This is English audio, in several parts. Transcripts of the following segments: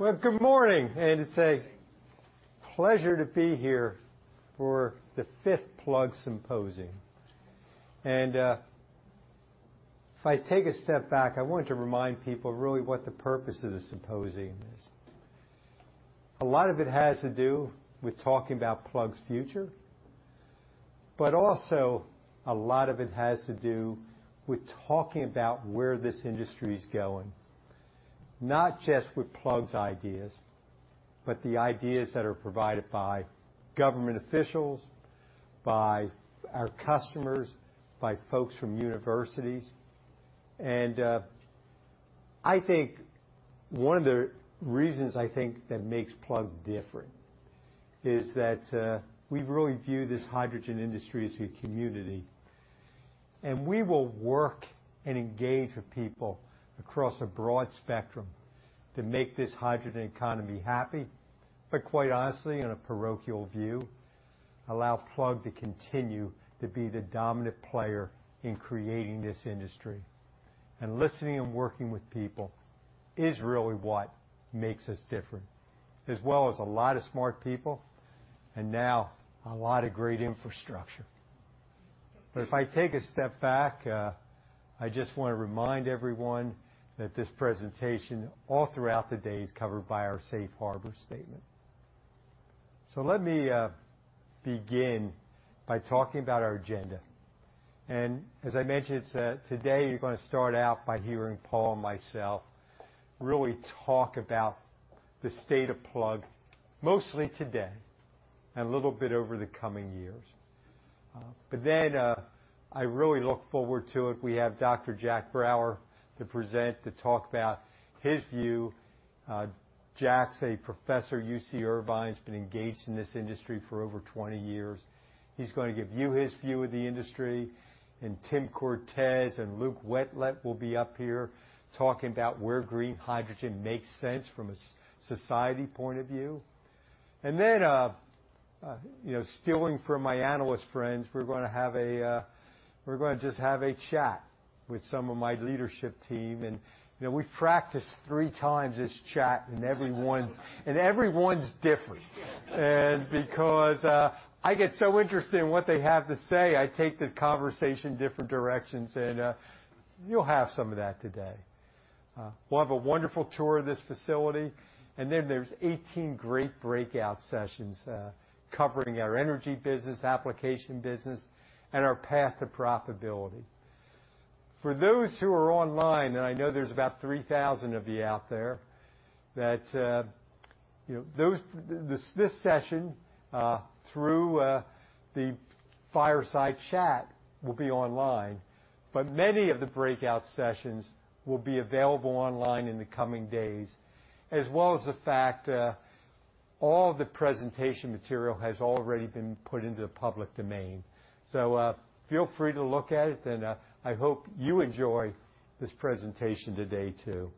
Well, good morning, and it's a pleasure to be here for the fifth Plug Symposium. And, if I take a step back, I want to remind people really what the purpose of the symposium is. A lot of it has to do with talking about Plug's future, but also a lot of it has to do with talking about where this industry is going, not just with Plug's ideas, but the ideas that are provided by government officials, by our customers, by folks from universities. And, I think one of the reasons, I think, that makes Plug different is that, we really view this hydrogen industry as a community, and we will work and engage with people across a broad spectrum to make this hydrogen economy happy, but quite honestly, in a parochial view, allow Plug to continue to be the dominant player in creating this industry. Listening and working with people is really what makes us different, as well as a lot of smart people, and now a lot of great infrastructure. If I take a step back, I just want to remind everyone that this presentation, all throughout the day, is covered by our safe harbor statement. Let me begin by talking about our agenda. As I mentioned, today, you're going to start out by hearing Paul and myself really talk about the state of Plug, mostly today, and a little bit over the coming years. I really look forward to it. We have Dr. Jack Brouwer to present, to talk about his view. Jack's a professor, UC Irvine. He's been engaged in this industry for over 20 years. He's gonna give you his view of the industry, and Tim Cortes and Luke Wentlent will be up here talking about where green hydrogen makes sense from a society point of view. You know, stealing from my analyst friends, we're gonna have a, we're gonna just have a chat with some of my leadership team. You know, we've practiced three times this chat, and everyone's different.... Because I get so interested in what they have to say, I take the conversation different directions, and you'll have some of that today. We'll have a wonderful tour of this facility, and then there's 18 great breakout sessions, covering our energy business, application business, and our path to profitability. For those who are online, and I know there's about 3,000 of you out there, that you know this session through the fireside chat will be online, but many of the breakout sessions will be available online in the coming days, as well as the fact all the presentation material has already been put into the public domain. So, feel free to look at it, and I hope you enjoy this presentation today, too.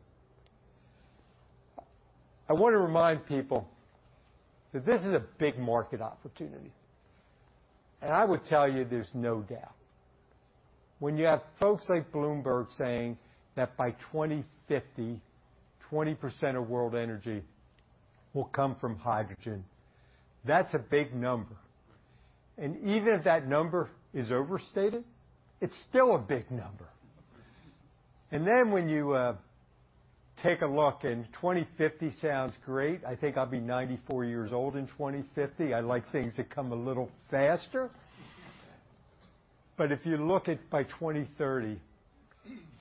I want to remind people that this is a big market opportunity, and I would tell you, there's no doubt. When you have folks like Bloomberg saying that by 2050, 20% of world energy will come from hydrogen, that's a big number, and even if that number is overstated, it's still a big number. And then, when you take a look, and 2050 sounds great, I think I'll be 94 years old in 2050. I like things that come a little faster. But if you look at by 2030,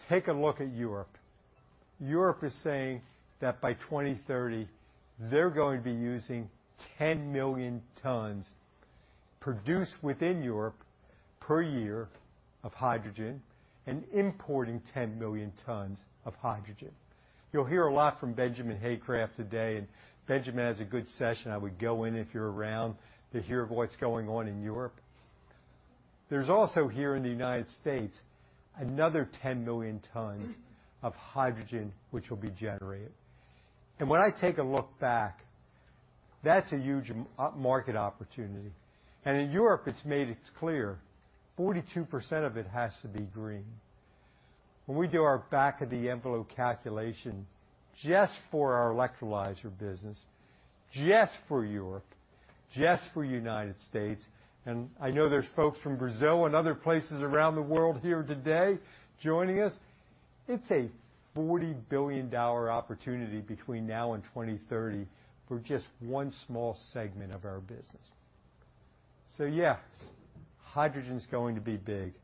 take a look at Europe. Europe is saying that by 2030, they're going to be using 10 million tons, produced within Europe per year, of hydrogen and importing 10 million tons of hydrogen. You'll hear a lot from Benjamin Haycraft today, and Benjamin has a good session. I would go in, if you're around, to hear what's going on in Europe. There's also, here in the United States, another 10 million tons of hydrogen, which will be generated. And when I take a look back, that's a huge market opportunity. And in Europe, it's made it clear, 42% of it has to be green. When we do our back of the envelope calculation, just for our electrolyzer business, just for Europe, just for United States, and I know there's folks from Brazil and other places around the world here today joining us, it's a $40 billion opportunity between now and 2030 for just one small segment of our business. So yes, hydrogen's going to be big,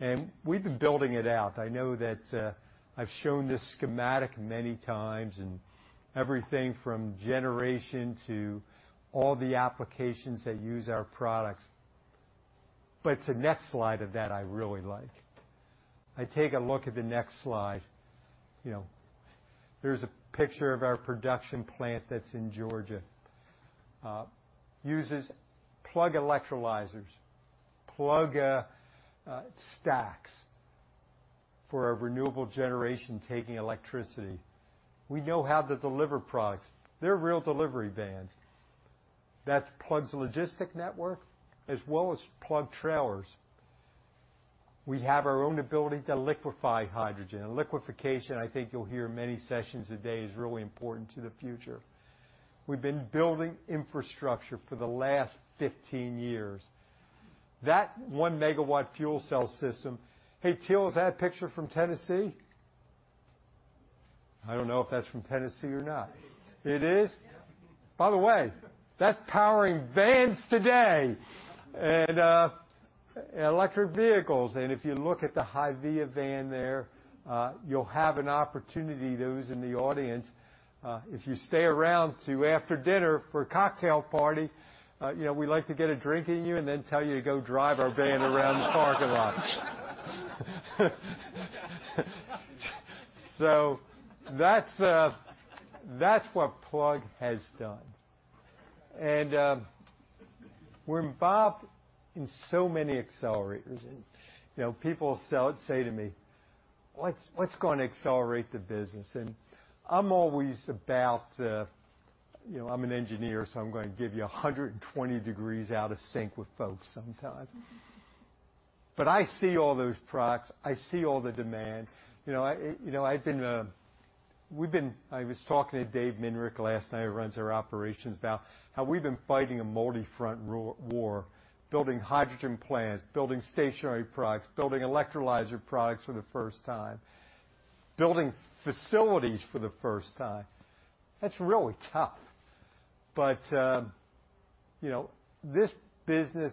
and we've been building it out. I know that, I've shown this schematic many times, and everything from generation to all the applications that use our products, but it's the next slide of that I really like. I take a look at the next slide. You know, there's a picture of our production plant that's in Georgia. Uses Plug electrolyzers, Plug stacks for our renewable generation, taking electricity. We know how to deliver products. They're real delivery vans.... That's Plug's logistic network, as well as Plug trailers. We have our own ability to liquefy hydrogen, and liquefaction, I think you'll hear in many sessions today, is really important to the future. We've been building infrastructure for the last 15 years. That 1 MW fuel cell system... Hey, Teal, is that picture from Tennessee? I don't know if that's from Tennessee or not. It is. It is? Yeah. By the way, that's powering vans today and, you know, electric vehicles. If you look at the HYVIA van there, you know, you'll have an opportunity, those in the audience, if you stay around to after dinner for a cocktail party, you know, we like to get a drink in you and then tell you to go drive our van around the parking lot. That's what Plug has done. We're involved in so many accelerators, and, you know, people say to me, "What's, what's gonna accelerate the business?" I'm always about. You know, I'm an engineer, so I'm gonna give you 120 degrees out of sync with folks sometimes. But I see all those products. I see all the demand. You know, I, you know, I've been, we've been. I was talking to Dave Mindnich last night, who runs our operations, about how we've been fighting a multifront war, building hydrogen plants, building stationary products, building electrolyzer products for the first time, building facilities for the first time. That's really tough. But, you know, this business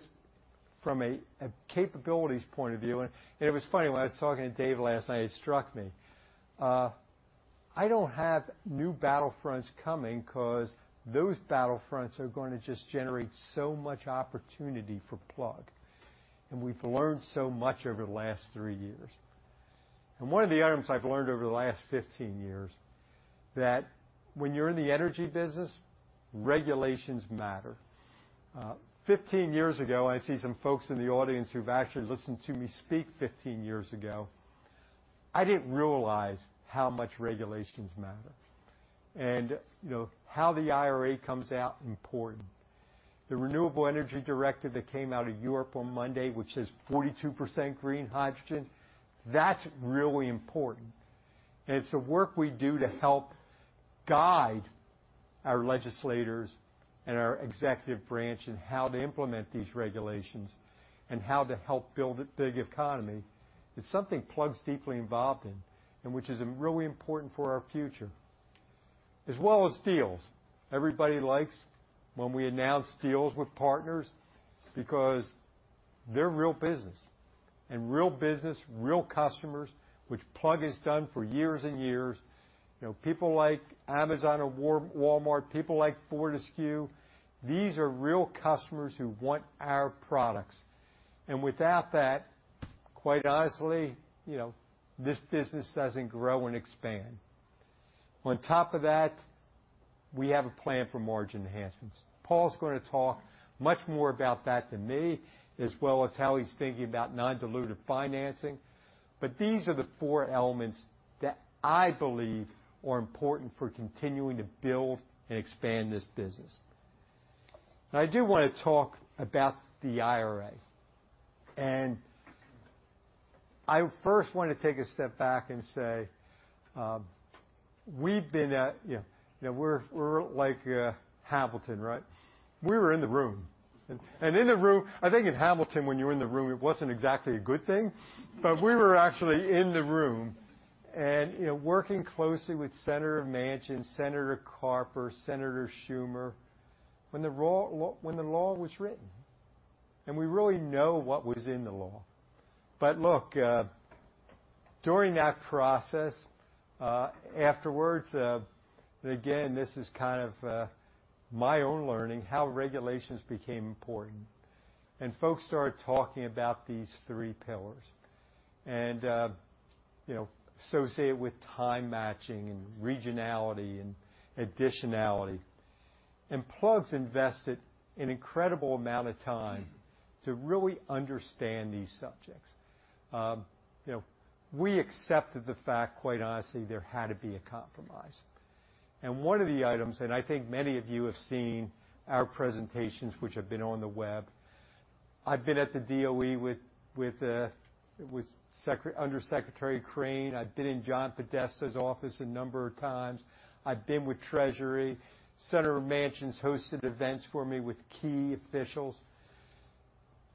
from a capabilities point of view, and it was funny, when I was talking to Dave last night, it struck me, I don't have new battlefronts coming 'cause those battlefronts are going to just generate so much opportunity for Plug, and we've learned so much over the last three years. And one of the items I've learned over the last 15 years, that when you're in the energy business, regulations matter. 15 years ago, I see some folks in the audience who've actually listened to me speak 15 years ago, I didn't realize how much regulations matter. And, you know, how the IRA comes out, important. The Renewable Energy Directive that came out of Europe on Monday, which says 42% green hydrogen, that's really important. It's the work we do to help guide our legislators and our executive branch in how to implement these regulations and how to help build a big economy, is something Plug's deeply involved in and which is really important for our future, as well as deals. Everybody likes when we announce deals with partners because they're real business, and real business, real customers, which Plug has done for years and years. You know, people like Amazon or Walmart, people like Ford, SK, these are real customers who want our products. And without that, quite honestly, you know, this business doesn't grow and expand. On top of that, we have a plan for margin enhancements. Paul's gonna talk much more about that than me, as well as how he's thinking about non-dilutive financing. But these are the four elements that I believe are important for continuing to build and expand this business. Now, I do wanna talk about the IRA, and I first wanna take a step back and say, we've been at it. Yeah, you know, we're like Hamilton, right? We were in the room, and in the room. I think in Hamilton, when you're in the room, it wasn't exactly a good thing, but we were actually in the room and, you know, working closely with Senator Manchin, Senator Carper, Senator Schumer, when the raw law, when the law was written, and we really know what was in the law. But look, during that process, afterwards, again, this is kind of my own learning, how regulations became important. Folks started talking about these three pillars and, you know, associate with time matching and regionality and additionality, and Plug's invested an incredible amount of time to really understand these subjects. You know, we accepted the fact, quite honestly, there had to be a compromise. And one of the items, and I think many of you have seen our presentations, which have been on the web... I've been at the DOE with, with Secret- Under Secretary Crane. I've been in John Podesta's office a number of times. I've been with Treasury. Senator Manchin's hosted events for me with key officials.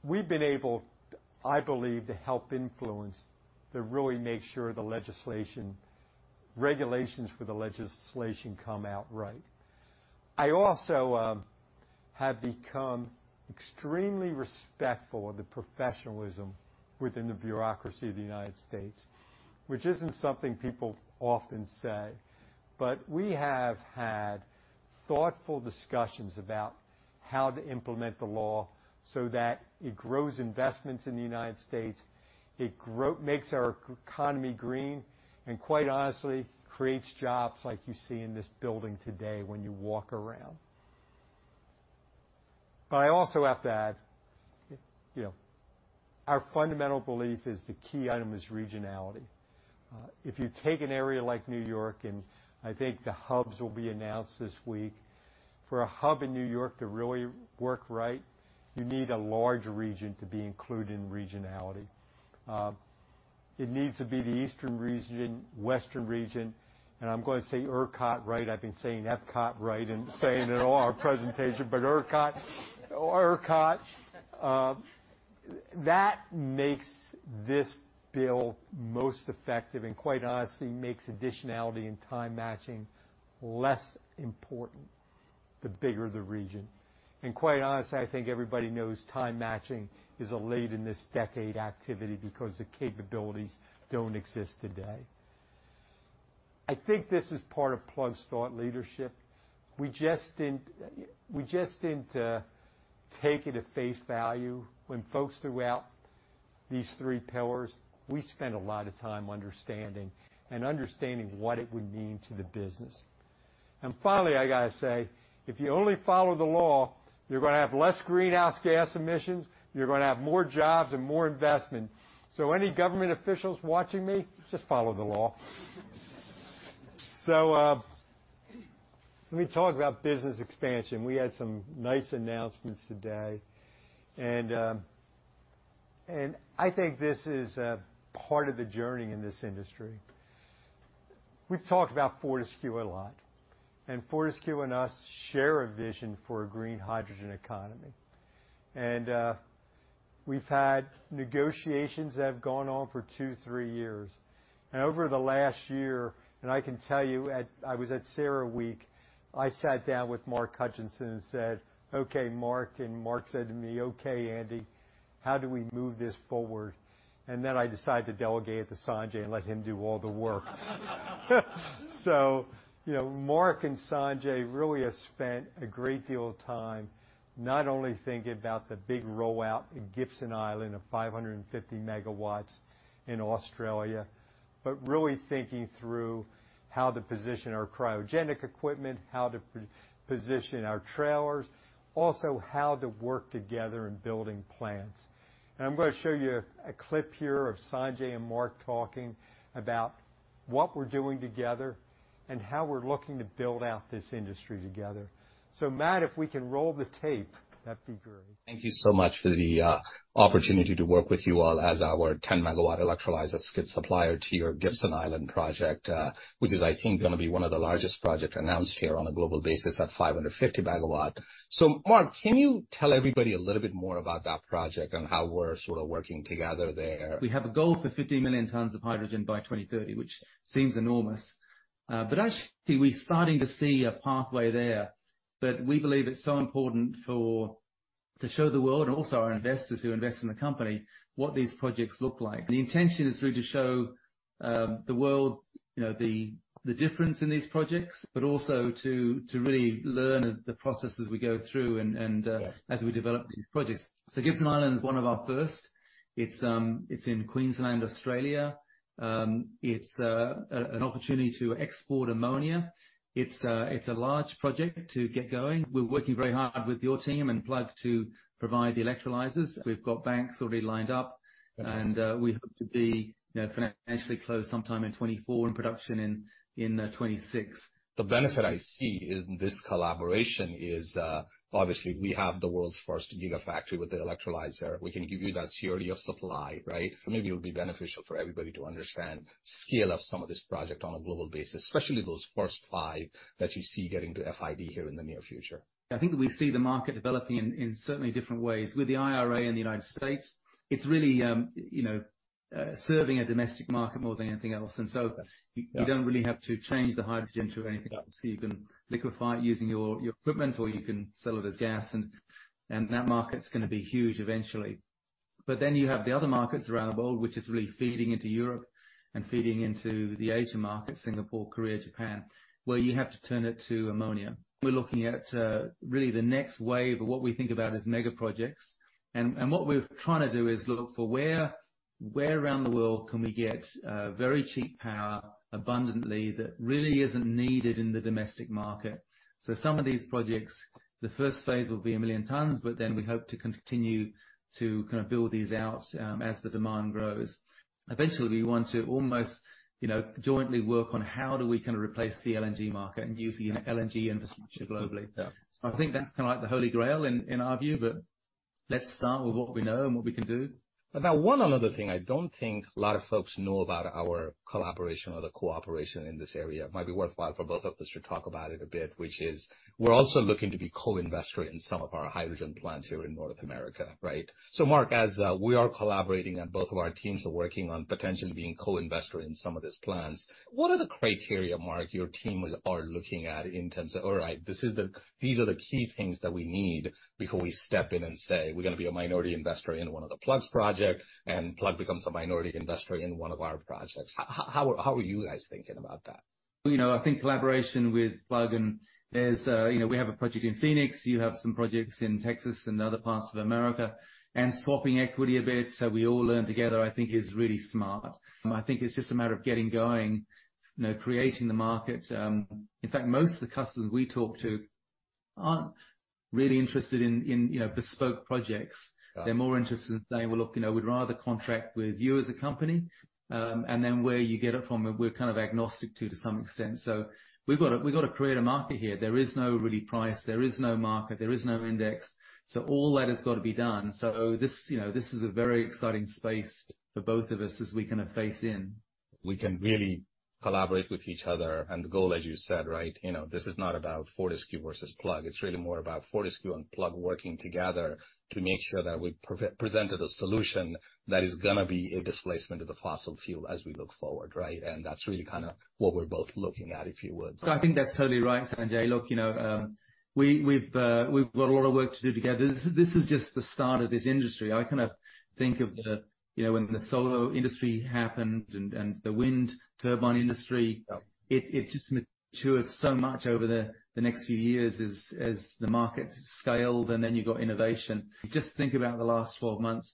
We've been able, I believe, to help influence, to really make sure the legislation, regulations for the legislation come out right. I also, you know, have become extremely respectful of the professionalism within the bureaucracy of the United States, which isn't something people often say. But we have had thoughtful discussions about how to implement the law so that it grows investments in the United States, it makes our economy green, and quite honestly, creates jobs like you see in this building today when you walk around. But I also have to add, you know, our fundamental belief is the key item is regionality. If you take an area like New York, and I think the hubs will be announced this week, for a hub in New York to really work right, you need a large region to be included in regionality. It needs to be the eastern region, western region, and I'm gonna say ERCOT, right? I've been saying ERCOT right and saying it all our presentation, but ERCOT or ERCOT. That makes this bill most effective and quite honestly, makes additionality and time matching less important, the bigger the region. Quite honestly, I think everybody knows time matching is a late in this decade activity because the capabilities don't exist today. I think this is part of Plug's thought leadership. We just didn't, we just didn't, take it at face value when folks threw out these three pillars. We spent a lot of time understanding and understanding what it would mean to the business. Finally, I gotta say, if you only follow the law, you're gonna have less greenhouse gas emissions, you're gonna have more jobs and more investment. Any government officials watching me, just follow the law. Let me talk about business expansion. We had some nice announcements today, and I think this is a part of the journey in this industry. We've talked about Fortescue a lot, and Fortescue and us share a vision for a green hydrogen economy. We've had negotiations that have gone on for two, three years. Over the last year, I can tell you, I was at CERAWeek, I sat down with Mark Hutchinson and said, "Okay, Mark," and Mark said to me, "Okay, Andy, how do we move this forward?" I decided to delegate to Sanjay and let him do all the work. So, you know, Mark and Sanjay really have spent a great deal of time not only thinking about the big rollout in Gibson Island of 550 MW in Australia, but really thinking through how to position our cryogenic equipment, how to position our trailers, also, how to work together in building plants. And I'm gonna show you a clip here of Sanjay and Mark talking about what we're doing together and how we're looking to build out this industry together. So, Matt, if we can roll the tape, that'd be great. Thank you so much for the opportunity to work with you all as our 10 MW electrolyzer skid supplier to your Gibson Island project, which is, I think, gonna be one of the largest project announced here on a global basis at 550 MW. Mark, can you tell everybody a little bit more about that project and how we're sort of working together there? We have a goal for 50 million tons of hydrogen by 2030, which seems enormous. But actually, we're starting to see a pathway there, that we believe it's so important for to show the world, and also our investors who invest in the company, what these projects look like. The intention is really to show the world, you know, the difference in these projects, but also to really learn the processes we go through and, and. Yes. As we develop these projects. So Gibson Island is one of our first. It's in Queensland, Australia. It's an opportunity to export ammonia. It's a large project to get going. We're working very hard with your team and Plug to provide the electrolyzers. We've got banks already lined up, and we hope to be, you know, financially closed sometime in 2024 and production in 2026. The benefit I see in this collaboration is, obviously, we have the world's first gigafactory with the electrolyzer. We can give you that security of supply, right? So maybe it would be beneficial for everybody to understand scale of some of this project on a global basis, especially those first five that you see getting to FID here in the near future. I think we see the market developing in certainly different ways. With the IRA in the United States, it's really, you know, serving a domestic market more than anything else, and so- Yes. You don't really have to change the hydrogen to anything. Yeah. You can liquefy it using your, your equipment, or you can sell it as gas, and, and that market's gonna be huge eventually. But then you have the other markets around the world, which is really feeding into Europe and feeding into the Asia market, Singapore, Korea, Japan, where you have to turn it to ammonia. We're looking at, really the next wave of what we think about as mega projects. And, and what we're trying to do is look for where, where around the world can we get, very cheap power abundantly that really isn't needed in the domestic market? So some of these projects, the first phase will be 1 million tons, but then we hope to continue to kind of build these out, as the demand grows. Eventually, we want to almost, you know, jointly work on how do we kind of replace the LNG market and use the LNG infrastructure globally? Yeah. I think that's kind of like the Holy Grail in, in our view, but let's start with what we know and what we can do. Now, one other thing I don't think a lot of folks know about our collaboration or the cooperation in this area, it might be worthwhile for both of us to talk about it a bit, which is we're also looking to be co-investor in some of our hydrogen plants here in North America, right? So Mark, as we are collaborating and both of our teams are working on potentially being co-investor in some of these plants, what are the criteria, Mark, your team are looking at in terms of, all right, this is the—these are the key things that we need before we step in and say, "We're gonna be a minority investor in one of the Plug's project," and Plug becomes a minority investor in one of our projects. How, how are you guys thinking about that? You know, I think collaboration with Plug, and there's, you know, we have a project in Phoenix, you have some projects in Texas and other parts of America, and swapping equity a bit, so we all learn together, I think is really smart. And I think it's just a matter of getting going, you know, creating the market. In fact, most of the customers we talk to aren't really interested in, in, you know, bespoke projects. Yeah. They're more interested in saying, "Well, look, you know, we'd rather contract with you as a company, and then where you get it from, we're kind of agnostic to, to some extent." So we've gotta, we've gotta create a market here. There is no really price, there is no market, there is no index, so all that has got to be done. So this, you know, this is a very exciting space for both of us as we kind of face in. We can really collaborate with each other, and the goal, as you said, right, you know, this is not about Fortescue versus Plug. It's really more about Fortescue and Plug working together to make sure that we pre-present a solution that is gonna be a displacement of the fossil fuel as we look forward, right? And that's really kind of what we're both looking at, if you would. So I think that's totally right, Sanjay. Look, you know, we've got a lot of work to do together. This is just the start of this industry. I kind of think of the, you know, when the solar industry happened and the wind turbine industry- Yeah... it just matured so much over the next few years as the market scaled, and then you got innovation. Just think about the last 12 months,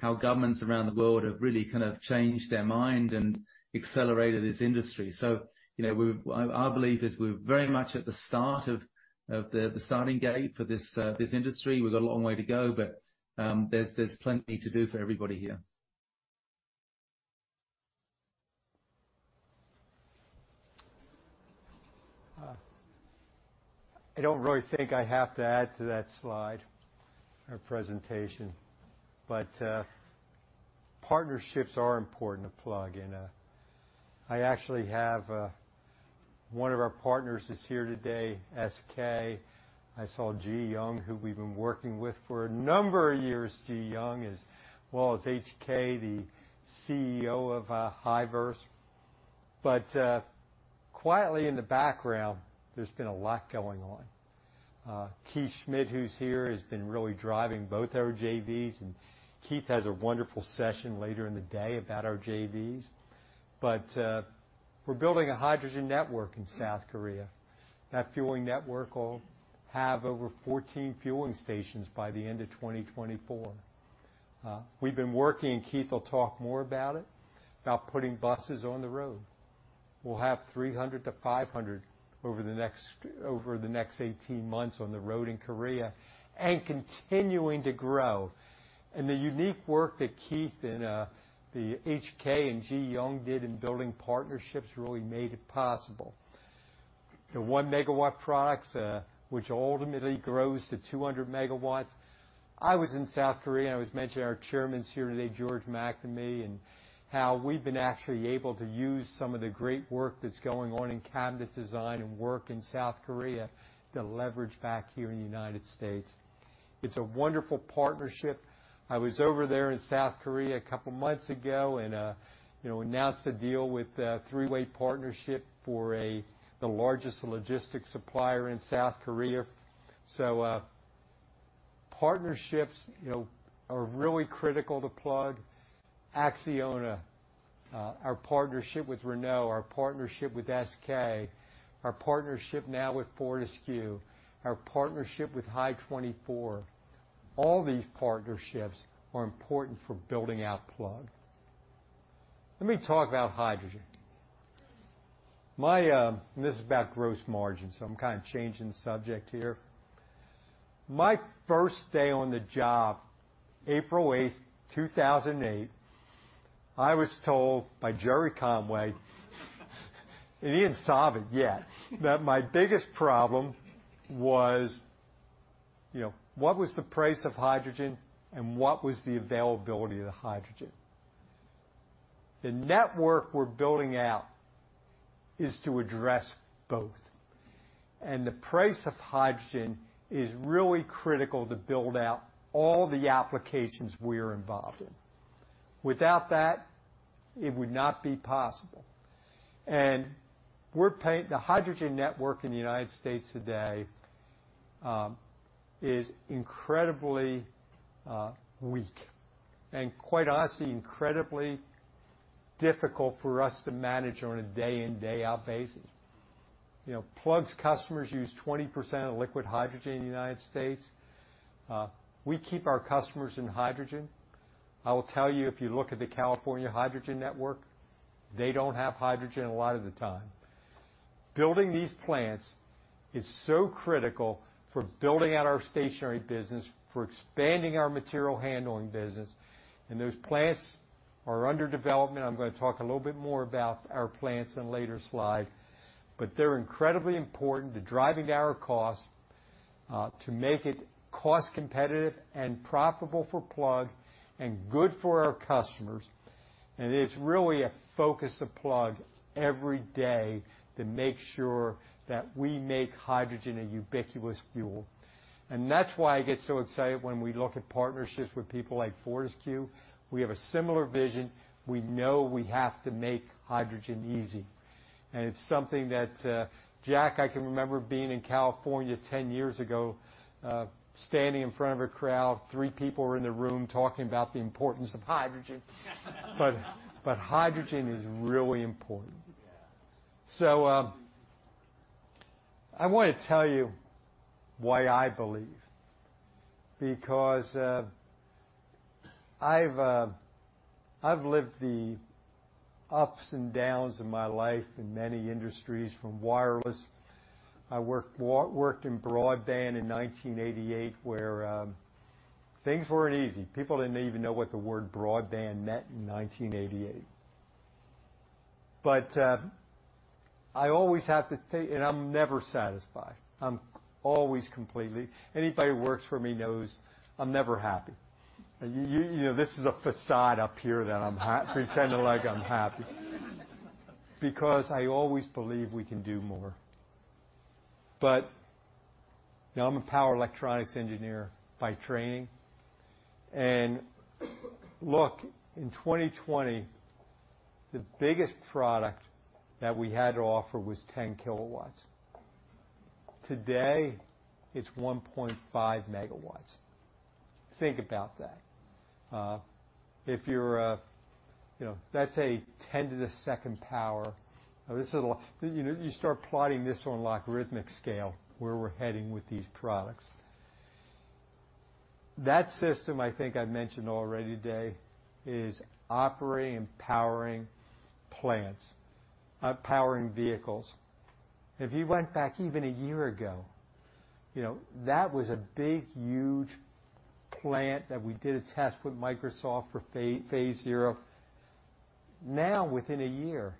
how governments around the world have really kind of changed their mind and accelerated this industry. So, you know, I believe we're very much at the start of the starting gate for this industry. We've got a long way to go, but there's plenty to do for everybody here. I don't really think I have to add to that slide or presentation, but partnerships are important to Plug, and I actually have... One of our partners is here today, SK. I saw Ji Young, who we've been working with for a number of years. Ji Young, as well as HK, the CEO of Hyverse. But quietly in the background, there's been a lot going on. Keith Schmid, who's here, has been really driving both our JVs, and Keith has a wonderful session later in the day about our JVs. But we're building a hydrogen network in South Korea. That fueling network will have over 14 fueling stations by the end of 2024. We've been working, and Keith will talk more about it, about putting buses on the road. We'll have 300-500 over the next, over the next 18 months on the road in Korea, and continuing to grow. The unique work that Keith and the HK and Ji Young did in building partnerships really made it possible. The 1 MW products, which ultimately grows to 200 MW. I was in South Korea, and I was mentioning our chairman's here today, George McNamee, and how we've been actually able to use some of the great work that's going on in cabinet design and work in South Korea to leverage back here in the United States. It's a wonderful partnership. I was over there in South Korea a couple months ago and, you know, announced a deal with a three-way partnership for the largest logistics supplier in South Korea. So, partnerships, you know, are really critical to Plug. ACCIONA, our partnership with Renault, our partnership with SK, our partnership now with Fortescue, our partnership with Hy24, all these partnerships are important for building out Plug. Let me talk about hydrogen. My and this is about gross margin, so I'm kind of changing the subject here. My first day on the job, April 8, 2008, I was told by Gerry Conway, and he didn't solve it yet, that my biggest problem was, you know, what was the price of hydrogen and what was the availability of the hydrogen? The network we're building out is to address both, and the price of hydrogen is really critical to build out all the applications we are involved in. Without that, it would not be possible. The hydrogen network in the United States today is incredibly weak and, quite honestly, incredibly difficult for us to manage on a day in, day out basis. You know, Plug's customers use 20% of liquid hydrogen in the United States. We keep our customers in hydrogen. I will tell you, if you look at the California Hydrogen Network, they don't have hydrogen a lot of the time. Building these plants is so critical for building out our stationary business, for expanding our material handling business, and those plants are under development. I'm gonna talk a little bit more about our plants in a later slide, but they're incredibly important to driving down our costs to make it cost competitive and profitable for Plug and good for our customers. And it is really a focus of Plug every day to make sure that we make hydrogen a ubiquitous fuel. And that's why I get so excited when we look at partnerships with people like Fortescue. We have a similar vision. We know we have to make hydrogen easy, and it's something that, Jack, I can remember being in California 10 years ago, standing in front of a crowd, three people were in the room talking about the importance of hydrogen. But, but hydrogen is really important. Yeah. So, I wanna tell you why I believe, because, I've lived the ups and downs of my life in many industries, from wireless. I worked in broadband in 1988, where things weren't easy. People didn't even know what the word broadband meant in 1988. But I always have to take. And I'm never satisfied. I'm always completely. Anybody who works for me knows I'm never happy. You know, this is a facade up here that I'm pretending like I'm happy, because I always believe we can do more. But, you know, I'm a power electronics engineer by training, and look, in 2020, the biggest product that we had to offer was 10 kW. Today, it's 1.5 MW. Think about that. If you're a, you know, that's a 10 to the second power. Now, this is a lot. You know, you start plotting this on a logarithmic scale, where we're heading with these products. That system, I think I've mentioned already today, is operating and powering plants, powering vehicles. If you went back even a year ago, you know, that was a big, huge plant that we did a test with Microsoft for phase zero. Now, within a year,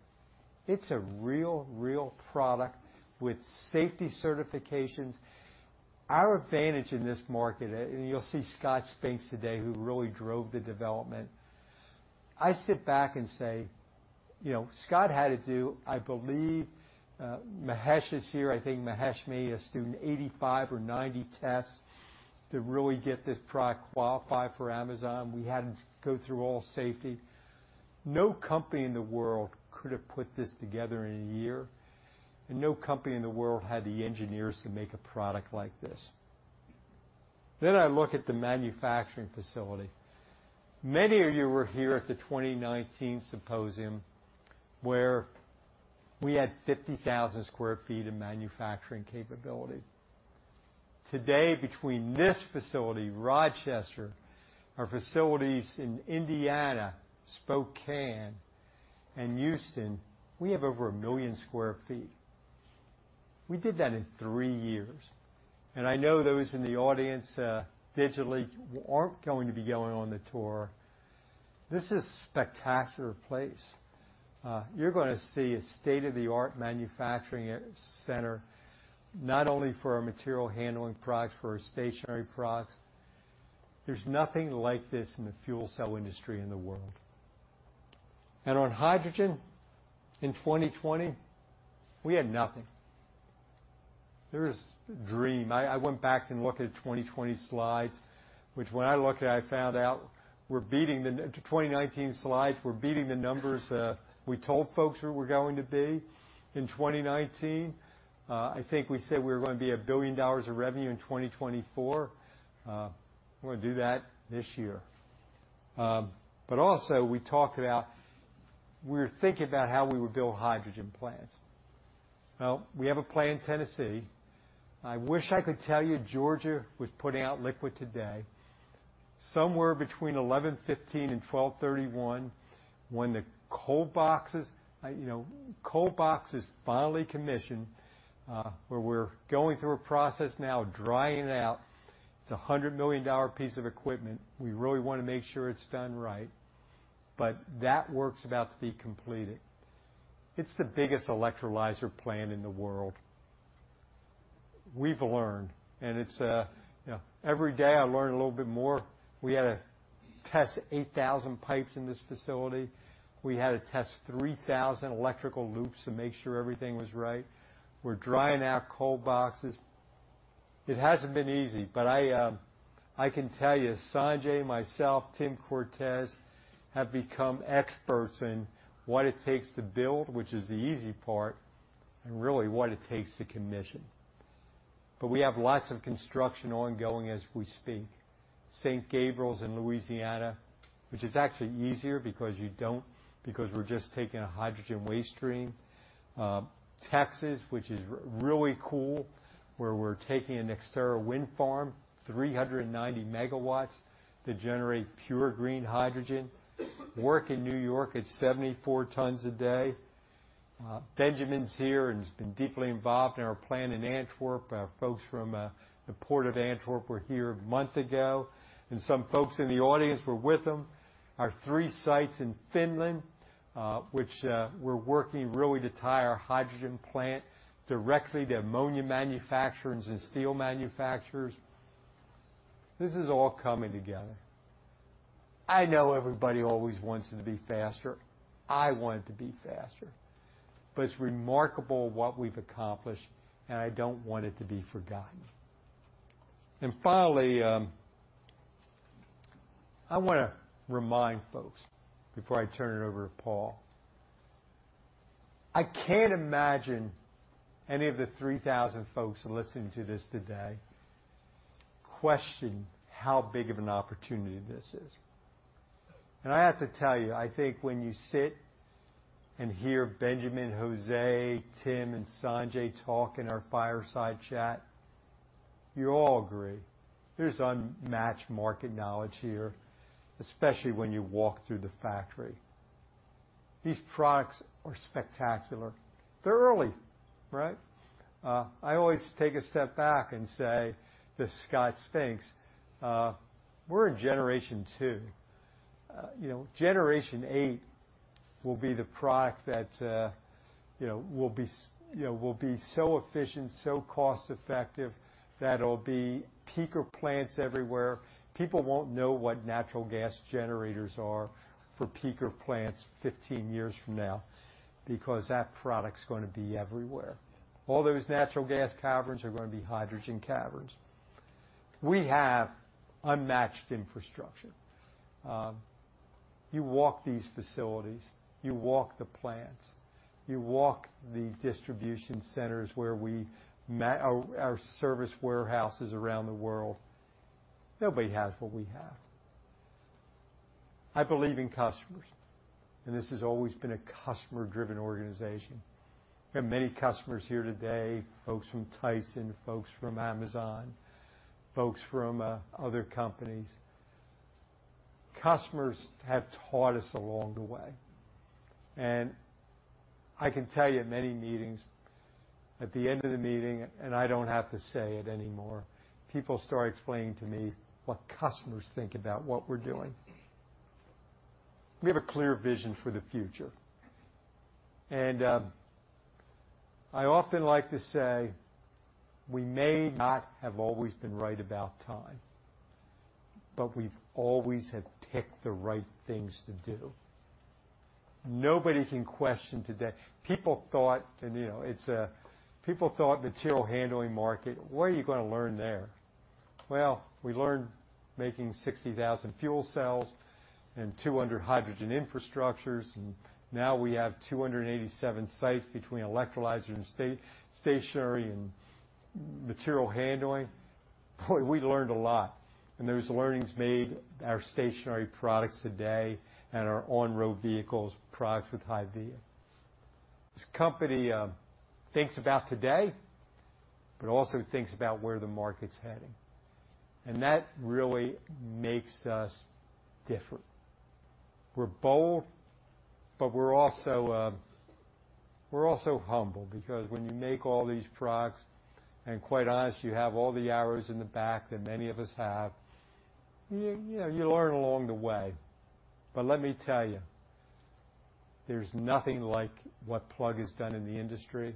it's a real, real product with safety certifications. Our advantage in this market, and you'll see Scott Spink today, who really drove the development. I sit back and say, you know, Scott had to do, I believe, Mahesh is here. I think Mahesh may have done 85 or 90 tests to really get this product qualified for Amazon. We had to go through all safety. No company in the world could have put this together in a year, and no company in the world had the engineers to make a product like this. Then I look at the manufacturing facility. Many of you were here at the 2019 symposium, where we had 50,000 sq ft of manufacturing capability. Today, between this facility, Rochester, our facilities in Indiana, Spokane, and Houston, we have over 1 million sq ft. We did that in three years, and I know those in the audience, digitally, aren't going to be going on the tour. This is a spectacular place. You're gonna see a state-of-the-art manufacturing center, not only for our material handling products, for our stationary products. There's nothing like this in the fuel cell industry in the world. And on hydrogen, in 2020, we had nothing. There was dream. I went back and looked at 2020 slides, which when I looked at, I found out we're beating the... 2019 slides, we're beating the numbers, you know, we told folks we were going to be in 2019. I think we said we were going to be a billion dollars of revenue in 2024. We're gonna do that this year. Also, we talked about, we were thinking about how we would build hydrogen plants. Well, we have a plant in Tennessee. I wish I could tell you Georgia was putting out liquid today. Somewhere between 11.15 and 12.31, when the cold boxes, you know, cold box is finally commissioned, we're going through a process now, drying it out. It's a $100 million piece of equipment. We really want to make sure it's done right, but that work's about to be completed. It's the biggest electrolyzer plant in the world. We've learned, and it's, you know, every day, I learn a little bit more. We had to test 8,000 pipes in this facility. We had to test 3,000 electrical loops to make sure everything was right. We're drying out cold boxes. It hasn't been easy, but I can tell you, Sanjay, myself, Tim Cortes, have become experts in what it takes to build, which is the easy part, and really, what it takes to commission. But we have lots of construction ongoing as we speak. St. Gabriel in Louisiana, which is actually easier because we're just taking a hydrogen waste stream. Texas, which is really cool, where we're taking an Exterra wind farm, 390 MW, to generate pure green hydrogen. Work in New York is 74 tons a day. Benjamin's here, and he's been deeply involved in our plant in Antwerp. Our folks from the port of Antwerp were here a month ago, and some folks in the audience were with them. Our three sites in Finland, which we're working really to tie our hydrogen plant directly to ammonia manufacturers and steel manufacturers. This is all coming together. I know everybody always wants it to be faster. I want it to be faster, but it's remarkable what we've accomplished, and I don't want it to be forgotten. Finally, I wanna remind folks, before I turn it over to Paul, I can't imagine any of the 3,000 folks listening to this today question how big of an opportunity this is. I have to tell you, I think when you sit and hear Benjamin, Jose, Tim, and Sanjay talk in our fireside chat, you all agree there's unmatched market knowledge here, especially when you walk through the factory. These products are spectacular. They're early, right? I always take a step back and say, this is Scott Spink, we're in generation two. You know, generation eight will be the product that, you know, will be so efficient, so cost-effective, that it'll be peaker plants everywhere. People won't know what natural gas generators are for peaker plants 15 years from now, because that product's gonna be everywhere. All those natural gas caverns are gonna be hydrogen caverns. We have unmatched infrastructure. You walk these facilities, you walk the plants, you walk the distribution centers where we ma- our, our service warehouses around the world. Nobody has what we have. I believe in customers, and this has always been a customer-driven organization. We have many customers here today, folks from Tyson, folks from Amazon, folks from other companies. Customers have taught us along the way, and I can tell you in many meetings, at the end of the meeting, and I don't have to say it anymore, people start explaining to me what customers think about what we're doing. We have a clear vision for the future, and I often like to say, we may not have always been right about time, but we've always have picked the right things to do. Nobody can question today... People thought, you know, people thought material handling market, what are you gonna learn there? Well, we learned making 60,000 fuel cells and 200 hydrogen infrastructures, and now we have 287 sites between electrolyzer and stationary and material handling. Boy, we learned a lot, and those learnings made our stationary products today and our on-road vehicles products with HYVIA. This company thinks about today, but also thinks about where the market's heading, and that really makes us different. We're bold, but we're also humble because when you make all these products, and quite honest, you have all the arrows in the back that many of us have, you know, you learn along the way. Let me tell you, there's nothing like what Plug has done in the industry,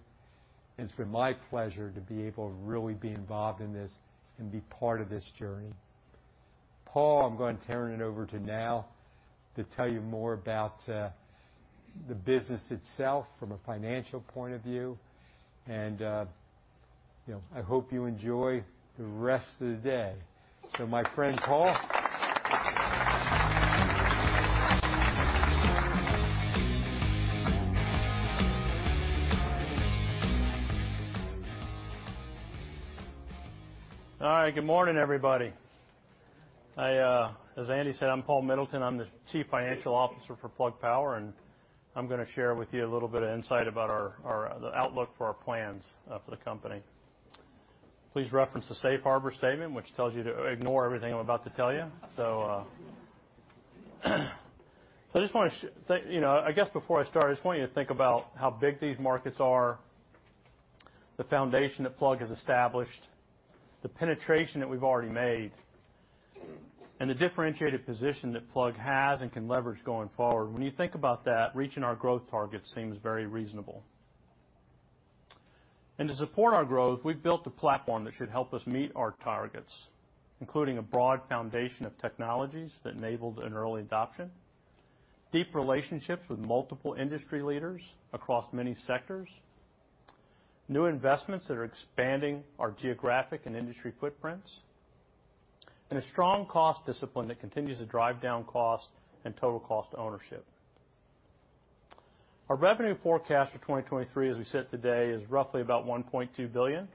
and it's been my pleasure to be able to really be involved in this and be part of this journey. Paul, I'm going to turn it over to now to tell you more about the business itself from a financial point of view, and you know, I hope you enjoy the rest of the day. So my friend, Paul. All right, good morning, everybody. As Andy said, I'm Paul Middleton. I'm the Chief Financial Officer for Plug Power, and I'm gonna share with you a little bit of insight about our, our, the outlook for our plans for the company. Please reference the safe harbor statement, which tells you to ignore everything I'm about to tell you. I just want to think, you know, I guess before I start, I just want you to think about how big these markets are, the foundation that Plug has established, the penetration that we've already made, and the differentiated position that Plug has and can leverage going forward. When you think about that, reaching our growth target seems very reasonable. To support our growth, we've built a platform that should help us meet our targets, including a broad foundation of technologies that enabled an early adoption, deep relationships with multiple industry leaders across many sectors, new investments that are expanding our geographic and industry footprints, and a strong cost discipline that continues to drive down cost and total cost of ownership. Our revenue forecast for 2023, as we sit today, is roughly about $1.2 billion,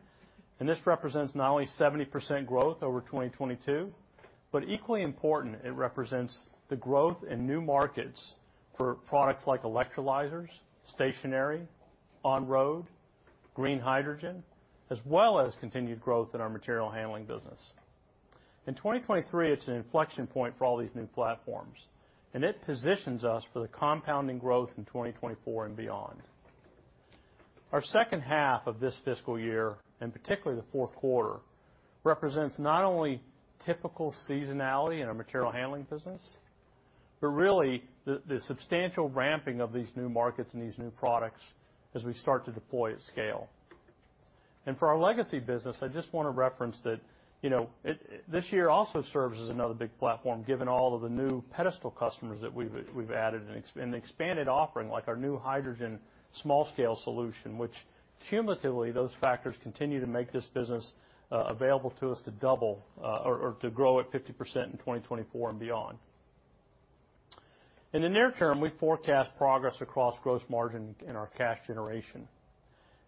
and this represents not only 70% growth over 2022, but equally important, it represents the growth in new markets for products like electrolyzers, stationary, on-road, green hydrogen, as well as continued growth in our material handling business. In 2023, it's an inflection point for all these new platforms, and it positions us for the compounding growth in 2024 and beyond. Our second half of this fiscal year, and particularly the fourth quarter, represents not only typical seasonality in our material handling business, but really, the substantial ramping of these new markets and these new products as we start to deploy at scale. For our legacy business, I just wanna reference that, you know, it, this year also serves as another big platform, given all of the new pedestal customers that we've added and expanded offering, like our new hydrogen small scale solution, which cumulatively, those factors continue to make this business available to us to double, or to grow at 50% in 2024 and beyond. In the near term, we forecast progress across gross margin in our cash generation.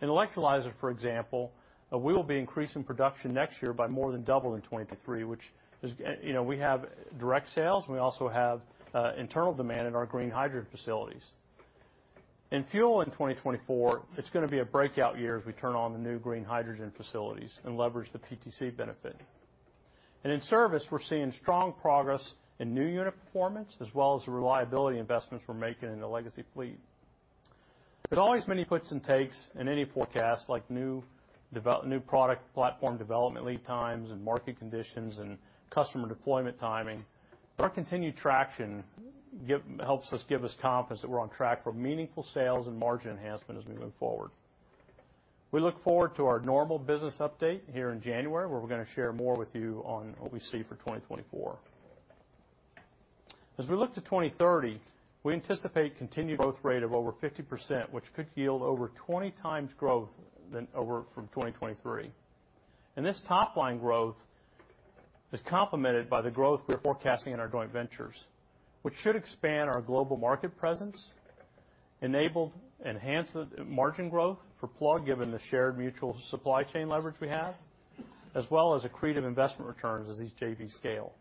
In electrolyzer, for example, we will be increasing production next year by more than double in 2023, which is, you know, we have direct sales, and we also have, you know, internal demand in our green hydrogen facilities. In fuel in 2024, it's going to be a breakout year as we turn on the new green hydrogen facilities and leverage the PTC benefit. In service, we're seeing strong progress in new unit performance, as well as the reliability investments we're making in the legacy fleet. There's always many puts and takes in any forecast, like new product platform development, lead times and market conditions and customer deployment timing. Our continued traction helps us give us confidence that we're on track for meaningful sales and margin enhancement as we move forward. We look forward to our normal business update here in January, where we're going to share more with you on what we see for 2024. As we look to 2030, we anticipate continued growth rate of over 50%, which could yield over 20x growth than over from 2023. This top line growth is complemented by the growth we're forecasting in our joint ventures, which should expand our global market presence, enable enhanced margin growth for Plug, given the shared mutual supply chain leverage we have, as well as accretive investment returns as these JVs scale.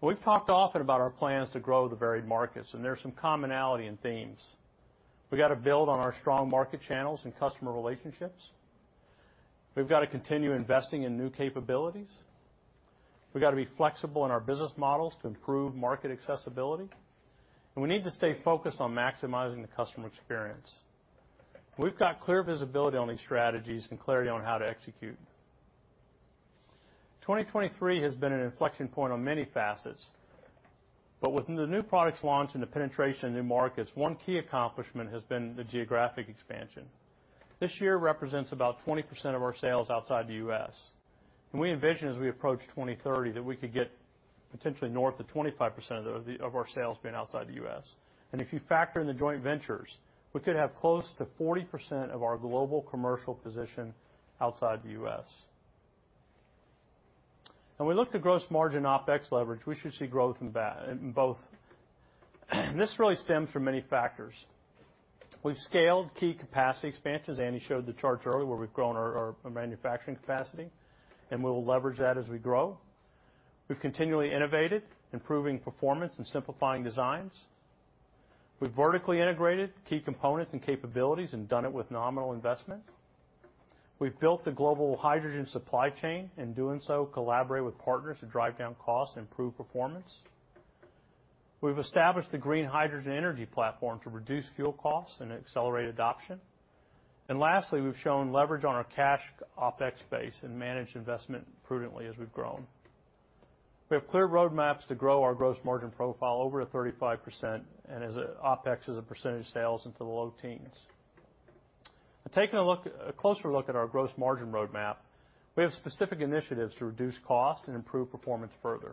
We've talked often about our plans to grow the varied markets, and there's some commonality in themes. We've got to build on our strong market channels and customer relationships. We've got to continue investing in new capabilities. We've got to be flexible in our business models to improve market accessibility, and we need to stay focused on maximizing the customer experience. We've got clear visibility on these strategies and clarity on how to execute. 2023 has been an inflection point on many facets, but with the new products launch and the penetration in new markets, one key accomplishment has been the geographic expansion. This year represents about 20% of our sales outside the U.S. We envision, as we approach 2030, that we could get potentially north of 25% of our sales being outside the U.S. If you factor in the joint ventures, we could have close to 40% of our global commercial position outside the U.S. When we look to gross margin OpEx leverage, we should see growth in that, in both. And this really stems from many factors. We've scaled key capacity expansions. Andy showed the charts earlier, where we've grown our manufacturing capacity, and we will leverage that as we grow. We've continually innovated, improving performance and simplifying designs. We've vertically integrated key components and capabilities and done it with nominal investment. We've built the global hydrogen supply chain, in doing so, collaborate with partners to drive down costs and improve performance. We've established the green hydrogen energy platform to reduce fuel costs and accelerate adoption. And lastly, we've shown leverage on our cash OpEx base and managed investment prudently as we've grown. We have clear roadmaps to grow our gross margin profile over to 35%, and as OpEx as a percentage of sales into the low teens. Taking a look, a closer look at our gross margin roadmap, we have specific initiatives to reduce costs and improve performance further.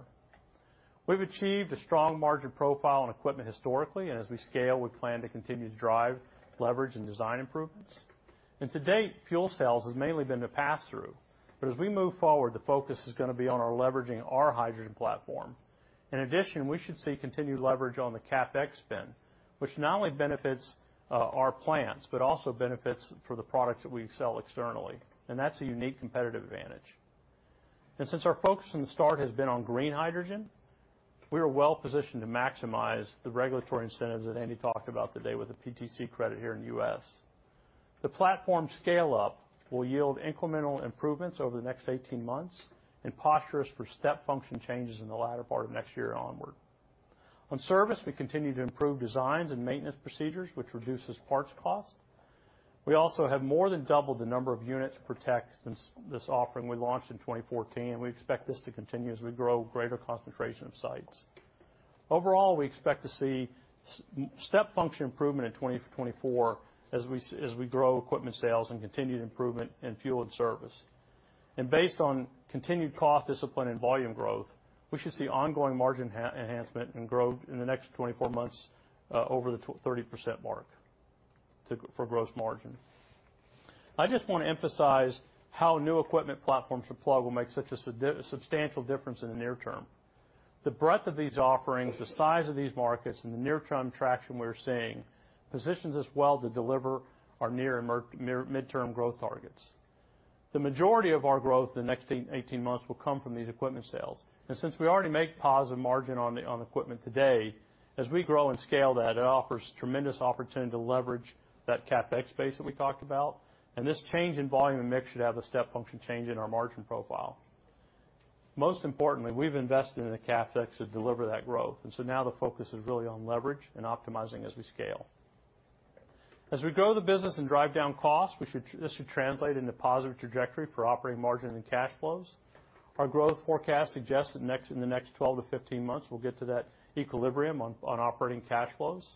We've achieved a strong margin profile on equipment historically, and as we scale, we plan to continue to drive leverage and design improvements. And to date, fuel cells has mainly been the pass-through, but as we move forward, the focus is going to be on our leveraging our hydrogen platform. In addition, we should see continued leverage on the CapEx spend, which not only benefits our plants, but also benefits for the products that we sell externally, and that's a unique competitive advantage. And since our focus from the start has been on green hydrogen, we are well positioned to maximize the regulatory incentives that Andy talked about today with the PTC credit here in the U.S. The platform scale-up will yield incremental improvements over the next 18 months and posture us for step function changes in the latter part of next year onward. On service, we continue to improve designs and maintenance procedures, which reduces parts cost. We also have more than doubled the number of units per tech since this offering we launched in 2014, and we expect this to continue as we grow greater concentration of sites. Overall, we expect to see step function improvement in 2024 as we grow equipment sales and continued improvement in fuel and service. Based on continued cost discipline and volume growth, we should see ongoing margin enhancement and growth in the next 24 months, over the 30% mark for gross margin. I just want to emphasize how new equipment platforms for Plug will make such a substantial difference in the near term. The breadth of these offerings, the size of these markets, and the near-term traction we're seeing, positions us well to deliver our near and midterm growth targets. The majority of our growth in the next 18 months will come from these equipment sales. Since we already make positive margin on the, on equipment today, as we grow and scale that, it offers tremendous opportunity to leverage that CapEx base that we talked about. This change in volume and mix should have a step function change in our margin profile. Most importantly, we've invested in the CapEx to deliver that growth, and so now the focus is really on leverage and optimizing as we scale. As we grow the business and drive down costs, we should—this should translate into positive trajectory for operating margin and cash flows. Our growth forecast suggests that in the next 12-15 months, we'll get to that equilibrium on operating cash flows,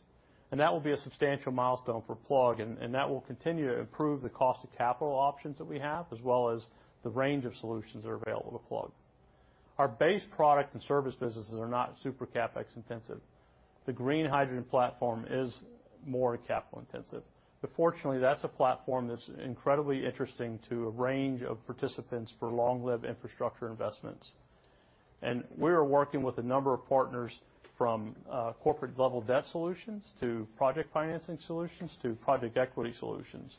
and that will be a substantial milestone for Plug, and that will continue to improve the cost of capital options that we have, as well as the range of solutions that are available to Plug. Our base product and service businesses are not super CapEx intensive. The green hydrogen platform is more capital intensive, but fortunately, that's a platform that's incredibly interesting to a range of participants for long-lived infrastructure investments. We are working with a number of partners from corporate-level debt solutions to project financing solutions to project equity solutions.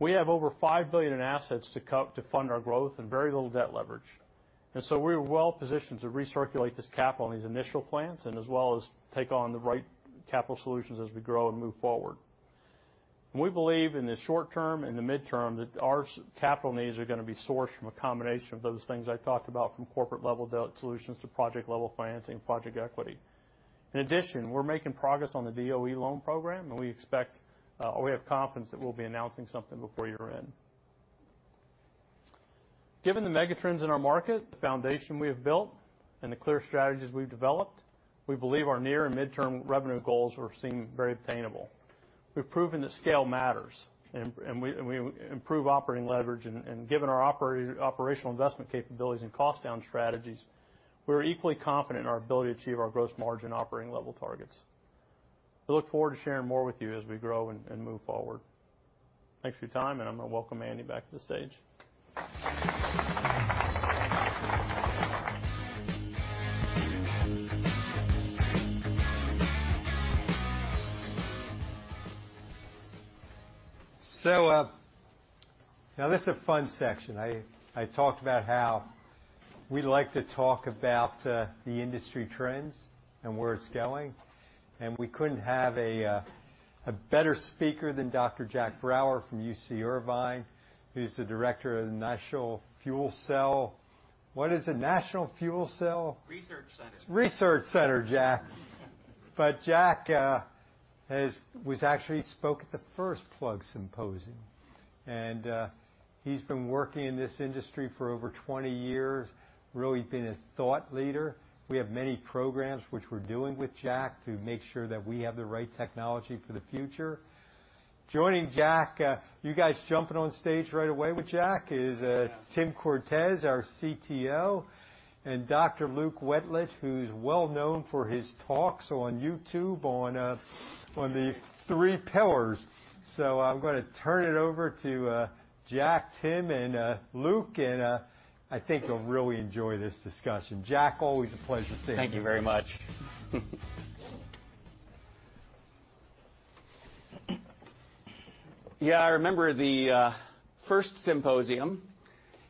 We have over $5 billion in assets to fund our growth and very little debt leverage, and so we are well positioned to recirculate this capital in these initial plans, and as well as take on the right capital solutions as we grow and move forward. We believe in the short term and the midterm, that our capital needs are gonna be sourced from a combination of those things I talked about, from corporate-level debt solutions to project-level financing, project equity. In addition, we're making progress on the DOE loan program, and we expect, or we have confidence that we'll be announcing something before year-end. Given the megatrends in our market, the foundation we have built, and the clear strategies we've developed, we believe our near and midterm revenue goals are seeming very attainable. We've proven that scale matters, and we improve operating leverage, and given our operational investment capabilities and cost down strategies, we're equally confident in our ability to achieve our gross margin operating level targets. We look forward to sharing more with you as we grow and move forward. Thanks for your time, and I'm gonna welcome Andy back to the stage. So, now this is a fun section. I talked about how we like to talk about the industry trends and where it's going, and we couldn't have a better speaker than Dr. Jack Brouwer from UC Irvine, who's the director of the National Fuel Cell. What is it? National Fuel Cell... Research Center. Research Center, Jack. Jack has-- was actually spoke at the first Plug symposium, and he's been working in this industry for over 20 years, really been a thought leader. We have many programs which we're doing with Jack to make sure that we have the right technology for the future. Joining Jack, you guys jumping on stage right away with Jack is Tim Cortez, our CTO, and Dr. Luke Wentlent, who's well known for his talks on YouTube on the three pillars. I'm gonna turn it over to Jack, Tim, and Luke, and I think you'll really enjoy this discussion. Jack, always a pleasure to see you. Thank you very much. Yeah, I remember the first symposium.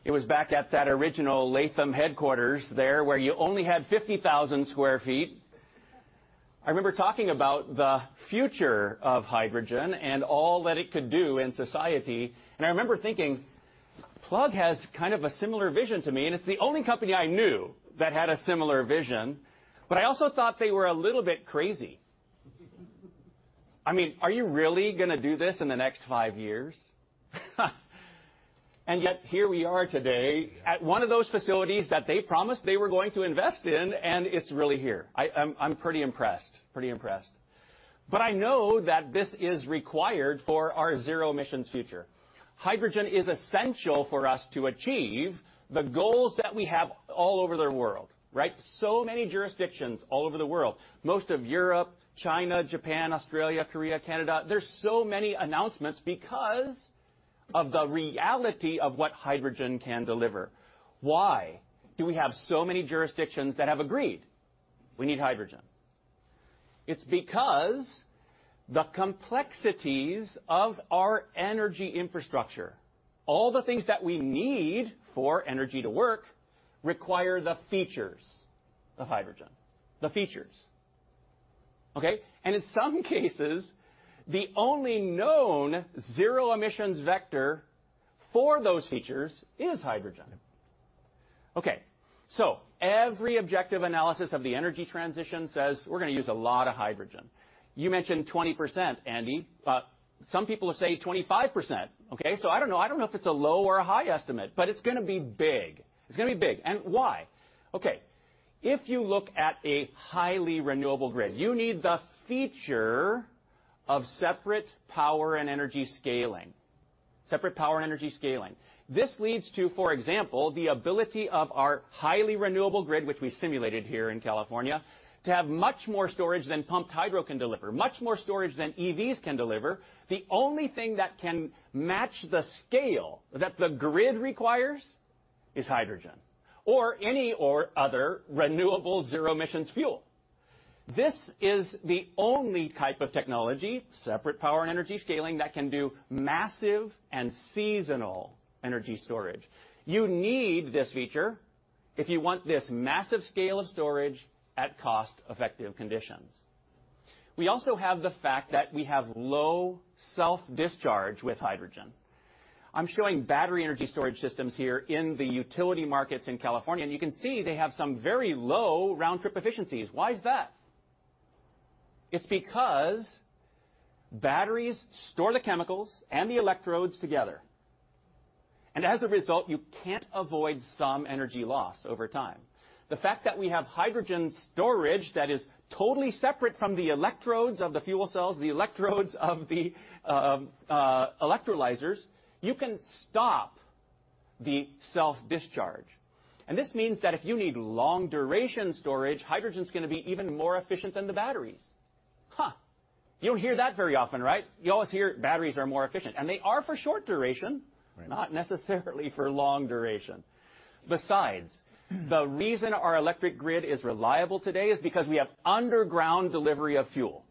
It was back at that original Latham headquarters there, where you only had 50,000 sq ft. I remember talking about the future of hydrogen and all that it could do in society, and I remember thinking, Plug has kind of a similar vision to me, and it's the only company I knew that had a similar vision, but I also thought they were a little bit crazy. I mean, are you really gonna do this in the next five years? And yet, here we are today at one of those facilities that they promised they were going to invest in, and it's really here. I'm, I'm pretty impressed, pretty impressed. But I know that this is required for our zero emissions future. Hydrogen is essential for us to achieve the goals that we have all over the world, right? So many jurisdictions all over the world, most of Europe, China, Japan, Australia, Korea, Canada. There's so many announcements because of the reality of what hydrogen can deliver. Why do we have so many jurisdictions that have agreed we need hydrogen? It's because the complexities of our energy infrastructure, all the things that we need for energy to work, require the features of hydrogen, the features, okay? And in some cases, the only known zero emissions vector for those features is hydrogen. Okay, so every objective analysis of the energy transition says we're gonna use a lot of hydrogen. You mentioned 20%, Andy, but some people say 25%, okay? So I don't know. I don't know if it's a low or a high estimate, but it's gonna be big. It's gonna be big. And why? Okay, if you look at a highly renewable grid, you need the feature of separate power and energy scaling. Separate power and energy scaling. This leads to, for example, the ability of our highly renewable grid, which we simulated here in California, to have much more storage than pumped hydro can deliver, much more storage than EVs can deliver. The only thing that can match the scale that the grid requires is hydrogen or any or other renewable zero emissions fuel. This is the only type of technology, separate power and energy scaling, that can do massive and seasonal energy storage. You need this feature if you want this massive scale of storage at cost-effective conditions. We also have the fact that we have low self-discharge with hydrogen. I'm showing battery energy storage systems here in the utility markets in California, and you can see they have some very low round-trip efficiencies. Why is that? It's because batteries store the chemicals and the electrodes together, and as a result, you can't avoid some energy loss over time. The fact that we have hydrogen storage that is totally separate from the electrodes of the fuel cells, the electrodes of the electrolyzers, you can stop the self-discharge. This means that if you need long-duration storage, hydrogen's gonna be even more efficient than the batteries. Huh!... You don't hear that very often, right? You always hear batteries are more efficient, and they are for short duration- Right. Not necessarily for long duration. Besides, the reason our electric grid is reliable today is because we have underground delivery of fuel.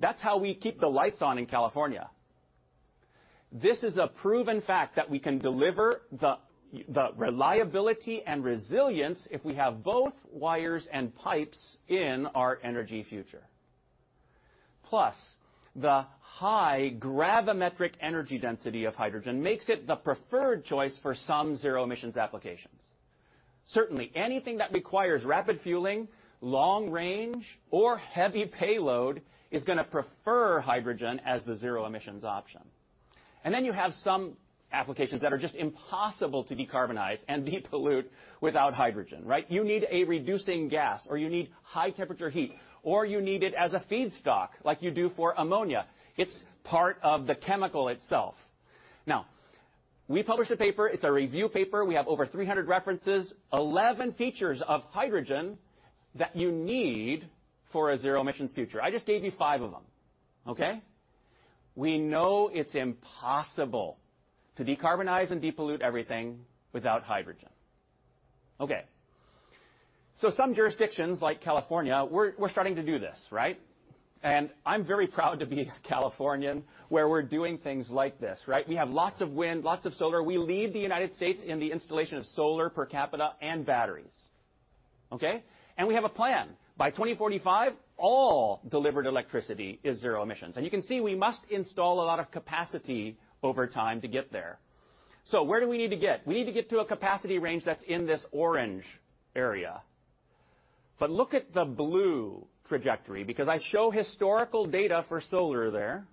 That's how we keep the lights on in California. This is a proven fact that we can deliver the reliability and resilience if we have both wires and pipes in our energy future. Plus, the high gravimetric energy density of hydrogen makes it the preferred choice for some zero emissions applications. Certainly, anything that requires rapid fueling, long range, or heavy payload is gonna prefer hydrogen as the zero emissions option. And then you have some applications that are just impossible to decarbonize and depollute without hydrogen, right? You need a reducing gas, or you need high temperature heat, or you need it as a feedstock, like you do for ammonia. It's part of the chemical itself. Now, we published a paper, it's a review paper. We have over 300 references, 11 features of hydrogen that you need for a zero emissions future. I just gave you 5 of them, okay? We know it's impossible to decarbonize and depollute everything without hydrogen. Okay, so some jurisdictions like California, we're starting to do this, right? I'm very proud to be a Californian, where we're doing things like this, right? We have lots of wind, lots of solar. We lead the United States in the installation of solar per capita and batteries, okay? We have a plan. By 2045, all delivered electricity is zero emissions. You can see, we must install a lot of capacity over time to get there. So where do we need to get? We need to get to a capacity range that's in this orange area. But look at the blue trajectory, because I show historical data for solar there.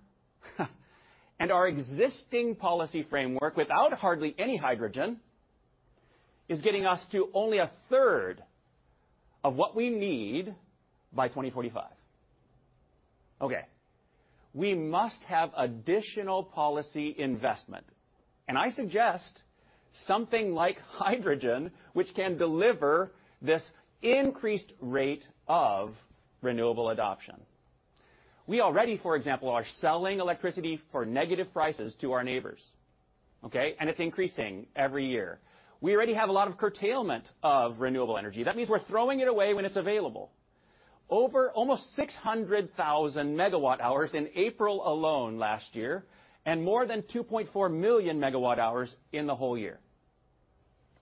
Our existing policy framework, without hardly any hydrogen, is getting us to only a third of what we need by 2045. Okay, we must have additional policy investment, and I suggest something like hydrogen, which can deliver this increased rate of renewable adoption. We already, for example, are selling electricity for negative prices to our neighbors, okay? And it's increasing every year. We already have a lot of curtailment of renewable energy. That means we're throwing it away when it's available. Over almost 600,000 MWh in April alone last year, and more than 2.4 million MWh in the whole year.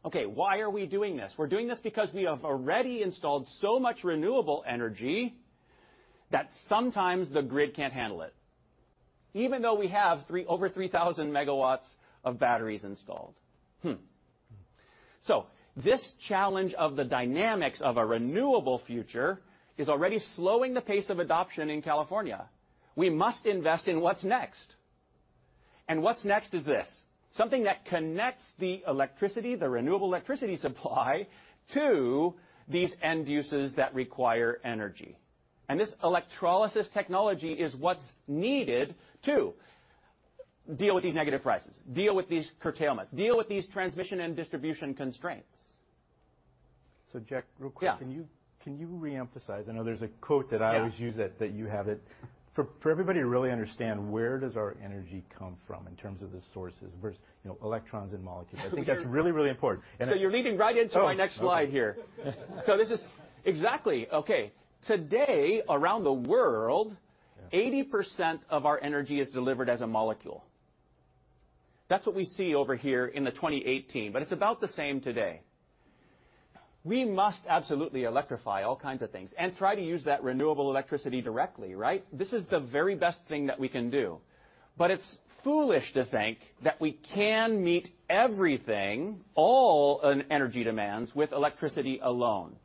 Okay, why are we doing this? We're doing this because we have already installed so much renewable energy that sometimes the grid can't handle it, even though we have over 3,000 MW of batteries installed. So this challenge of the dynamics of a renewable future is already slowing the pace of adoption in California. We must invest in what's next. And what's next is this, something that connects the electricity, the renewable electricity supply, to these end uses that require energy. And this electrolysis technology is what's needed to deal with these negative prices, deal with these curtailments, deal with these transmission and distribution constraints. So, Jack, real quick- Yeah. Can you reemphasize? I know there's a quote that I always use that- Yeah... that you have it. For everybody to really understand, where does our energy come from in terms of the sources versus, you know, electrons and molecules? Sure. I think that's really, really important. So you're leading right into my next slide here. Oh, okay. Exactly. Okay. Today, around the world, 80% of our energy is delivered as a molecule. That's what we see over here in the 2018, but it's about the same today. We must absolutely electrify all kinds of things and try to use that renewable electricity directly, right? This is the very best thing that we can do, but it's foolish to think that we can meet everything, all energy demands with electricity alone.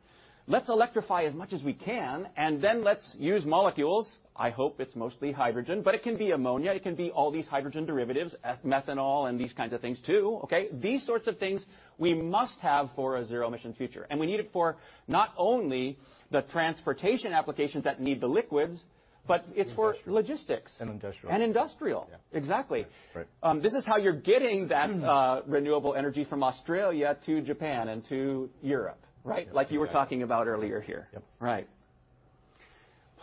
Let's electrify as much as we can, and then let's use molecules. I hope it's mostly hydrogen, but it can be ammonia, it can be all these hydrogen derivatives, methanol, and these kinds of things, too, okay? These sorts of things we must have for a zero-emission future, and we need it for not only the transportation applications that need the liquids, but it's for- Industrial... logistics. And industrial. And industrial. Yeah. Exactly. Right. This is how you're getting that renewable energy from Australia to Japan and to Europe, right? Yeah. Like you were talking about earlier here. Yep. Right.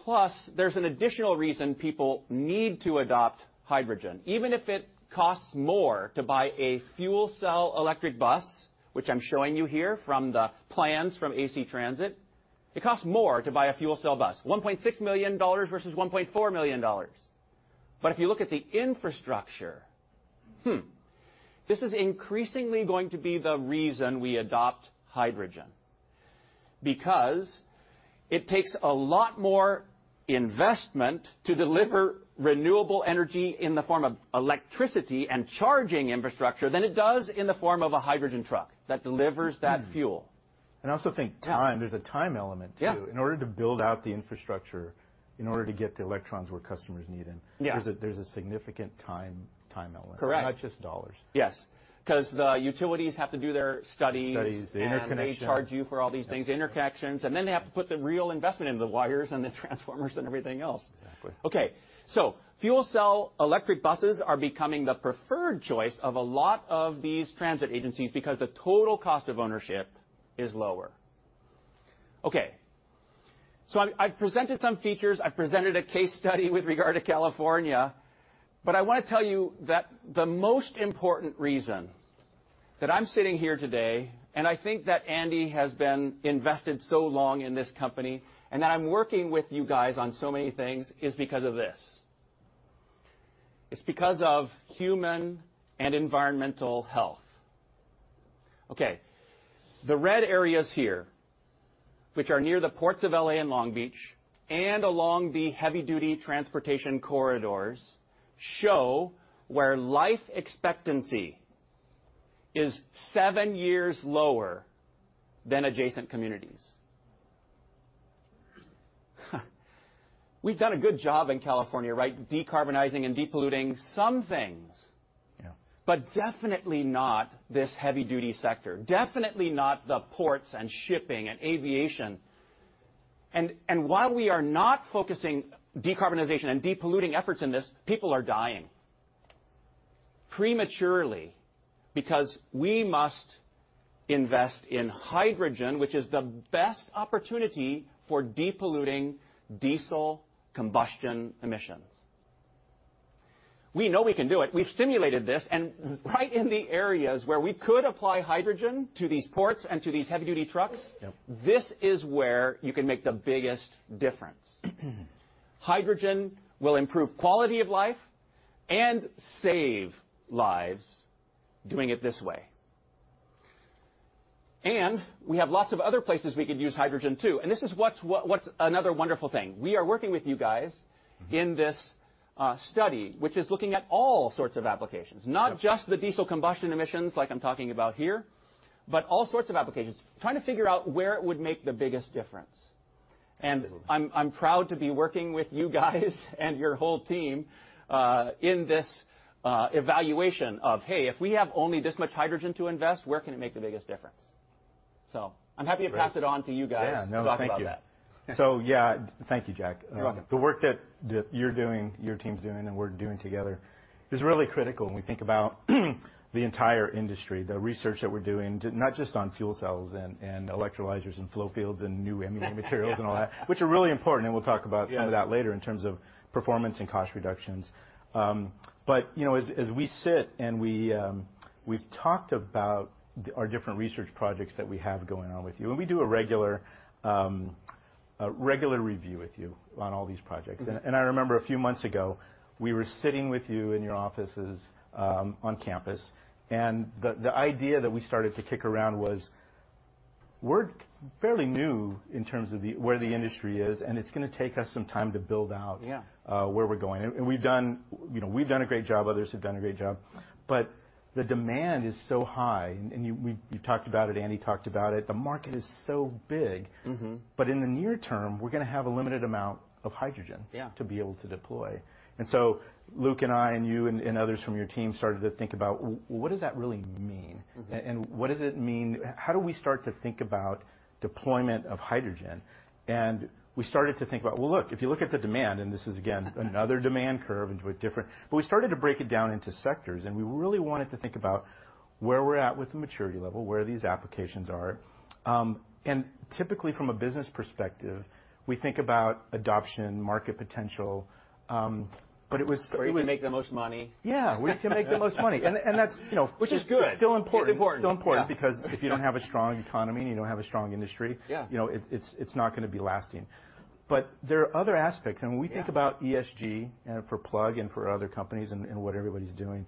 Plus, there's an additional reason people need to adopt hydrogen. Even if it costs more to buy a fuel cell electric bus, which I'm showing you here from the plans from AC Transit, it costs more to buy a fuel cell bus, $1.6 million versus $1.4 million. But if you look at the infrastructure, this is increasingly going to be the reason we adopt hydrogen, because it takes a lot more investment to deliver renewable energy in the form of electricity and charging infrastructure than it does in the form of a hydrogen truck that delivers that fuel. Hmm. I also think time- Yeah... there's a time element, too. Yeah. In order to build out the infrastructure, in order to get the electrons where customers need them. Yeah.... there's a significant time element- Correct.... not just dollars. Yes, 'cause the utilities have to do their studies- Studies, the interconnection- They charge you for all these things, interconnections, and then they have to put the real investment in, the wires and the transformers and everything else. Exactly. Okay, so fuel cell electric buses are becoming the preferred choice of a lot of these transit agencies because the total cost of ownership is lower. Okay, so I've presented some features, I've presented a case study with regard to California, but I wanna tell you that the most important reason that I'm sitting here today, and I think that Andy has been invested so long in this company, and that I'm working with you guys on so many things, is because of this: it's because of human and environmental health. Okay, the red areas here, which are near the ports of L.A. and Long Beach, and along the heavy-duty transportation corridors, show where life expectancy is seven years lower than adjacent communities. We've done a good job in California, right, decarbonizing and depolluting some things- Yeah. But definitely not this heavy-duty sector, definitely not the ports and shipping and aviation. And, and while we are not focusing decarbonization and depolluting efforts in this, people are dying prematurely because we must invest in hydrogen, which is the best opportunity for depolluting diesel combustion emissions. We know we can do it. We've simulated this, and right in the areas where we could apply hydrogen to these ports and to these heavy-duty trucks- Yep. This is where you can make the biggest difference. Hydrogen will improve quality of life and save lives doing it this way. And we have lots of other places we could use hydrogen, too, and this is what's another wonderful thing. We are working with you guys. Mm-hmm. -in this study, which is looking at all sorts of applications- Yep. not just the diesel combustion emissions, like I'm talking about here, but all sorts of applications, trying to figure out where it would make the biggest difference. Absolutely. I'm proud to be working with you guys and your whole team in this evaluation of, hey, if we have only this much hydrogen to invest, where can it make the biggest difference? So I'm happy- Great. to pass it on to you guys Yeah. No, thank you. to talk about that. So, yeah. Thank you, Jack. You're welcome. The work that you're doing, your team's doing, and we're doing together is really critical when we think about the entire industry, the research that we're doing—not just on fuel cells and electrolyzers and flow fields and new electrolyte materials—and all that, which are really important, and we'll talk about— Yeah.... some of that later in terms of performance and cost reductions. But you know, as we sit and we've talked about the, our different research projects that we have going on with you, and we do a regular review with you on all these projects. Mm-hmm. And I remember a few months ago, we were sitting with you in your offices on campus, and the idea that we started to kick around was we're fairly new in terms of where the industry is, and it's gonna take us some time to build out- Yeah.... where we're going. And we've done, you know, we've done a great job, others have done a great job, but the demand is so high, and you've talked about it, Andy talked about it. The market is so big. Mm-hmm. In the near term, we're gonna have a limited amount of hydrogen- Yeah.... to be able to deploy. And so Luke and I and you and others from your team started to think about what does that really mean? Mm-hmm. What does it mean? How do we start to think about deployment of hydrogen? We started to think about, well, look, if you look at the demand, and this is, again... another demand curve and with different... But we started to break it down into sectors, and we really wanted to think about where we're at with the maturity level, where these applications are. And typically, from a business perspective, we think about adoption, market potential, but it was- Where we make the most money. Yeah, where we can make the most money. And that's, you know- Which is good. It's still important. Important. It's still important- Yeah.... because if you don't have a strong economy and you don't have a strong industry- Yeah.... you know, it's not gonna be lasting. But there are other aspects, and when we think- Yeah.... about ESG, for Plug and for other companies and, and what everybody's doing,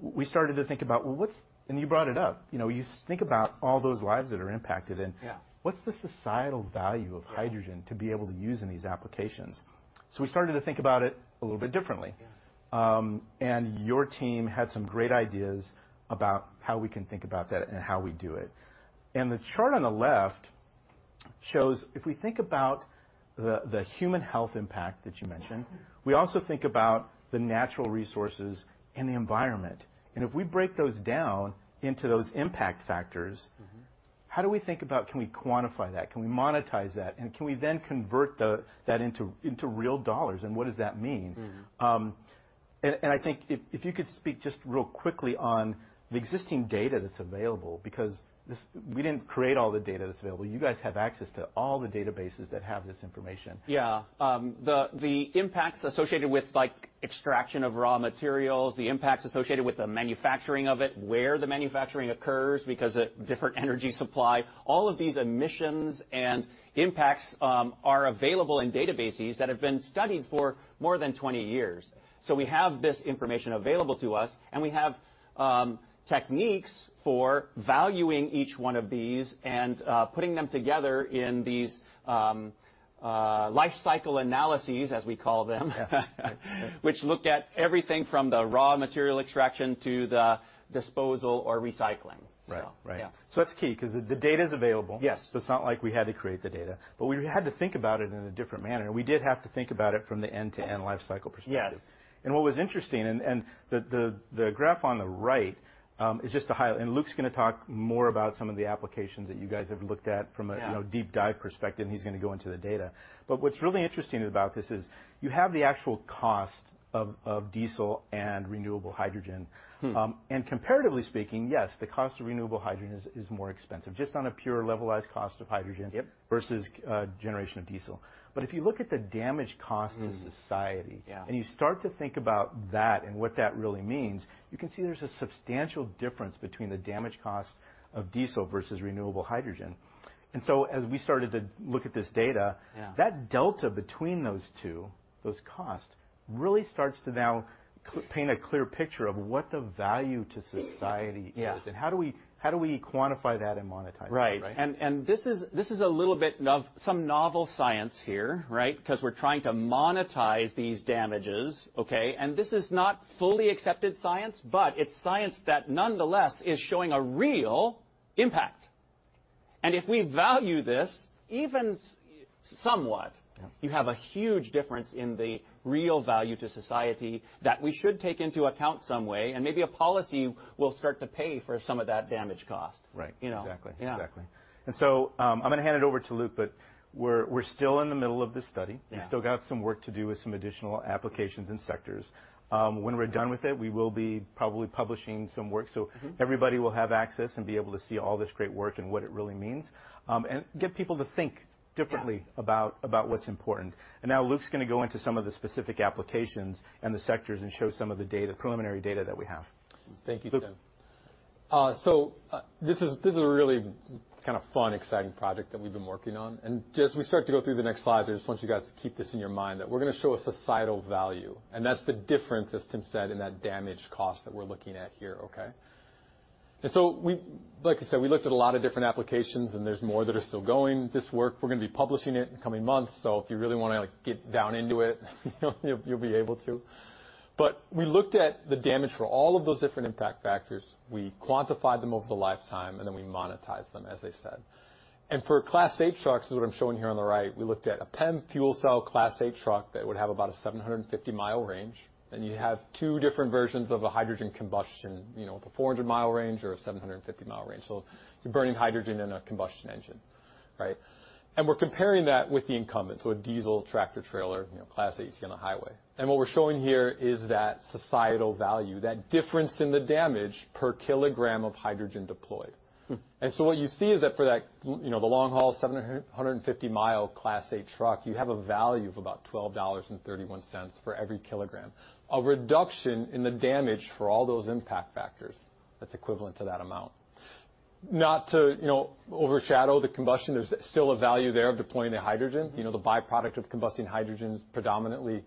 we started to think about, well, what's... And you brought it up. You know, you think about all those lives that are impacted and- Yeah..... what's the societal value of hydrogen- Yeah.... to be able to use in these applications? So we started to think about it a little bit differently. Yeah. And your team had some great ideas about how we can think about that and how we do it. And the chart on the left shows if we think about the human health impact that you mentioned, we also think about the natural resources and the environment. And if we break those down into those impact factors— Mm-hmm. ... how do we think about, can we quantify that? Can we monetize that, and can we then convert the, that into, into real dollars, and what does that mean? Mm-hmm. I think if you could speak just real quickly on the existing data that's available, because this, we didn't create all the data that's available. You guys have access to all the databases that have this information. Yeah. The impacts associated with, like, extraction of raw materials, the impacts associated with the manufacturing of it, where the manufacturing occurs because of different energy supply, all of these emissions and impacts are available in databases that have been studied for more than 20 years. So we have this information available to us, and we have techniques for valuing each one of these and putting them together in these life cycle analyses, as we call them. Yeah.... which look at everything from the raw material extraction to the disposal or recycling. Right. Right. Yeah. So that's key, 'cause the data is available. Yes. It's not like we had to create the data, but we had to think about it in a different manner, and we did have to think about it from the end-to-end life cycle perspective. Yes. And what was interesting, and the graph on the right is just to highlight, and Luke's gonna talk more about some of the applications that you guys have looked at from a- Yeah.... you know, deep dive perspective, and he's gonna go into the data. But what's really interesting about this is you have the actual cost of diesel and renewable hydrogen. Hmm. Comparatively speaking, yes, the cost of renewable hydrogen is more expensive, just on a pure levelized cost of hydrogen- Yep.... versus generation of diesel. But if you look at the damage cost to society- Mm. Yeah.... and you start to think about that and what that really means, you can see there's a substantial difference between the damage cost of diesel versus renewable hydrogen. And so as we started to look at this data- Yeah.... that delta between those two, those costs, really starts to now paint a clear picture of what the value to society is. Yeah. How do we, how do we quantify that and monetize it, right? Right. And this is a little bit of some novel science here, right? Because we're trying to monetize these damages, okay, and this is not fully accepted science, but it's science that nonetheless is showing a real impact.... and if we value this, even somewhat- Yeah. You have a huge difference in the real value to society that we should take into account some way, and maybe a policy will start to pay for some of that damage cost. Right. You know? Exactly. Yeah. Exactly. And so, I'm gonna hand it over to Luke, but we're still in the middle of this study. Yeah. We still got some work to do with some additional applications and sectors. When we're done with it, we will be probably publishing some work- Mm-hmm.. so everybody will have access and be able to see all this great work and what it really means, and get people to think differently. Yeah. about what's important. Now Luke's gonna go into some of the specific applications and the sectors and show some of the data, preliminary data that we have. Thank you, Tim. Luke. So, this is a really kind of fun, exciting project that we've been working on, and just as we start to go through the next slide, I just want you guys to keep this in your mind, that we're gonna show a societal value, and that's the difference, as Tim said, in that damage cost that we're looking at here, okay? And so we, like I said, we looked at a lot of different applications, and there's more that are still going. This work, we're gonna be publishing it in the coming months, so if you really wanna, like, get down into it, you'll be able to. But we looked at the damage for all of those different impact factors. We quantified them over the lifetime, and then we monetized them, as I said. For Class-8 trucks, this is what I'm showing here on the right, we looked at a PEM fuel cell Class-8 truck that would have about a 750 mi range, and you have two different versions of a hydrogen combustion, you know, with a 400 mi range or a 750 mi range. So you're burning hydrogen in a combustion engine, right? And we're comparing that with the incumbent, so a diesel tractor-trailer, you know, Class-8 on a highway. And what we're showing here is that societal value, that difference in the damage per kilogram of hydrogen deployed. Hmm. So what you see is that for that, you know, the long-haul 750 mi Class-8 truck, you have a value of about $12.31 for every kilogram, a reduction in the damage for all those impact factors that's equivalent to that amount. Not to, you know, overshadow the combustion, there's still a value there of deploying the hydrogen. Mm-hmm. You know, the byproduct of combusting hydrogen is predominantly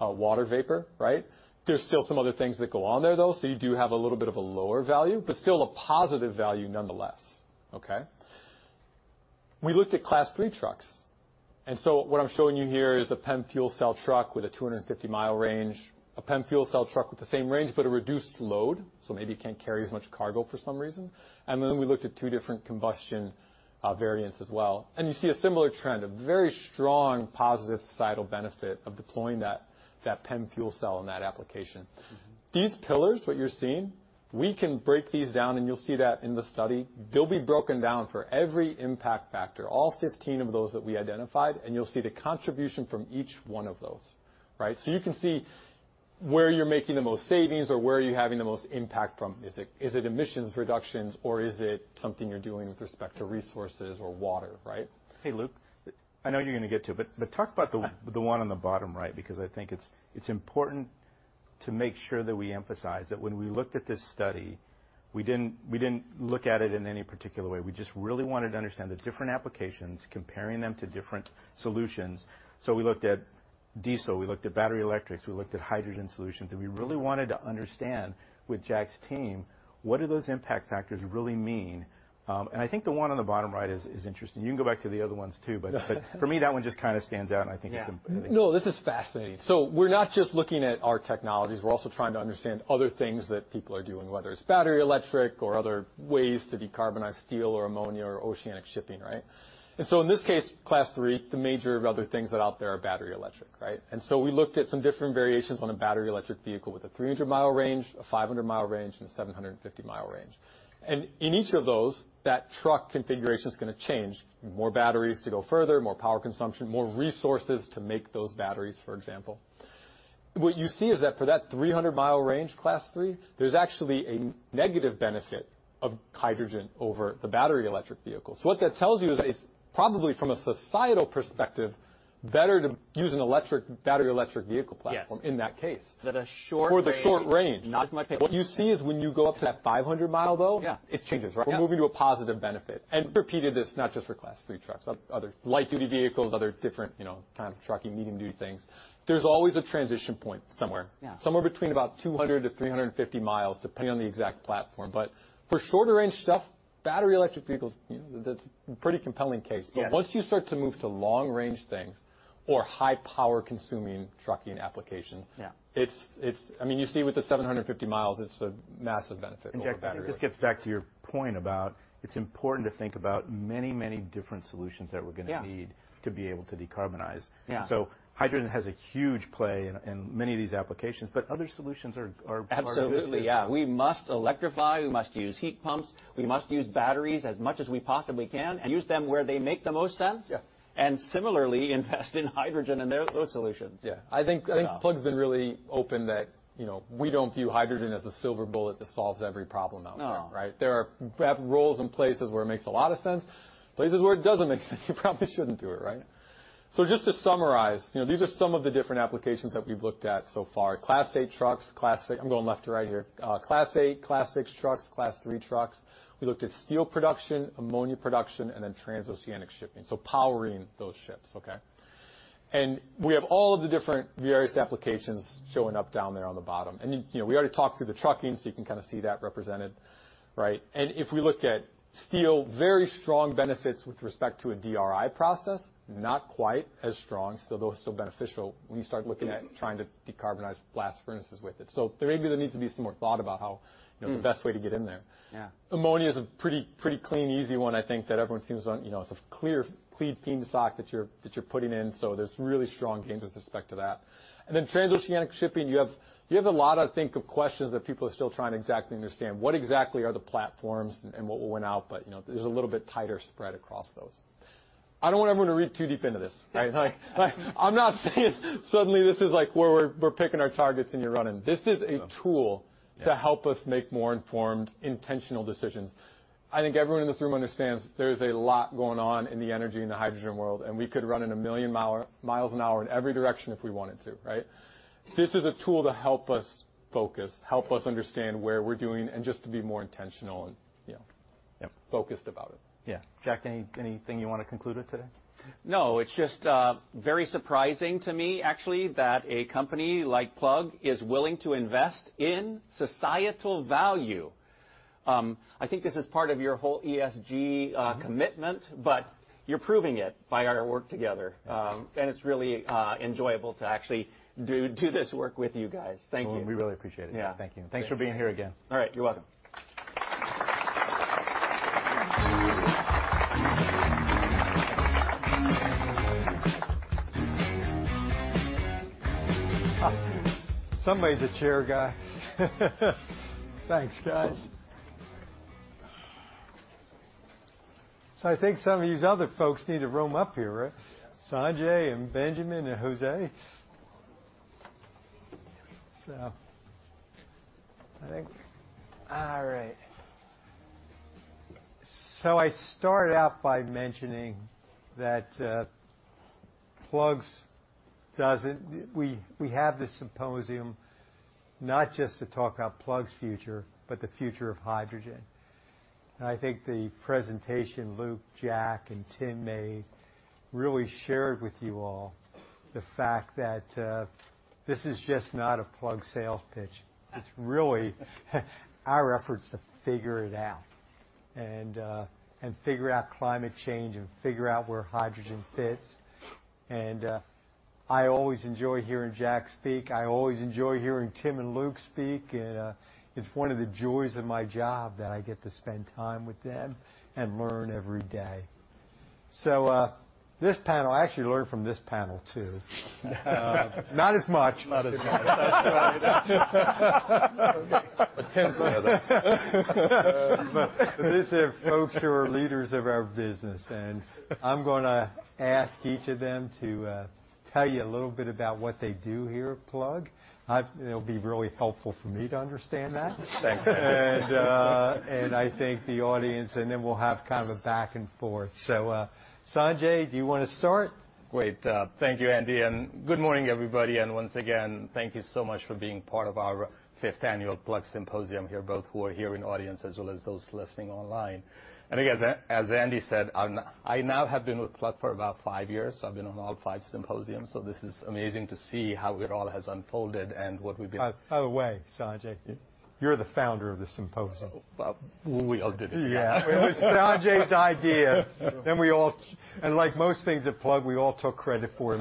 water vapor, right? There's still some other things that go on there, though, so you do have a little bit of a lower value, but still a positive value nonetheless, okay? We looked at Class-3 trucks, and so what I'm showing you here is a PEM fuel cell truck with a 250 mi range, a PEM fuel cell truck with the same range, but a reduced load, so maybe it can't carry as much cargo for some reason. And then we looked at two different combustion variants as well. And you see a similar trend, a very strong positive societal benefit of deploying that PEM fuel cell in that application. Mm-hmm. These pillars, what you're seeing, we can break these down, and you'll see that in the study. They'll be broken down for every impact factor, all 15 of those that we identified, and you'll see the contribution from each one of those, right? So you can see where you're making the most savings or where you're having the most impact from. Is it, is it emissions reductions, or is it something you're doing with respect to resources or water, right? Hey, Luke, I know you're gonna get to it, but talk about the one on the bottom right, because I think it's important to make sure that we emphasize that when we looked at this study, we didn't look at it in any particular way. We just really wanted to understand the different applications, comparing them to different solutions. So we looked at diesel, we looked at battery electrics, we looked at hydrogen solutions, and we really wanted to understand, with Jack's team, what do those impact factors really mean? And I think the one on the bottom right is interesting. You can go back to the other ones, too, but for me, that one just kind of stands out, and I think it's important. Yeah. No, this is fascinating. So we're not just looking at our technologies. We're also trying to understand other things that people are doing, whether it's battery electric or other ways to decarbonize steel or ammonia or oceanic shipping, right? And so in this case, Class-3, the major other things that are out there are battery electric, right? And so we looked at some different variations on a battery electric vehicle with a 300 mi range, a 500 mi range, and a 750 mi range. And in each of those, that truck configuration is gonna change, more batteries to go further, more power consumption, more resources to make those batteries, for example. What you see is that for that 300 mi range, Class-3, there's actually a negative benefit of hydrogen over the battery electric vehicle. So what that tells you is that it's probably, from a societal perspective, better to use an electric, battery electric vehicle platform- Yes In that case. That a short range- For the short range. Not as much- What you see is when you go up to that 500 mi, though- Yeah... it changes, right? Yeah. We're moving to a positive benefit. We repeated this not just for Class-3 trucks, other light-duty vehicles, other different, you know, kind of trucking, medium-duty things. There's always a transition point somewhere. Yeah. Somewhere between about 200-350 mi, depending on the exact platform. But for shorter-range stuff, battery electric vehicles, that's a pretty compelling case. Yes. But once you start to move to long-range things or high-power-consuming trucking applications- Yeah... it's, I mean, you see with the 750 mi, it's a massive benefit over battery. Jack, this gets back to your point about it's important to think about many, many different solutions that we're gonna need- Yeah... to be able to decarbonize. Yeah. So hydrogen has a huge play in many of these applications, but other solutions are good too. Absolutely, yeah. We must electrify, we must use heat pumps, we must use batteries as much as we possibly can and use them where they make the most sense. Yeah. Similarly, invest in hydrogen and those solutions. Yeah. I think, I think Plug's been really open that, you know, we don't view hydrogen as the silver bullet that solves every problem out there. No. Right? There are, we have roles in places where it makes a lot of sense, places where it doesn't make sense, you probably shouldn't do it, right? Just to summarize, you know, these are some of the different applications that we've looked at so far: Class-8 trucks, Class-6... I'm going left to right here, Class-8, Class-6 trucks, Class-3 trucks. We looked at steel production, ammonia production, and then transoceanic shipping, so powering those ships, okay? We have all of the different various applications showing up down there on the bottom. You know, we already talked through the trucking, so you can kind of see that represented, right? If we look at steel, very strong benefits with respect to a DRI process, not quite as strong, still though, still beneficial, when you start looking at trying to decarbonize blast furnaces with it. There maybe there needs to be some more thought about how... you know, the best way to get in there. Yeah. Ammonia is a pretty clean, easy one, I think, that everyone seems on, you know, it's a clear, clean stock that you're putting in, so there's really strong gains with respect to that. And then transoceanic shipping, you have a lot, I think, of questions that people are still trying to exactly understand. What exactly are the platforms and what went out? But, you know, there's a little bit tighter spread across those. I don't want everyone to read too deep into this, right? Like, I'm not saying suddenly this is, like, where we're picking our targets and you're running. This is a tool- Yeah. -to help us make more informed, intentional decisions. I think everyone in this room understands there's a lot going on in the energy and the hydrogen world, and we could run in a million miles an hour in every direction if we wanted to, right? This is a tool to help us focus, help us understand where we're doing and just to be more intentional and, you know- Yeah... focused about it. Yeah. Jack, anything you want to conclude with today? No, it's just very surprising to me, actually, that a company like Plug is willing to invest in societal value. I think this is part of your whole ESG commitment. Mm-hmm But you're proving it by our work together. Thank you. It's really enjoyable to actually do this work with you guys. Thank you. Well, we really appreciate it. Yeah. Thank you. Thanks for being here again. All right. You're welcome. Somebody's a chair guy. Thanks, guys. So I think some of these other folks need to roam up here, right? Sanjay and Benjamin and Jose. So I think... All right. So I started out by mentioning that Plug doesn't. We have this symposium not just to talk about Plug's future, but the future of hydrogen. And I think the presentation Luke, Jack, and Tim made really shared with you all the fact that this is just not a Plug sales pitch. Yeah. It's really our efforts to figure it out and figure out climate change and figure out where hydrogen fits. I always enjoy hearing Jack speak. I always enjoy hearing Tim and Luke speak, and it's one of the joys of my job that I get to spend time with them and learn every day. So, this panel, I actually learned from this panel, too. Not as much. Not as much. But Tim's one of them. These are folks who are leaders of our business, and I'm gonna ask each of them to tell you a little bit about what they do here at Plug. It'll be really helpful for me to understand that. Thanks, Andy. And I think the audience, and then we'll have kind of a back and forth. So, Sanjay, do you want to start? Great. Thank you, Andy, and good morning, everybody, and once again, thank you so much for being part of our fifth annual Plug Symposium here, both who are here in the audience as well as those listening online. And again, as Andy said, I now have been with Plug for about five years, so I've been on all five symposiums, so this is amazing to see how it all has unfolded and what we've been- By the way, Sanjay, you're the founder of the symposium. Well, we all did it. Yeah. It was Sanjay's ideas, and we all and like most things at Plug, we all took credit for it.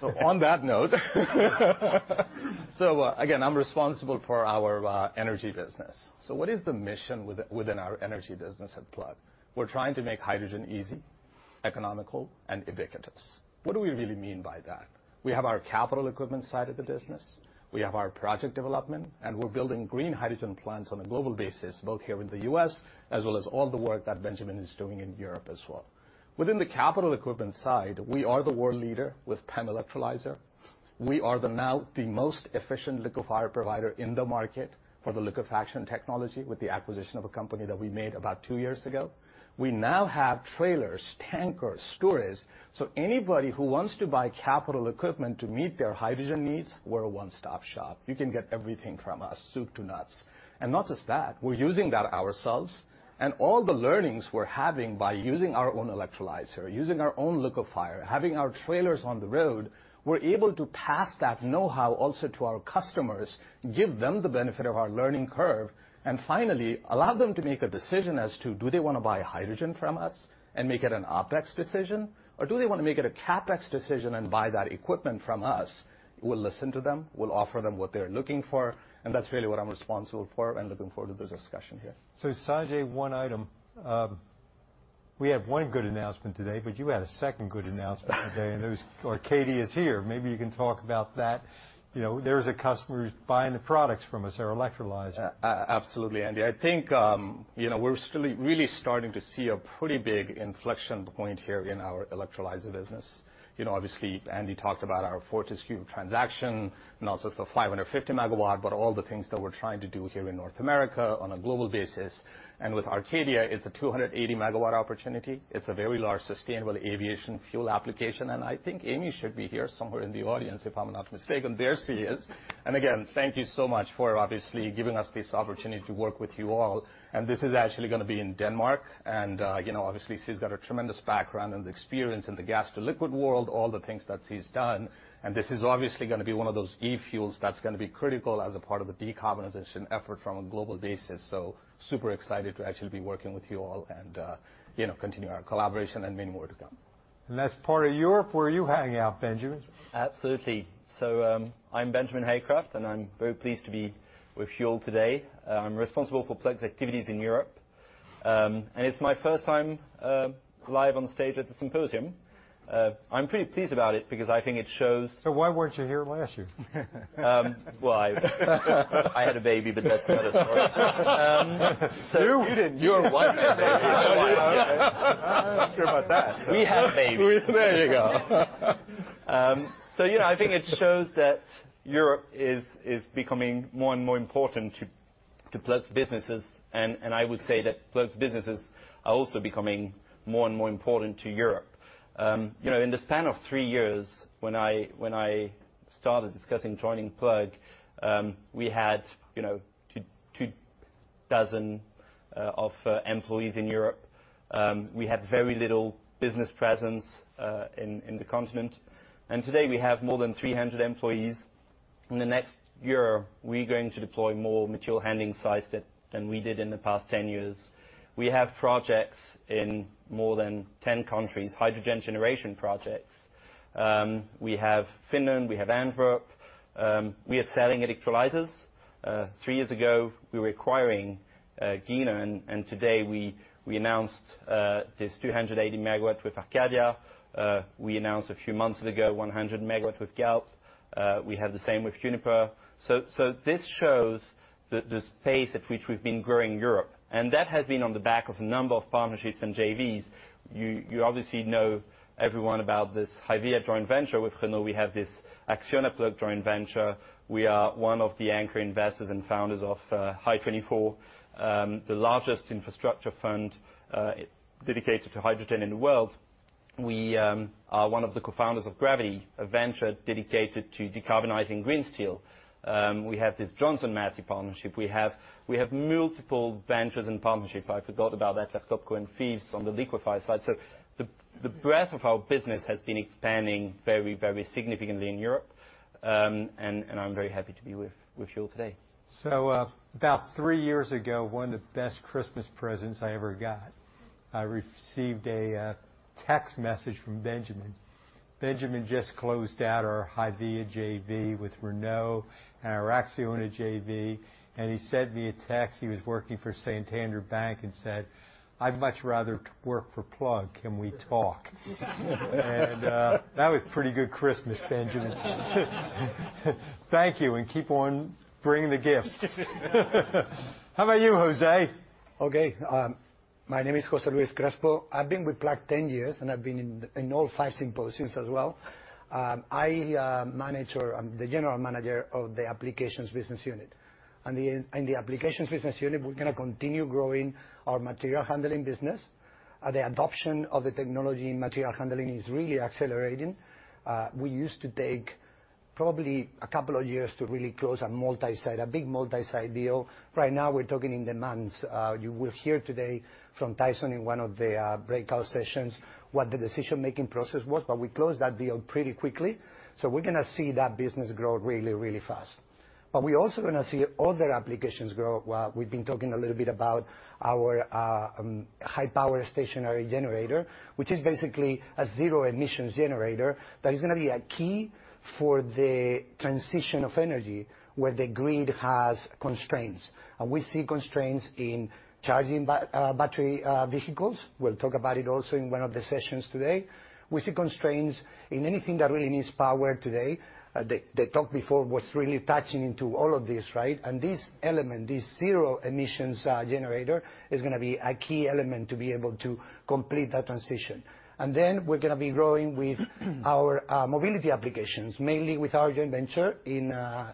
So on that note, again, I'm responsible for our energy business. So what is the mission within our energy business at Plug? We're trying to make hydrogen easy, economical, and ubiquitous. What do we really mean by that? We have our capital equipment side of the business, we have our project development, and we're building green hydrogen plants on a global basis, both here in the U.S., as well as all the work that Benjamin is doing in Europe as well. Within the capital equipment side, we are the world leader with PEM electrolyzer. We are now the most efficient liquefier provider in the market for the liquefaction technology, with the acquisition of a company that we made about two years ago. We now have trailers, tankers, storage, so anybody who wants to buy capital equipment to meet their hydrogen needs, we're a one-stop shop. You can get everything from us, soup to nuts. And not just that, we're using that ourselves, and all the learnings we're having by using our own electrolyzer, using our own liquefier, having our trailers on the road, we're able to pass that know-how also to our customers, give them the benefit of our learning curve, and finally, allow them to make a decision as to do they want to buy hydrogen from us and make it an OpEx decision, or do they want to make it a CapEx decision and buy that equipment from us? We'll listen to them. We'll offer them what they're looking for, and that's really what I'm responsible for and looking forward to this discussion here. So, Sanjay, one item, we had one good announcement today, but you had a second good announcement today, and it was Arcadia is here. Maybe you can talk about that. You know, there is a customer who's buying the products from us, our electrolyzer. Absolutely, Andy. I think, you know, we're still really starting to see a pretty big inflection point here in our electrolyzer business. You know, obviously, Andy talked about our Fortescue transaction and also the 550 MW, but all the things that we're trying to do here in North America on a global basis, and with Arcadia, it's a 280 MW opportunity. It's a very large sustainable aviation fuel application, and I think Amy should be here somewhere in the audience, if I'm not mistaken. There she is. And again, thank you so much for obviously giving us this opportunity to work with you all. And this is actually gonna be in Denmark, and, you know, obviously, she's got a tremendous background and experience in the gas to liquid world, all the things that she's done. This is obviously gonna be one of those e-fuels that's gonna be critical as a part of the decarbonization effort from a global basis. So super excited to actually be working with you all and, you know, continue our collaboration and many more to come.... That's part of Europe, where you hang out, Benjamin. Absolutely. So, I'm Benjamin Haycraft, and I'm very pleased to be with you all today. I'm responsible for Plug's activities in Europe. And it's my first time live on stage at the symposium. I'm pretty pleased about it because I think it shows- So why weren't you here last year? Well, I had a baby, but that's another story. You didn't. Your wife had a baby. I don't care about that. We had a baby. There you go. So, you know, I think it shows that Europe is becoming more and more important to Plug's businesses, and I would say that Plug's businesses are also becoming more and more important to Europe. You know, in the span of three years, when I started discussing joining Plug, we had 24 employees in Europe. We had very little business presence in the continent. Today, we have more than 300 employees. In the next year, we're going to deploy more material handling sites than we did in the past 10 years. We have projects in more than 10 countries, hydrogen generation projects. We have Finland, we have Antwerp. We are selling electrolyzers. Three years ago, we were acquiring Giner, and today we announced this 280 MW with Arcadia. We announced a few months ago, 100 MW with Galp. We have the same with Uniper. So this shows the pace at which we've been growing Europe, and that has been on the back of a number of partnerships and JVs. You obviously know everyone about this HYVIA joint venture with Renault. We have this ACCIONA-Plug joint venture. We are one of the anchor investors and founders of Hy24, the largest infrastructure fund dedicated to hydrogen in the world. We are one of the cofounders of GravitHy, a venture dedicated to decarbonizing green steel. We have this Johnson Matthey partnership. We have multiple ventures and partnerships. I forgot about that. That's [Topsoe and Technip] on the liquefy side. So the breadth of our business has been expanding very, very significantly in Europe. And I'm very happy to be with you all today. So, about three years ago, one of the best Christmas presents I ever got, I received a text message from Benjamin. Benjamin just closed out our HYVIA JV with Renault and our ACCIONA JV, and he said via text, he was working for Santander Bank and said, "I'd much rather work for Plug. Can we talk?" That was pretty good Christmas, Benjamin. Thank you, and keep on bringing the gifts. How about you, Jose? Okay, my name is Jose Luis Crespo. I've been with Plug 10 years, and I've been in all five symposiums as well. I am manager... I'm the general manager of the Applications business unit. And the Applications business unit, we're gonna continue growing our material handling business. The adoption of the technology in material handling is really accelerating. We used to take probably a couple of years to really close a multi-site, a big multi-site deal. Right now, we're talking in demands. You will hear today from Tyson in one of the breakout sessions, what the decision-making process was, but we closed that deal pretty quickly. So we're gonna see that business grow really, really fast. But we're also gonna see other applications grow. Well, we've been talking a little bit about our high-power stationary generator, which is basically a zero-emissions generator that is gonna be a key for the transition of energy, where the grid has constraints. We see constraints in charging battery vehicles. We'll talk about it also in one of the sessions today. We see constraints in anything that really needs power today. The talk before was really touching into all of this, right? This element, this zero emissions generator, is gonna be a key element to be able to complete that transition. Then, we're gonna be growing with our mobility applications, mainly with our joint venture in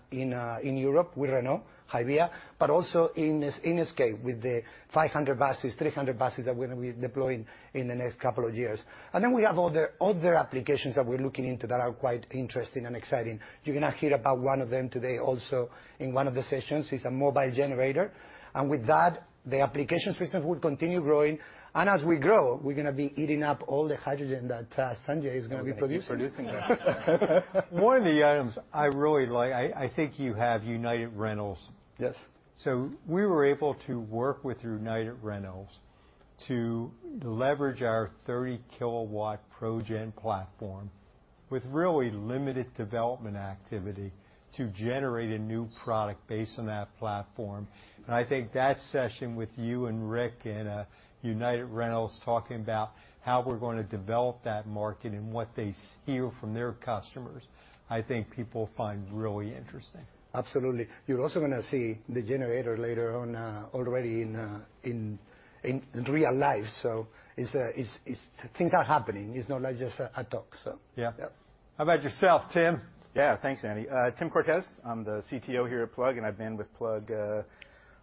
Europe, with Renault HYVIA, but also in SK, with the 500 buses, 300 buses that we're gonna be deploying in the next couple of years. And then we have other applications that we're looking into that are quite interesting and exciting. You're gonna hear about one of them today, also, in one of the sessions, is a mobile generator. And with that, the applications business will continue growing. And as we grow, we're gonna be eating up all the hydrogen that Sanjay is gonna be producing. Producing, yeah. One of the items I really like, I think you have United Rentals. Yes. We were able to work with United Rentals to leverage our 30 kW ProGen platform with really limited development activity to generate a new product based on that platform. I think that session with you and Rick and United Rentals, talking about how we're gonna develop that market and what they hear from their customers, I think people will find really interesting.... Absolutely. You're also gonna see the generator later on, already in real life. So it's things are happening. It's not like just a talk, so. Yeah. Yeah. How about yourself, Tim? Yeah. Thanks, Andy. Tim Cortez. I'm the CTO here at Plug, and I've been with Plug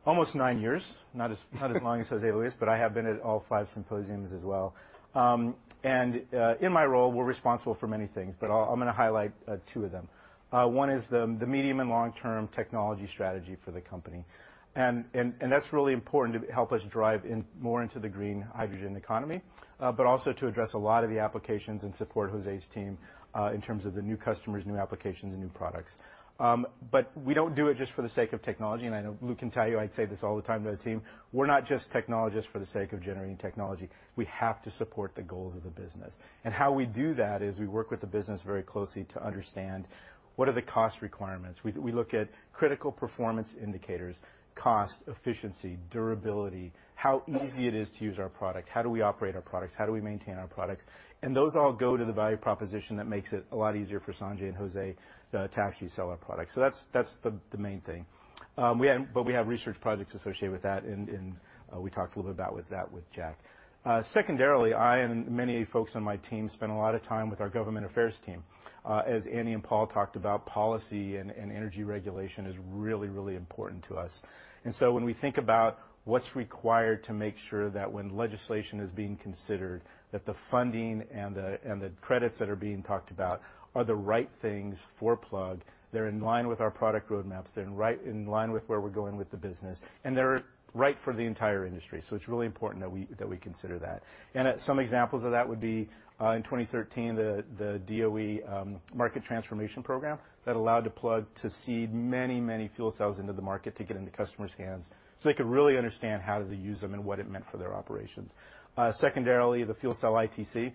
almost nine years, not as long as Jose Luis, but I have been at all five symposiums as well. In my role, we're responsible for many things, but I'll highlight two of them. One is the medium and long-term technology strategy for the company. That's really important to help us drive more into the green hydrogen economy, but also to address a lot of the applications and support Jose's team in terms of the new customers, new applications, and new products. But we don't do it just for the sake of technology, and I know Luke can tell you, I say this all the time to the team: We're not just technologists for the sake of generating technology. We have to support the goals of the business. And how we do that is we work with the business very closely to understand what are the cost requirements. We look at critical performance indicators, cost, efficiency, durability, how easy it is to use our product, how do we operate our products, how do we maintain our products? And those all go to the value proposition that makes it a lot easier for Sanjay and Jose to actually sell our products. So that's the main thing. We have... But we have research projects associated with that, and we talked a little bit about that with Jack. Secondarily, I and many folks on my team spend a lot of time with our government affairs team. As Andy and Paul talked about, policy and energy regulation is really, really important to us. And so when we think about what's required to make sure that when legislation is being considered, that the funding and the credits that are being talked about are the right things for Plug, they're in line with our product roadmaps, they're in line with where we're going with the business, and they're right for the entire industry. So it's really important that we consider that. And some examples of that would be, in 2013, the DOE market transformation program that allowed the Plug to seed many, many fuel cells into the market to get into customers' hands, so they could really understand how to use them and what it meant for their operations. Secondarily, the fuel cell ITC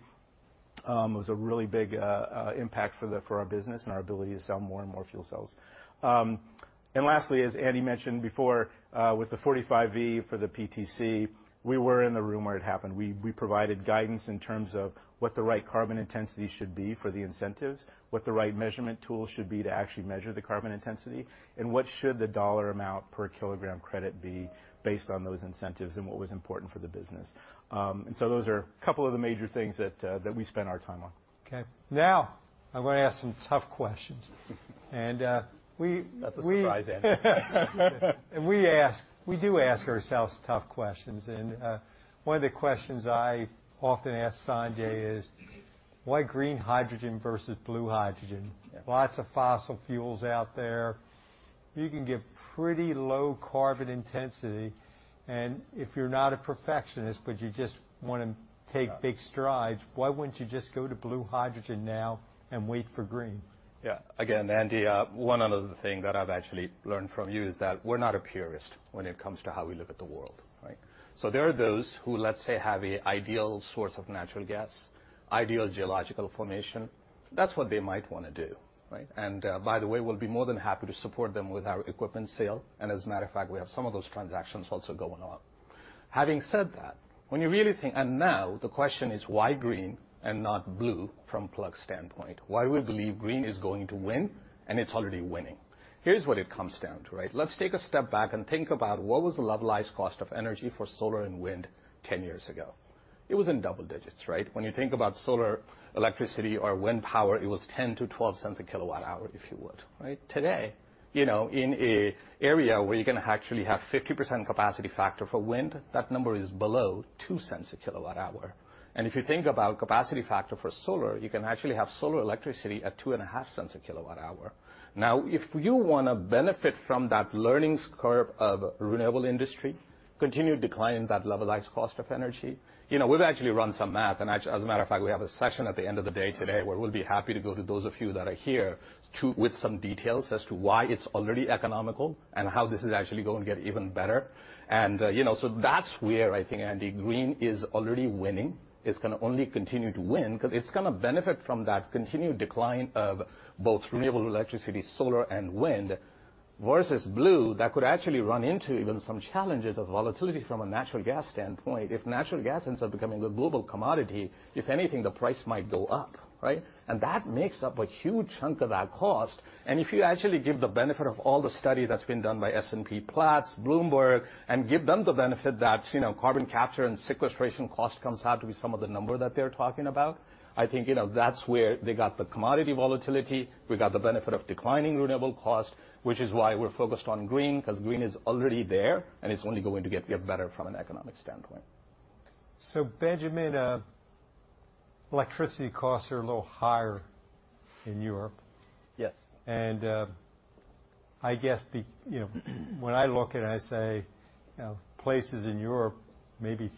was a really big impact for our business and our ability to sell more and more fuel cells. And lastly, as Andy mentioned before, with the 45V for the PTC, we were in the room where it happened. We provided guidance in terms of what the right carbon intensity should be for the incentives, what the right measurement tool should be to actually measure the carbon intensity, and what should the dollar amount per kilogram credit be based on those incentives and what was important for the business. And so those are a couple of the major things that we spend our time on. Okay. Now, I'm gonna ask some tough questions. And, we- That's a surprise, Andy. We ask... We do ask ourselves tough questions, and one of the questions I often ask Sanjay is: Why green hydrogen versus blue hydrogen? Yeah. Lots of fossil fuels out there. You can get pretty low carbon intensity, and if you're not a perfectionist, but you just wanna take- Yeah... big strides, why wouldn't you just go to blue hydrogen now and wait for green? Yeah. Again, Andy, one other thing that I've actually learned from you is that we're not a purist when it comes to how we look at the world, right? So there are those who, let's say, have an ideal source of natural gas, ideal geological formation. That's what they might wanna do, right? And, by the way, we'll be more than happy to support them with our equipment sale, and as a matter of fact, we have some of those transactions also going on. Having said that, when you really think, and now, the question is why green and not blue from Plug's standpoint? Why we believe green is going to win, and it's already winning. Here's what it comes down to, right? Let's take a step back and think about what was the levelized cost of energy for solar and wind ten years ago. It was in double digits, right? When you think about solar electricity or wind power, it was 10-12 cents a kWh, if you would, right? Today, you know, in an area where you can actually have 50% capacity factor for wind, that number is below $0.02/kWh. And if you think about capacity factor for solar, you can actually have solar electricity at $0.025/kWh. Now, if you wanna benefit from that learning curve of renewable industry, continue declining that levelized cost of energy... You know, we've actually run some math, and, as a matter of fact, we have a session at the end of the day today, where we'll be happy to go through those of you that are here with some details as to why it's already economical and how this is actually going to get even better. And, you know, so that's where I think, Andy, green is already winning. It's gonna only continue to win because it's gonna benefit from that continued decline of both renewable electricity, solar and wind, versus blue, that could actually run into even some challenges of volatility from a natural gas standpoint. If natural gas ends up becoming a global commodity, if anything, the price might go up, right? And that makes up a huge chunk of that cost. If you actually give the benefit of all the study that's been done by S&P Platts, Bloomberg, and give them the benefit that, you know, carbon capture and sequestration cost comes out to be some of the number that they're talking about, I think, you know, that's where they got the commodity volatility. We got the benefit of declining renewable cost, which is why we're focused on green, 'cause green is already there, and it's only going to get better from an economic standpoint. Benjamin, electricity costs are a little higher in Europe. Yes. When I look at it, I say, you know, places in Europe, maybe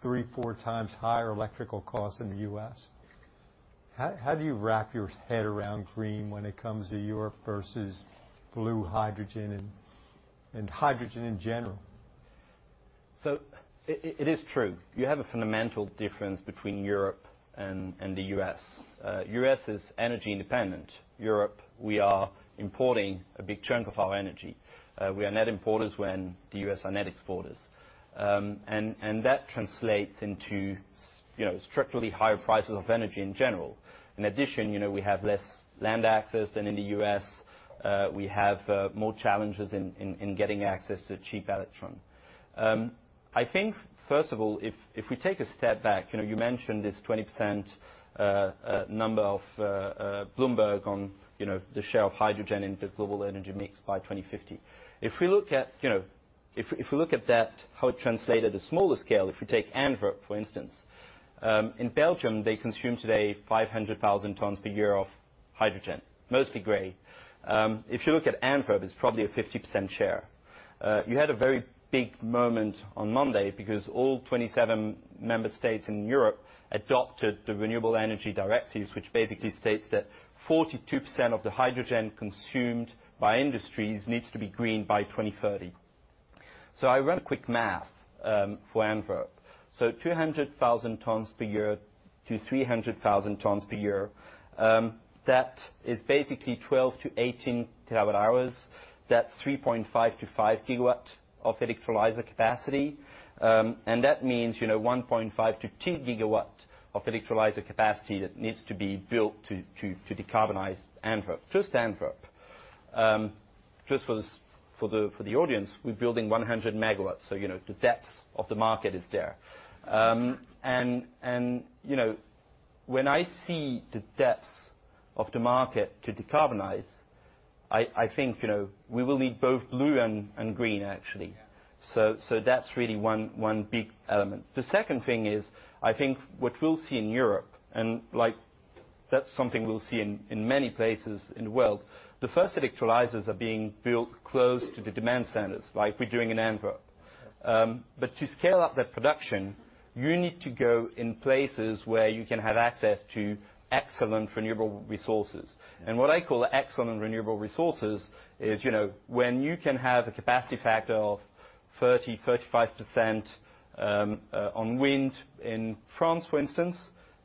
3-4x higher electrical cost than the U.S. How do you wrap your head around green when it comes to Europe versus blue hydrogen and hydrogen in general? It is true. You have a fundamental difference between Europe and the U.S. The U.S. is energy independent. Europe, we are importing a big chunk of our energy. We are net importers when the U.S. are net exporters. That translates into, you know, structurally higher prices of energy in general. In addition, you know, we have less land access than in the U.S. We have more challenges in getting access to cheap electron. I think, first of all, if we take a step back, you know, you mentioned this 20% number of Bloomberg on, you know, the share of hydrogen in the global energy mix by 2050. If we look at, you know, if we look at that, how it translated to smaller scale, if we take Antwerp, for instance, in Belgium, they consume today 500,000 tons per year of hydrogen, mostly gray. If you look at Antwerp, it's probably a 50% share. You had a very big moment on Monday because all 27 member states in Europe adopted the Renewable Energy Directives, which basically states that 42% of the hydrogen consumed by industries needs to be green by 2030. So I ran a quick math for Antwerp. So 200,000 tons per year to 300,000 tons per year, that is basically 12-18 TWh. That's 3.5-5 GW of electrolyzer capacity. And that means, you know, 1.5-2 GW of electrolyzer capacity that needs to be built to decarbonize Antwerp, just Antwerp. Just for this, for the audience, we're building 100 MW, so you know, the depth of the market is there. And you know, when I see the depths of the market to decarbonize, I think, you know, we will need both blue and green, actually. So that's really one big element. The second thing is, I think what we'll see in Europe, and like, that's something we'll see in many places in the world, the first electrolyzers are being built close to the demand centers, like we're doing in Antwerp. But to scale up that production, you need to go in places where you can have access to excellent renewable resources. What I call excellent renewable resources is, you know, when you can have a capacity factor of 30%-35%, on wind in France, for instance,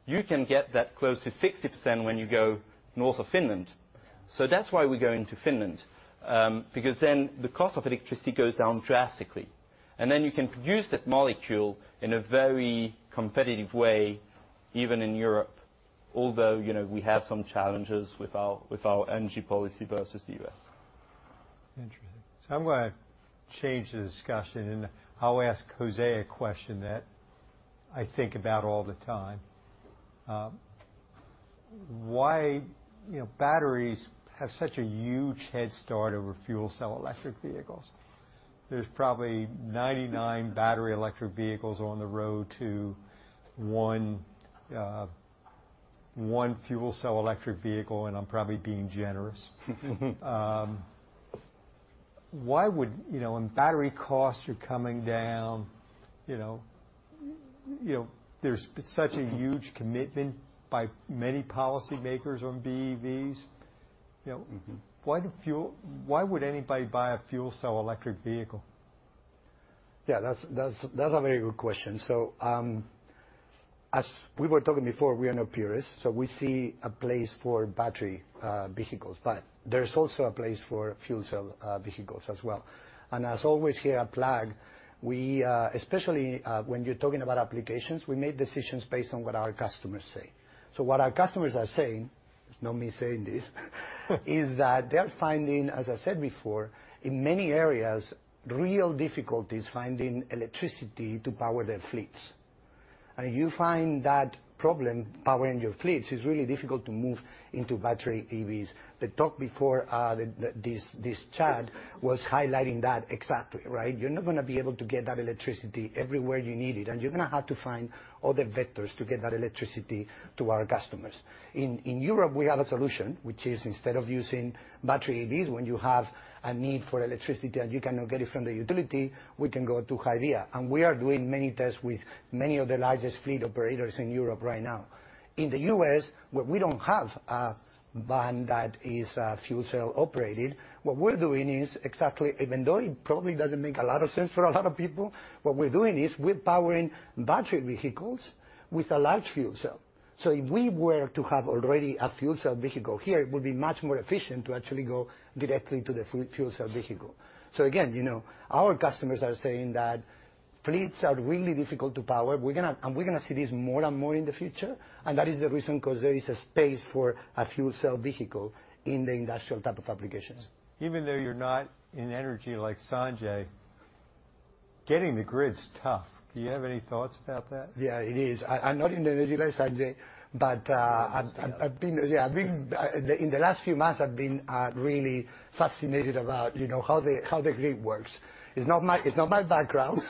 you can get that close to 60% when you go north of Finland. So that's why we're going to Finland, because then the cost of electricity goes down drastically, and then you can use that molecule in a very competitive way, even in Europe, although, you know, we have some challenges with our, with our energy policy versus the U.S. Interesting. So I'm gonna change the discussion, and I'll ask Jose a question that I think about all the time. Why, you know, batteries have such a huge head start over fuel cell electric vehicles? There's probably 99 battery electric vehicles on the road to one fuel cell electric vehicle, and I'm probably being generous. Why would... You know, and battery costs are coming down, you know, you know, there's such a huge commitment by many policymakers on BEVs. You know- Mm-hmm. Why would anybody buy a fuel cell electric vehicle? Yeah, that's a very good question. So, as we were talking before, we are not purists, so we see a place for battery vehicles, but there's also a place for fuel cell vehicles as well. And as always, here at Plug, we especially, when you're talking about applications, we make decisions based on what our customers say. So what our customers are saying, it's not me saying this, is that they are finding, as I said before, in many areas, real difficulties finding electricity to power their fleets. And you find that problem, powering your fleets, is really difficult to move into battery EVs. The talk before, this chat was highlighting that exactly, right? You're not gonna be able to get that electricity everywhere you need it, and you're gonna have to find other vectors to get that electricity to our customers. In Europe, we have a solution, which is instead of using battery EVs, when you have a need for electricity, and you cannot get it from the utility, we can go to HYVIA, and we are doing many tests with many of the largest fleet operators in Europe right now. In the U.S., where we don't have a van that is, fuel cell operated, what we're doing is exactly, even though it probably doesn't make a lot of sense for a lot of people, what we're doing is we're powering battery vehicles with a large fuel cell. So if we were to have already a fuel cell vehicle here, it would be much more efficient to actually go directly to the fuel cell vehicle. So again, you know, our customers are saying that fleets are really difficult to power. We're gonna see this more and more in the future, and that is the reason, 'cause there is a space for a fuel cell vehicle in the industrial type of applications. Even though you're not in energy like Sanjay, getting the grid is tough. Do you have any thoughts about that? Yeah, it is. I'm not in the energy like Sanjay, but I've been, yeah, I've been. In the last few months, I've been really fascinated about, you know, how the grid works. It's not my background.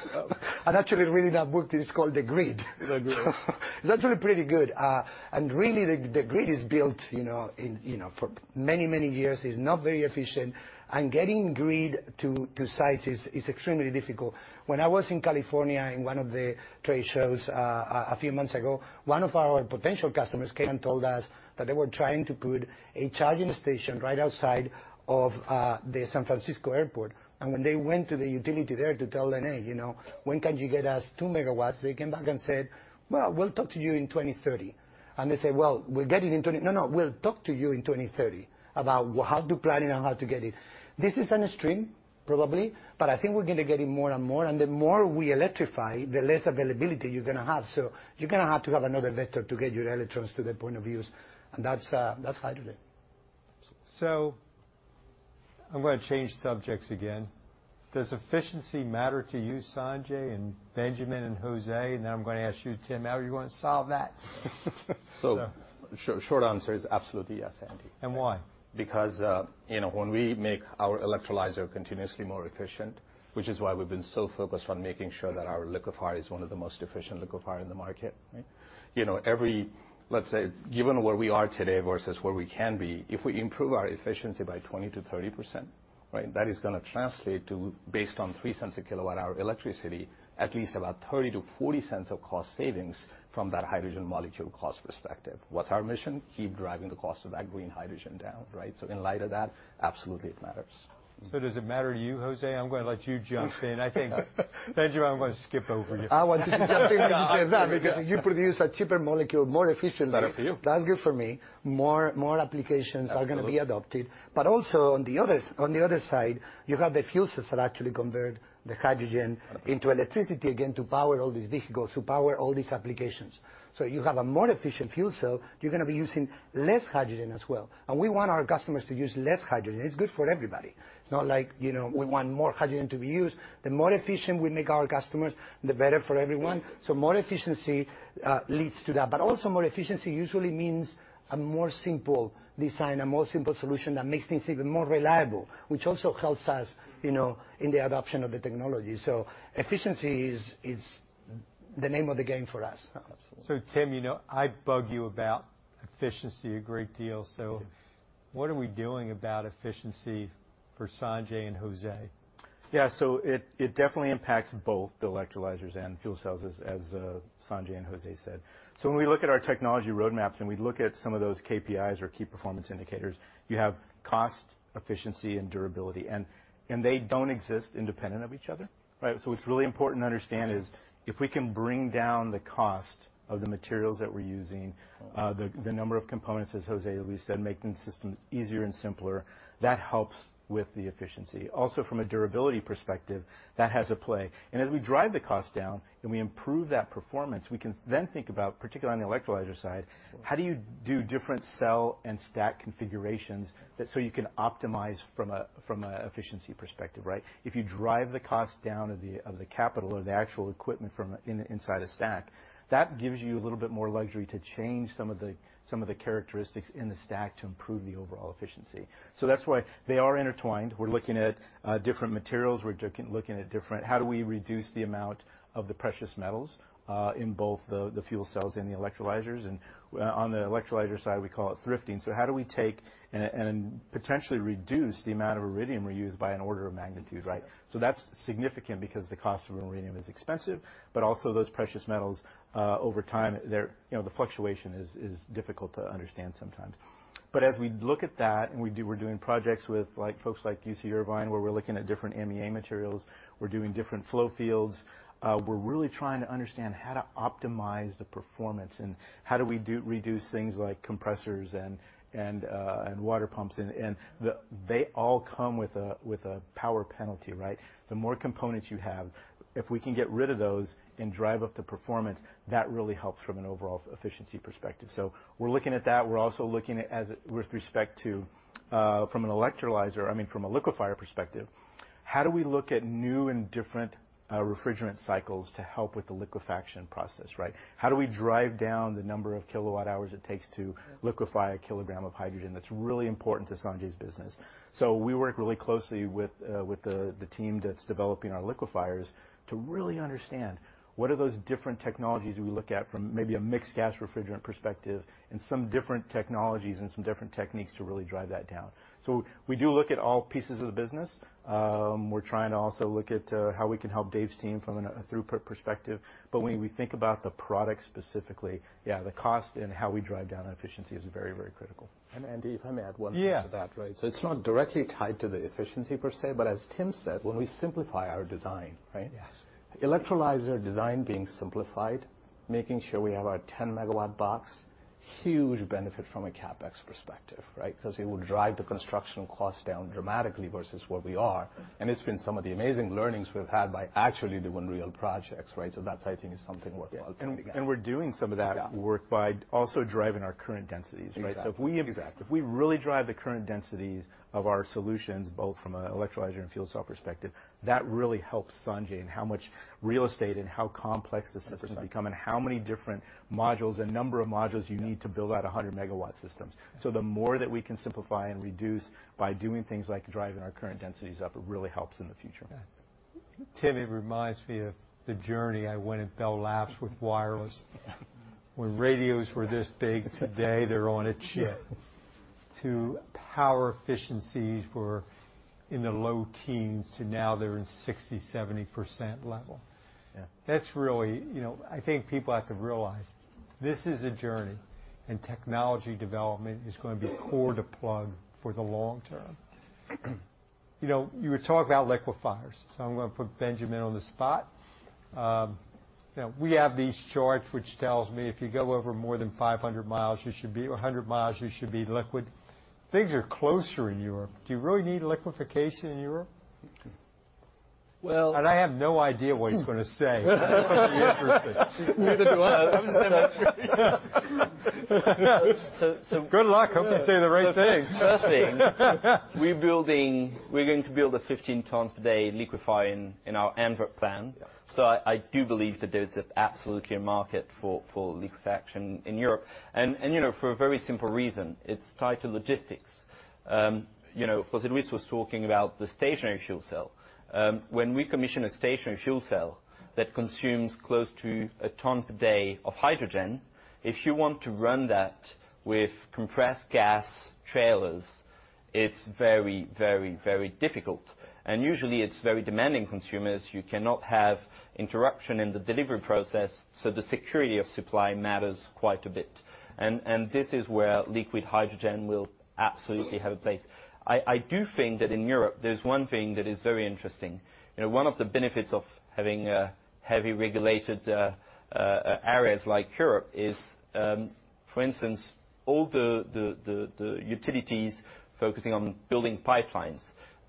I'm actually reading a book. It's called The Grid. The Grid. It's actually pretty good. And really, the grid is built, you know, for many, many years. It's not very efficient, and getting grid to sites is extremely difficult. When I was in California, in one of the trade shows, a few months ago, one of our potential customers came and told us that they were trying to put a charging station right outside of the San Francisco Airport. And when they went to the utility there to tell them, "Hey, you know, when can you get us 2 MW?" They came back and said, "Well, we'll talk to you in 2030." And they said, "Well, we'll get it in twenty—" "No, no, we'll talk to you in 2030 about how to plan it and how to get it." This is an extreme, probably, but I think we're gonna get it more and more, and the more we electrify, the less availability you're gonna have. So you're gonna have to have another vector to get your electrons to the point of use, and that's, that's hydrogen. I'm gonna change subjects again. Does efficiency matter to you, Sanjay, and Benjamin, and Jose? And then I'm gonna ask you, Tim, how are you gonna solve that? So short, short answer is absolutely yes, Andy. And why? Because, you know, when we make our electrolyzer continuously more efficient, which is why we've been so focused on making sure that our liquefier is one of the most efficient liquefier in the market, right? You know, every, let's say, given where we are today versus where we can be, if we improve our efficiency by 20%-30%, right, that is gonna translate to, based on $0.03/kWh electricity, at least about $0.30-$0.40 of cost savings from that hydrogen molecule cost perspective. What's our mission? Keep driving the cost of that green hydrogen down, right? So in light of that, absolutely, it matters. So does it matter to you, Jose? I'm gonna let you jump in. I think, Benjamin, I'm gonna skip over you. I want to do something that because you produce a cheaper molecule more efficiently- Better for you. That's good for me. More, more applications- Absolutely... are gonna be adopted. But also on the other, on the other side, you have the fuel cells that actually convert the hydrogen into electricity, again, to power all these vehicles, to power all these applications. So you have a more efficient fuel cell, you're gonna be using less hydrogen as well. And we want our customers to use less hydrogen. It's good for everybody. It's not like, you know, we want more hydrogen to be used. The more efficient we make our customers, the better for everyone. So more efficiency leads to that. But also, more efficiency usually means a more simple design, a more simple solution that makes things even more reliable, which also helps us, you know, in the adoption of the technology. So efficiency is the name of the game for us. So, Tim, you know, I bug you about efficiency a great deal. Yeah. What are we doing about efficiency for Sanjay and Jose? Yeah, so it, it definitely impacts both the electrolyzers and fuel cells, as, as, Sanjay and Jose said. So when we look at our technology roadmaps and we look at some of those KPIs or key performance indicators, you have cost, efficiency, and durability, and, and they don't exist independent of each other, right? So what's really important to understand is, if we can bring down the cost of the materials that we're using, the, the number of components, as Jose Luis said, making systems easier and simpler, that helps with the efficiency. Also, from a durability perspective, that has a play. And as we drive the cost down and we improve that performance, we can then think about, particularly on the electrolyzer side, how do you do different cell and stack configurations that so you can optimize from a, from a efficiency perspective, right? If you drive the cost down of the capital or the actual equipment from inside a stack, that gives you a little bit more luxury to change some of the characteristics in the stack to improve the overall efficiency. So that's why they are intertwined. We're looking at different materials. We're looking at different. How do we reduce the amount of the precious metals in both the fuel cells and the electrolyzers? And on the electrolyzer side, we call it thrifting. So how do we take and potentially reduce the amount of iridium we use by an order of magnitude, right? So that's significant because the cost of iridium is expensive, but also those precious metals over time, they're, you know, the fluctuation is difficult to understand sometimes. But as we look at that, and we do, we're doing projects with like folks like UC Irvine, where we're looking at different MEA materials. We're doing different flow fields. We're really trying to understand how to optimize the performance and how do we reduce things like compressors and water pumps. They all come with a power penalty, right? The more components you have, if we can get rid of those and drive up the performance, that really helps from an overall efficiency perspective. So we're looking at that. We're also looking at it with respect to, from an electrolyzer, I mean, from a liquefier perspective, how do we look at new and different refrigerant cycles to help with the liquefaction process, right? How do we drive down the number of kilowatt hours it takes to liquefy a kilogram of hydrogen? That's really important to Sanjay's business. So we work really closely with the team that's developing our liquefiers to really understand what are those different technologies we look at from maybe a mixed gas refrigerant perspective and some different technologies and some different techniques to really drive that down. So we do look at all pieces of the business. We're trying to also look at how we can help Dave's team from a throughput perspective. But when we think about the product specifically, yeah, the cost and how we drive down our efficiency is very, very critical. Andy, if I may add one thing to that. Yeah. It's not directly tied to the efficiency per se, but as Tim said, when we simplify our design, right? Yes. Electrolyzer design being simplified, making sure we have our 10 MW box, huge benefit from a CapEx perspective, right? Because it will drive the construction cost down dramatically versus where we are. And it's been some of the amazing learnings we've had by actually doing real projects, right? So that I think is something worthwhile. Yeah. And we're doing some of that- Yeah... work by also driving our current densities, right? Exactly. So if we- Exactly... if we really drive the current densities of our solutions, both from an electrolyzer and fuel cell perspective, that really helps Sanjay in how much real estate and how complex the systems become- Exactly... and how many different modules and number of modules you need- Yeah... to build out 100 MW systems. So the more that we can simplify and reduce by doing things like driving our current densities up, it really helps in the future. Yeah. Tim, it reminds me of the journey I went at Bell Labs with wireless. When radios were this big, today, they're on a chip. The power efficiencies were in the low teens, to now they're in 60%-70% level. Yeah. That's really... You know, I think people have to realize this is a journey, and technology development is gonna be core to Plug for the long term. You know, you were talking about liquefiers, so I'm gonna put Benjamin on the spot. Now we have these charts, which tells me if you go over more than 500 mi, you should be, or 100 mi, you should be liquid. Things are closer in Europe. Do you really need liquefaction in Europe?... Well, and I have no idea what he's gonna say, so this will be interesting. Neither do I. Good luck. Hope you say the right thing. Firstly, we're going to build a 15 tons per day liquefier in our Antwerp plant. Yeah. So I do believe that there's absolutely a market for liquefaction in Europe, and you know, for a very simple reason: it's tied to logistics. You know, José Luis was talking about the stationary fuel cell. When we commission a stationary fuel cell that consumes close to a ton per day of hydrogen, if you want to run that with compressed gas trailers, it's very, very, very difficult, and usually, it's very demanding consumers. You cannot have interruption in the delivery process, so the security of supply matters quite a bit. And this is where liquid hydrogen will absolutely have a place. I do think that in Europe, there's one thing that is very interesting. You know, one of the benefits of having heavy regulated areas like Europe is, for instance, all the utilities focusing on building pipelines.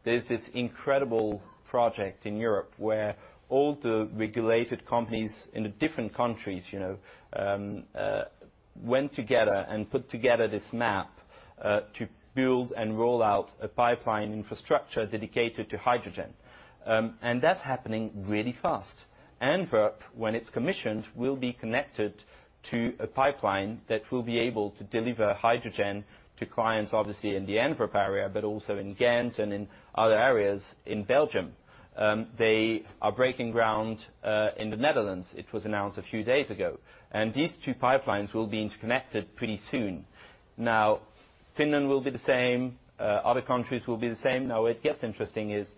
There's this incredible project in Europe where all the regulated companies in the different countries, you know, went together and put together this map to build and roll out a pipeline infrastructure dedicated to hydrogen. And that's happening really fast. Antwerp, when it's commissioned, will be connected to a pipeline that will be able to deliver hydrogen to clients, obviously, in the Antwerp area, but also in Ghent and in other areas in Belgium. They are breaking ground in the Netherlands. It was announced a few days ago. And these two pipelines will be interconnected pretty soon. Now, Finland will be the same. Other countries will be the same. Now, where it gets interesting is,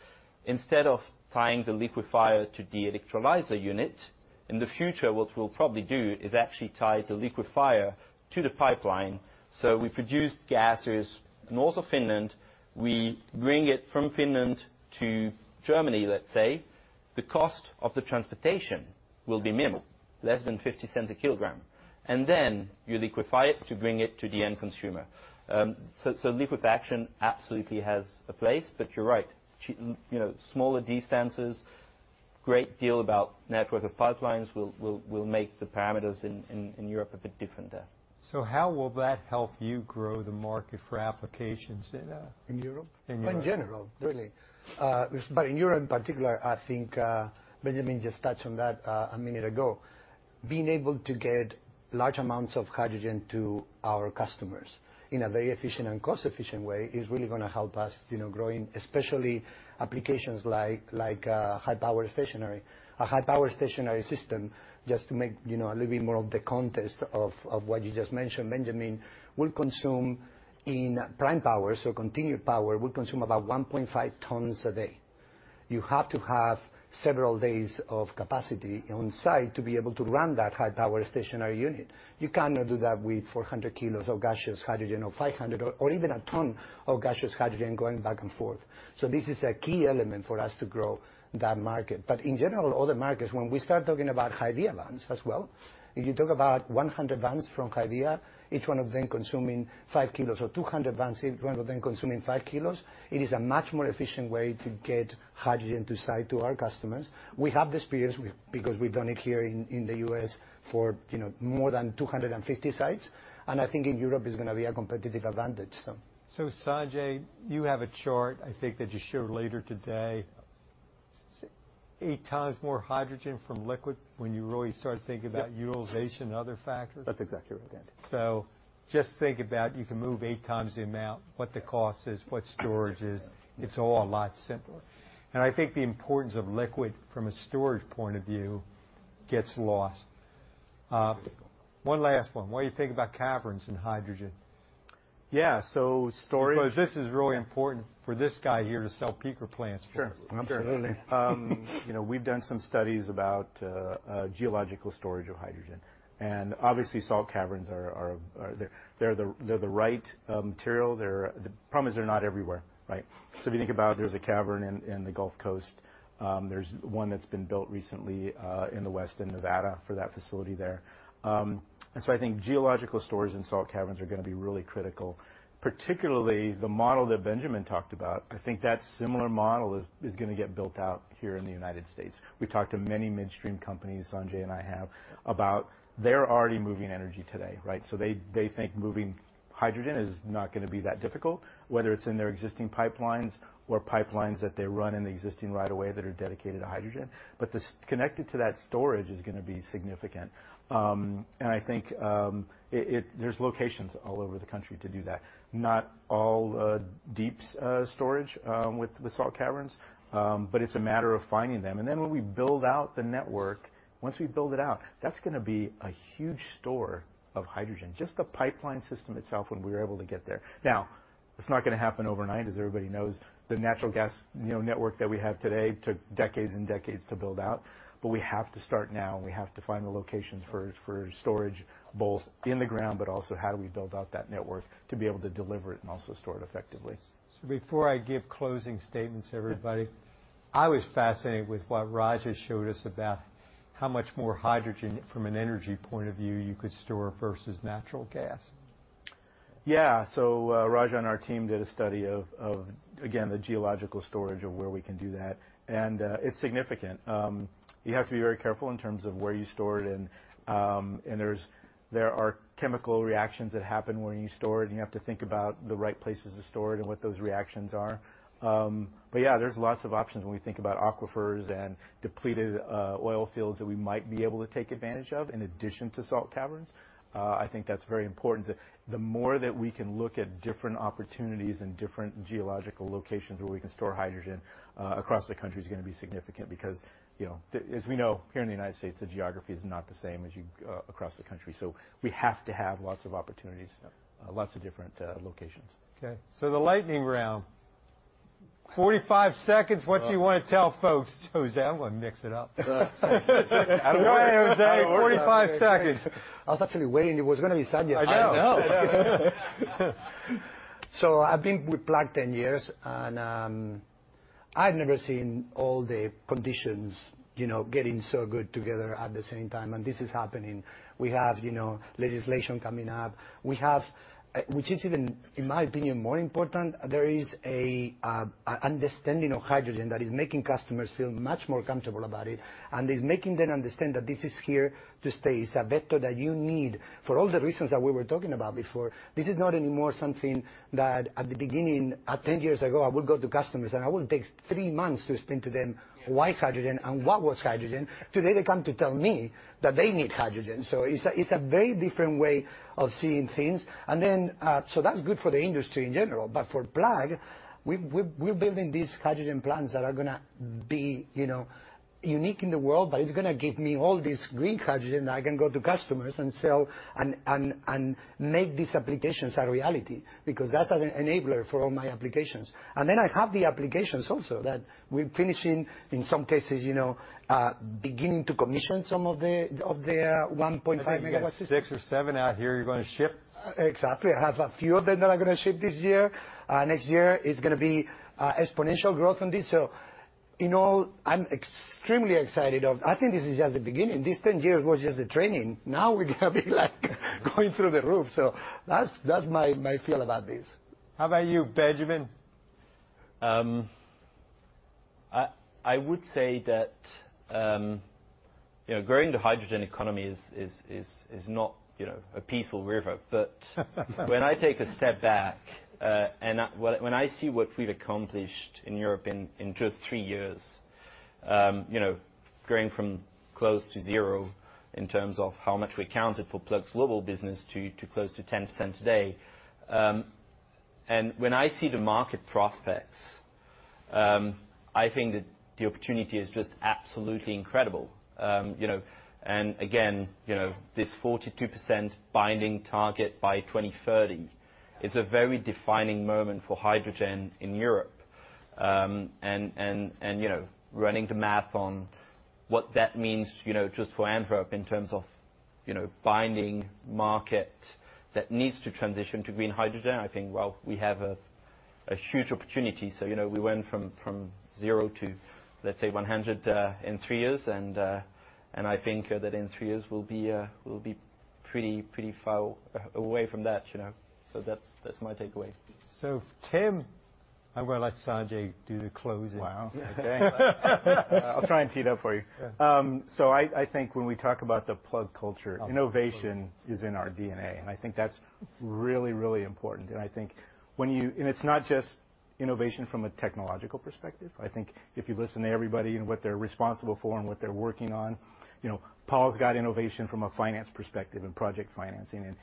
instead of tying the liquefier to the electrolyzer unit, in the future, what we'll probably do is actually tie the liquefier to the pipeline. So we produce gases north of Finland, we bring it from Finland to Germany, let's say. The cost of the transportation will be minimal, less than $0.50 a kilogram, and then you liquefy it to bring it to the end consumer. So liquefaction absolutely has a place, but you're right, you know, smaller distances, great deal about network of pipelines will make the parameters in Europe a bit different there. So how will that help you grow the market for applications in? In Europe? In Europe. In general, really. But in Europe, in particular, I think, Benjamin just touched on that a minute ago. Being able to get large amounts of hydrogen to our customers in a very efficient and cost-efficient way is really gonna help us, you know, growing, especially applications like, like, high-power stationary. A high-power stationary system, just to make, you know, a little bit more of the context of what you just mentioned, Benjamin, will consume in prime power, so continued power, will consume about 1.5 tons a day. You have to have several days of capacity on site to be able to run that high-power stationary unit. You cannot do that with 400 kg of gaseous hydrogen, or 500, or even 1 ton of gaseous hydrogen going back and forth. So this is a key element for us to grow that market. In general, other markets, when we start talking about HYVIA vans as well, if you talk about 100 vans from HYVIA, each one of them consuming five kilos or 200 vans, each one of them consuming five kilos, it is a much more efficient way to get hydrogen to site to our customers. We have the experience because we've done it here in the U.S. for, you know, more than 250 sites, and I think in Europe, it's gonna be a competitive advantage, so. So, Sanjay, you have a chart, I think, that you show later today. Eight times more hydrogen from liquid when you really start to think about- Yep utilization and other factors? That's exactly right, yeah. So just think about, you can move 8x the amount, what the cost is, what storage is. It's all a lot simpler. And I think the importance of liquid from a storage point of view gets lost. One last one: What do you think about caverns and hydrogen? Yeah, so storage- Because this is really important for this guy here to sell peaker plants. Sure. Absolutely. You know, we've done some studies about geological storage of hydrogen, and obviously, salt caverns are the right material. The problem is, they're not everywhere, right? So if you think about it, there's a cavern in the Gulf Coast. There's one that's been built recently in the west, in Nevada, for that facility there. And so I think geological storage and salt caverns are gonna be really critical, particularly the model that Benjamin talked about. I think that similar model is gonna get built out here in the United States. We've talked to many midstream companies, Sanjay and I have, about they're already moving energy today, right? So they think moving hydrogen is not gonna be that difficult, whether it's in their existing pipelines or pipelines that they run in the existing right of way that are dedicated to hydrogen, but this connected to that storage is gonna be significant. And I think, it, there's locations all over the country to do that, not all, deep storage, with the salt caverns, but it's a matter of finding them. And then, when we build out the network, once we build it out, that's gonna be a huge store of hydrogen, just the pipeline system itself, when we're able to get there. Now, it's not gonna happen overnight, as everybody knows. The natural gas, you know, network that we have today took decades and decades to build out, but we have to start now, and we have to find the locations for storage, both in the ground, but also, how do we build out that network to be able to deliver it and also store it effectively? Before I give closing statements to everybody, I was fascinated with what Raja showed us about how much more hydrogen, from an energy point of view, you could store versus natural gas.... Yeah, so, Raja and our team did a study of, again, the geological storage of where we can do that, and it's significant. You have to be very careful in terms of where you store it, and and there's, there are chemical reactions that happen when you store it, and you have to think about the right places to store it and what those reactions are. But yeah, there's lots of options when we think about aquifers and depleted, oil fields that we might be able to take advantage of in addition to salt caverns. I think that's very important that the more that we can look at different opportunities and different geological locations where we can store hydrogen, across the country is gonna be significant because, you know, as we know, here in the United States, the geography is not the same as you, across the country, so we have to have lots of opportunities, lots of different locations. Okay, so the lightning round. 45 seconds, what do you wanna tell folks? José, I'm gonna mix it up. Out of the way, José, 45 seconds. I was actually waiting. It was gonna be Sanjay. I know. I know. So I've been with Plug 10 years, and I've never seen all the conditions, you know, getting so good together at the same time, and this is happening. We have, you know, legislation coming up. We have, which is even, in my opinion, more important, there is a understanding of hydrogen that is making customers feel much more comfortable about it and is making them understand that this is here to stay. It's a vector that you need for all the reasons that we were talking about before. This is not anymore something that, at the beginning, ten years ago, I would go to customers, and I would take three months to explain to them why hydrogen and what was hydrogen. Today, they come to tell me that they need hydrogen, so it's a, it's a very different way of seeing things. That's good for the industry in general, but for Plug, we've, we're building these hydrogen plants that are gonna be, you know, unique in the world, but it's gonna give me all this green hydrogen that I can go to customers and sell and make these applications a reality because that's an enabler for all my applications. I have the applications also that we're finishing, in some cases, you know, beginning to commission some of the, of the 1.5 MW system. You got six or seven out here you're gonna ship? Exactly. I have a few of them that are gonna ship this year. Next year is gonna be exponential growth on this, so in all, I'm extremely excited of... I think this is just the beginning. These 10 years was just the training. Now, we're gonna be, like, going through the roof, so that's, that's my, my feel about this. How about you, Benjamin? I would say that, you know, growing the hydrogen economy is not, you know, a peaceful river. But when I take a step back, and when I see what we've accomplished in Europe in just three years, you know, growing from close to zero in terms of how much we accounted for Plug's global business to close to 10% today, and when I see the market prospects, I think that the opportunity is just absolutely incredible. You know, and again, you know, this 42% binding target by 2030 is a very defining moment for hydrogen in Europe. You know, running the math on what that means, you know, just for Antwerp in terms of, you know, binding market that needs to transition to green hydrogen, I think, well, we have a huge opportunity. You know, we went from zero to 100 in three years, and I think that in three years, we'll be pretty, pretty far away from that, you know? That's my takeaway. Tim, I'm gonna let Sanjay do the closing. Wow. Okay. I'll try and tee it up for you. Yeah. So I think when we talk about the Plug culture, innovation is in our DNA, and I think that's really, really important, and I think when you... And it's not just innovation from a technological perspective. I think if you listen to everybody and what they're responsible for and what they're working on, you know, Paul's got innovation from a finance perspective and project financing, and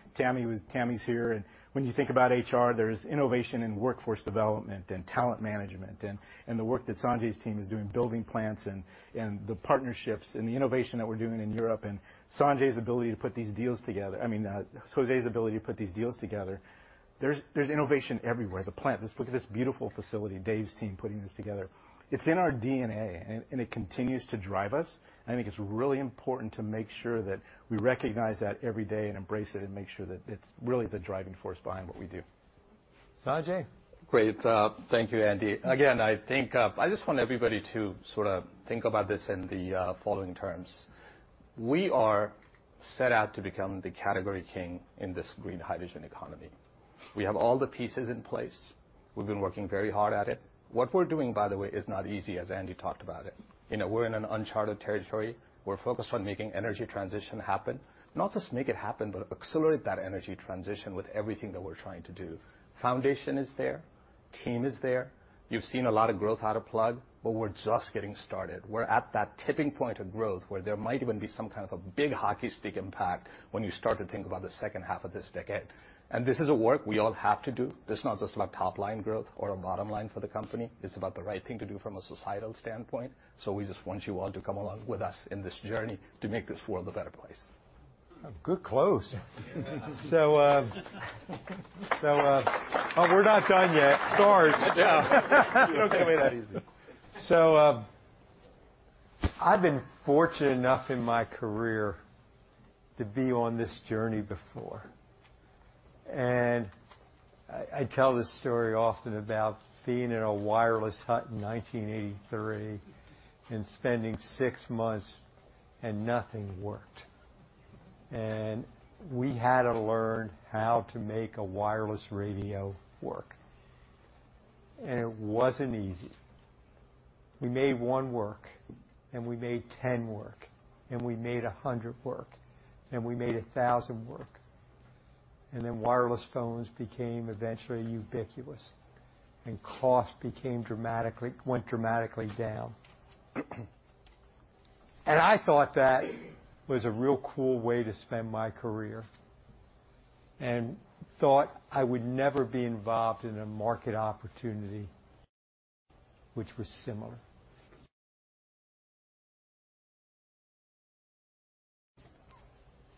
Tammy's here, and when you think about HR, there's innovation in workforce development and talent management and the work that Sanjay's team is doing, building plants and the partnerships and the innovation that we're doing in Europe, and Sanjay's ability to put these deals together... I mean, Jose's ability to put these deals together. There's innovation everywhere. The plant, just look at this beautiful facility, Dave's team putting this together. It's in our DNA, and it continues to drive us, and I think it's really important to make sure that we recognize that every day and embrace it and make sure that it's really the driving force behind what we do. Sanjay? Great. Thank you, Andy. Again, I think I just want everybody to sort of think about this in the following terms: We are set out to become the category king in this green hydrogen economy. We have all the pieces in place. We've been working very hard at it. What we're doing, by the way, is not easy, as Andy talked about it. You know, we're in an uncharted territory. We're focused on making energy transition happen. Not just make it happen, but accelerate that energy transition with everything that we're trying to do. Foundation is there, team is there. You've seen a lot of growth out of Plug, but we're just getting started. We're at that tipping point of growth, where there might even be some kind of a big hockey stick impact when you start to think about the second half of this decade. This is a work we all have to do. This is not just about top-line growth or a bottom line for the company. It's about the right thing to do from a societal standpoint, so we just want you all to come along with us in this journey to make this world a better place. A good close. Yeah. Oh, we're not done yet. Sorry. Yeah. Don't make that easy. I've been fortunate enough in my career to be on this journey before, and I tell this story often about being in a Wireless Hut in 1983 and spending six months... and nothing worked. We had to learn how to make a wireless radio work, and it wasn't easy. We made one work, and we made 10 work, and we made 100 work, and we made 1,000 work, and then wireless phones became eventually ubiquitous, and cost went dramatically down. I thought that was a real cool way to spend my career, and thought I would never be involved in a market opportunity which was similar.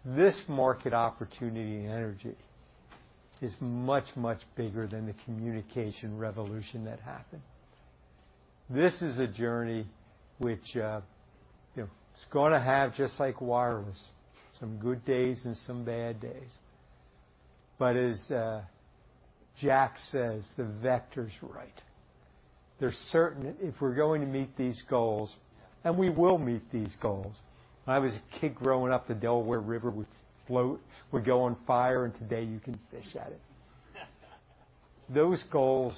This market opportunity in energy is much, much bigger than the communication revolution that happened. This is a journey which, you know, it's gonna have, just like wireless, some good days and some bad days. But as Jack says, "The vector's right." If we're going to meet these goals, and we will meet these goals. When I was a kid growing up, the Delaware River would float, would go on fire, and today you can fish at it. Those goals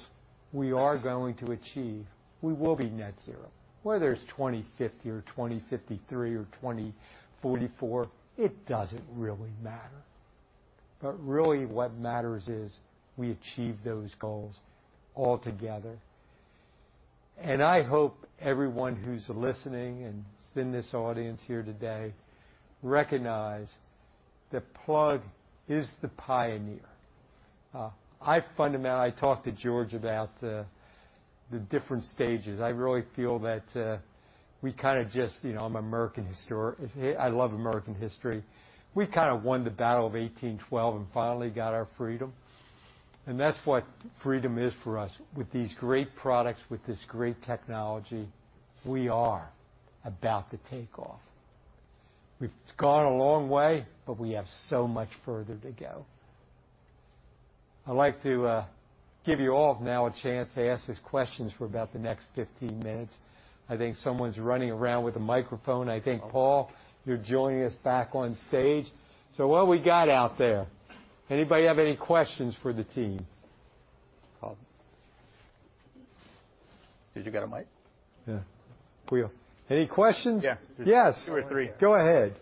we are going to achieve, we will be net zero. Whether it's 2050 or 2053 or 2044, it doesn't really matter. But really, what matters is we achieve those goals altogether. And I hope everyone who's listening and is in this audience here today recognize that Plug is the pioneer. I talked to George about the, the different stages. I really feel that, we kinda just, you know, I'm an American historian. I love American history. We kinda won the Battle of 1812 and finally got our freedom, and that's what freedom is for us. With these great products, with this great technology, we are about to take off. We've gone a long way, but we have so much further to go. I'd like to give you all now a chance to ask us questions for about the next 15 minutes. I think someone's running around with a microphone. I think, Paul, you're joining us back on stage. So what we got out there? Anybody have any questions for the team? Paul. Did you get a mic? Yeah, we are. Any questions? Yeah. Yes. 2 or 3. Go ahead.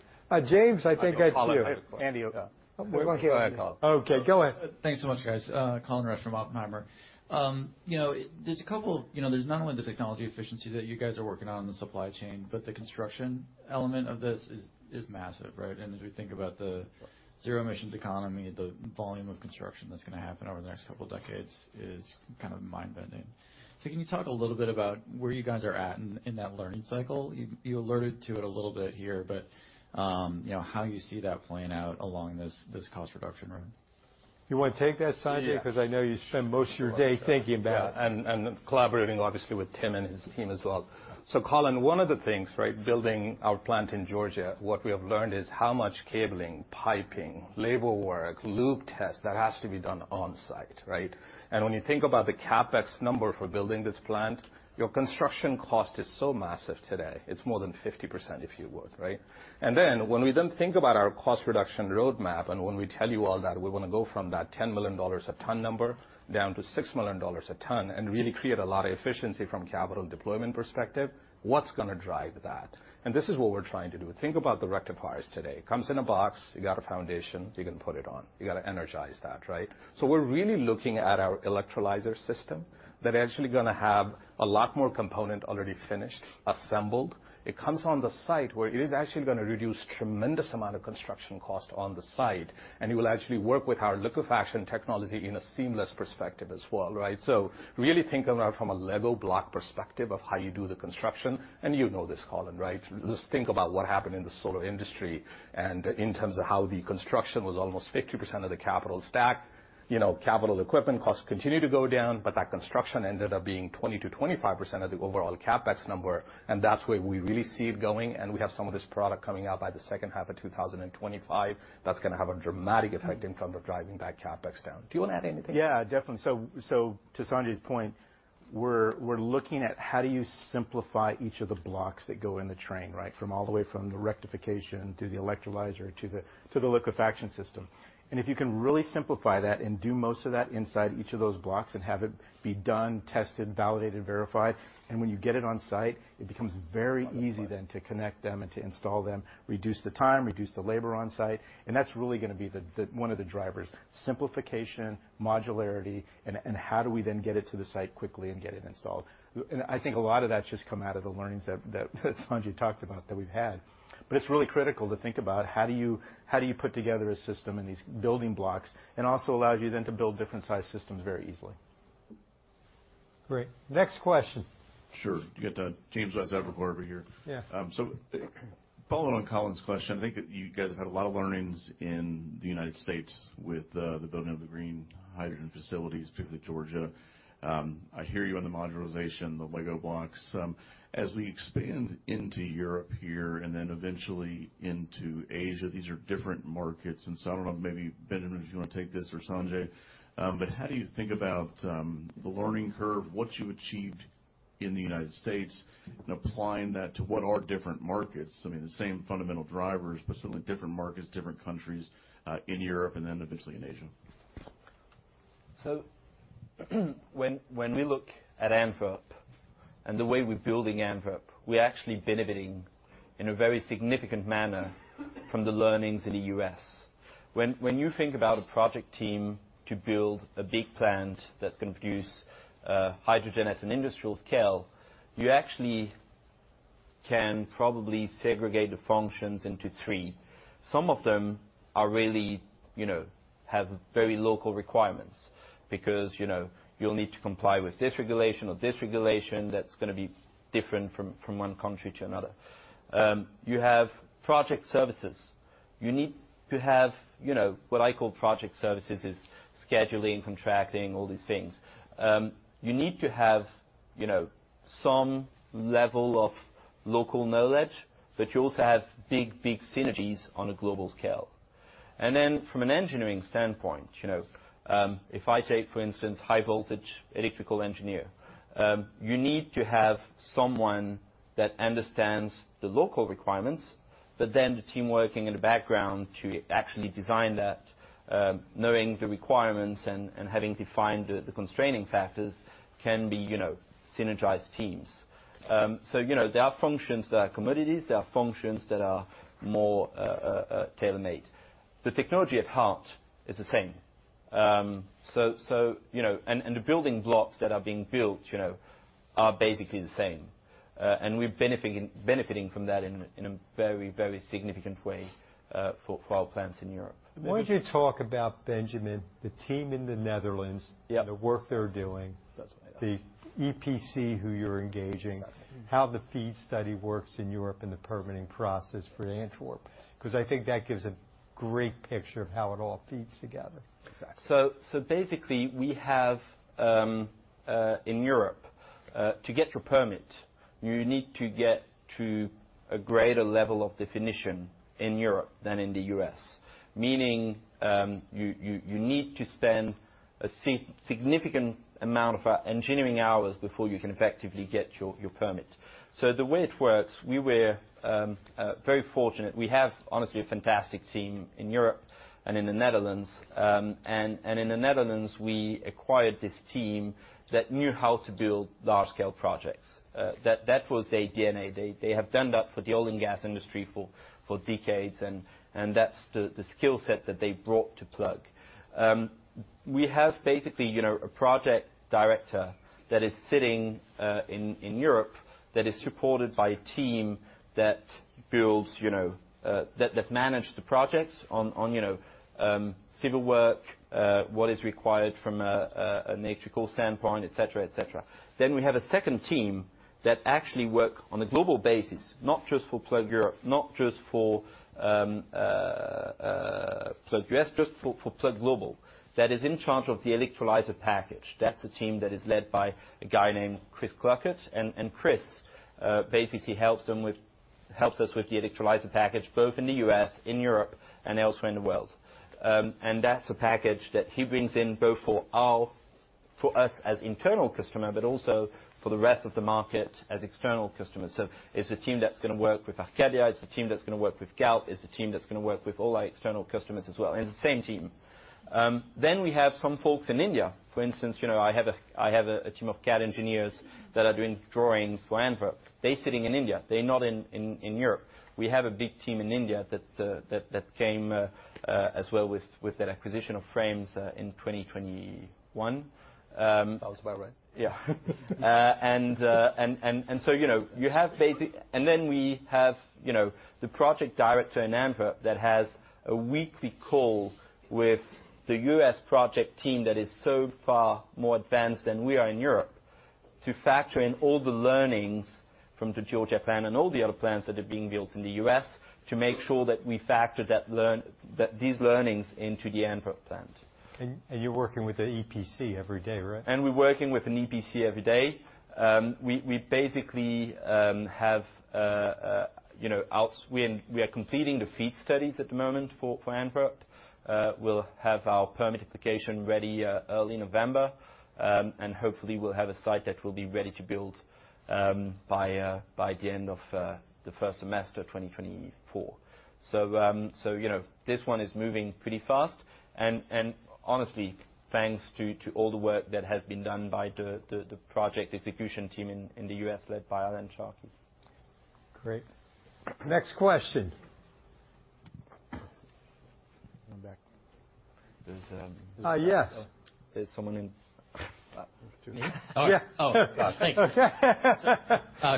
James, I think that's you. Andy, uh- Go ahead, Colin. Okay, go ahead. Thanks so much, guys. Colin Rusch from Oppenheimer. You know, there's a couple—you know, there's not only the technology efficiency that you guys are working on in the supply chain, but the construction element of this is massive, right? And as we think about the zero emissions economy, the volume of construction that's gonna happen over the next couple of decades is kind of mind-bending. So can you talk a little bit about where you guys are at in that learning cycle? You alluded to it a little bit here, but you know, how you see that playing out along this cost reduction road. You want to take that, Sanjay? Yeah. 'Cause I know you spend most of your day thinking about it. Yeah, and collaborating, obviously, with Tim and his team as well. So, Colin, one of the things, right, building our plant in Georgia, what we have learned is how much cabling, piping, label work, loop test, that has to be done on site, right? And when you think about the CapEx number for building this plant, your construction cost is so massive today, it's more than 50%, if you would, right? And then, when we then think about our cost reduction roadmap, and when we tell you all that we wanna go from that $10 million a ton number down to $6 million a ton and really create a lot of efficiency from a capital deployment perspective, what's gonna drive that? And this is what we're trying to do. Think about the rectifiers today. Comes in a box, you got a foundation, you can put it on. You got to energize that, right? So we're really looking at our electrolyzer system that actually gonna have a lot more component already finished, assembled. It comes on the site where it is actually gonna reduce tremendous amount of construction cost on the site, and it will actually work with our liquefaction technology in a seamless perspective as well, right? So really think about it from a Lego block perspective of how you do the construction, and you know this, Colin, right? Just think about what happened in the solar industry and in terms of how the construction was almost 50% of the capital stack. You know, capital equipment costs continued to go down, but that construction ended up being 20%-25% of the overall CapEx number, and that's where we really see it going, and we have some of this product coming out by the second half of 2025. That's gonna have a dramatic effect in terms of driving that CapEx down. Do you want to add anything? Yeah, definitely. So, so to Sanjay's point, we're, we're looking at how do you simplify each of the blocks that go in the train, right? From all the way from the rectification to the electrolyzer to the, to the liquefaction system. And if you can really simplify that and do most of that inside each of those blocks and have it be done, tested, validated, verified, and when you get it on site, it becomes very easy then to connect them and to install them, reduce the time, reduce the labor on site, and that's really gonna be the, the one of the drivers: simplification, modularity, and, and how do we then get it to the site quickly and get it installed? And I think a lot of that's just come out of the learnings that, that Sanjay talked about, that we've had. It's really critical to think about how do you, how do you put together a system in these building blocks, and also allows you then to build different-sized systems very easily. Great. Next question. Sure. You got, James West, Evercore, over here. Yeah. So follow on Colin's question, I think that you guys have had a lot of learnings in the United States with the building of the green hydrogen facilities, particularly Georgia. I hear you on the modularization, the Lego blocks. As we expand into Europe here and then eventually into Asia, these are different markets, and so I don't know, maybe, Benjamin, if you want to take this or Sanjay, but how do you think about the learning curve, what you achieved-... in the United States, and applying that to what are different markets? I mean, the same fundamental drivers, but certainly different markets, different countries, in Europe and then eventually in Asia. So when, when we look at Antwerp and the way we're building Antwerp, we're actually benefiting in a very significant manner from the learnings in the U.S. When, when you think about a project team to build a big plant that's gonna produce hydrogen at an industrial scale, you actually can probably segregate the functions into three. Some of them are really, you know, have very local requirements because, you know, you'll need to comply with this regulation or this regulation that's gonna be different from, from one country to another. You have project services. You need to have, you know, what I call project services is scheduling, contracting, all these things. You need to have, you know, some level of local knowledge, but you also have big, big synergies on a global scale. From an engineering standpoint, you know, if I take, for instance, high voltage electrical engineer, you need to have someone that understands the local requirements, but then the team working in the background to actually design that, knowing the requirements and having defined the constraining factors can be, you know, synergized teams. You know, there are functions that are commodities, there are functions that are more tailor-made. The technology at heart is the same. You know, and the building blocks that are being built, you know, are basically the same. And we're benefiting, benefiting from that in a very, very significant way for our plants in Europe. Why don't you talk about Benjamin, the team in the Netherlands? Yeah. the work they're doing That's right. the EPC, who you're engaging Exactly. -how the FEED study works in Europe and the permitting process for Antwerp, 'cause I think that gives a great picture of how it all fits together. Exactly. So basically, we have in Europe to get your permit, you need to get to a greater level of definition in Europe than in the U.S. Meaning, you need to spend a significant amount of engineering hours before you can effectively get your permit. So the way it works, we were very fortunate. We have, honestly, a fantastic team in Europe and in the Netherlands. And in the Netherlands, we acquired this team that knew how to build large-scale projects. That was their DNA. They have done that for the oil and gas industry for decades, and that's the skill set that they brought to Plug. We have basically, you know, a project director that is sitting in Europe, that is supported by a team that manage the projects on civil work, what is required from a electrical standpoint, et cetera, et cetera. Then we have a second team that actually work on a global basis, not just for Plug Europe, not just for Plug U.S., just for Plug Global, that is in charge of the electrolyzer package. That's the team that is led by a guy named Chris Klukkert, and Chris basically helps us with the electrolyzer package, both in the U.S., in Europe, and elsewhere in the world. And that's a package that he brings in, both for our... for us as internal customer, but also for the rest of the market as external customers. So it's a team that's gonna work with Arcadia, it's a team that's gonna work with Galp, it's a team that's gonna work with all our external customers as well, and it's the same team. Then we have some folks in India, for instance, you know, I have a team of CAD engineers that are doing drawings for Antwerp. They're sitting in India, they're not in Europe. We have a big team in India that came as well with that acquisition of Frames in 2021. Sounds about right. You know, you have— And then we have, you know, the project director in Antwerp that has a weekly call with the U.S. project team that is so far more advanced than we are in Europe, to factor in all the learnings from the Georgia plant and all the other plants that are being built in the U.S., to make sure that we factor that these learnings into the Antwerp plant. And you're working with the EPC every day, right? And we're working with an EPC every day. We basically, you know, are completing the FEED studies at the moment for Antwerp. We'll have our permit application ready early November, and hopefully, we'll have a site that will be ready to build by the end of the first semester of 2024. So, you know, this one is moving pretty fast and honestly, thanks to all the work that has been done by the project execution team in the U.S., led by Alan Sharkey. Great. Next question. Going back. There's, um- Uh, yes. There's someone in... Me? Yeah. Oh, gosh. Thanks.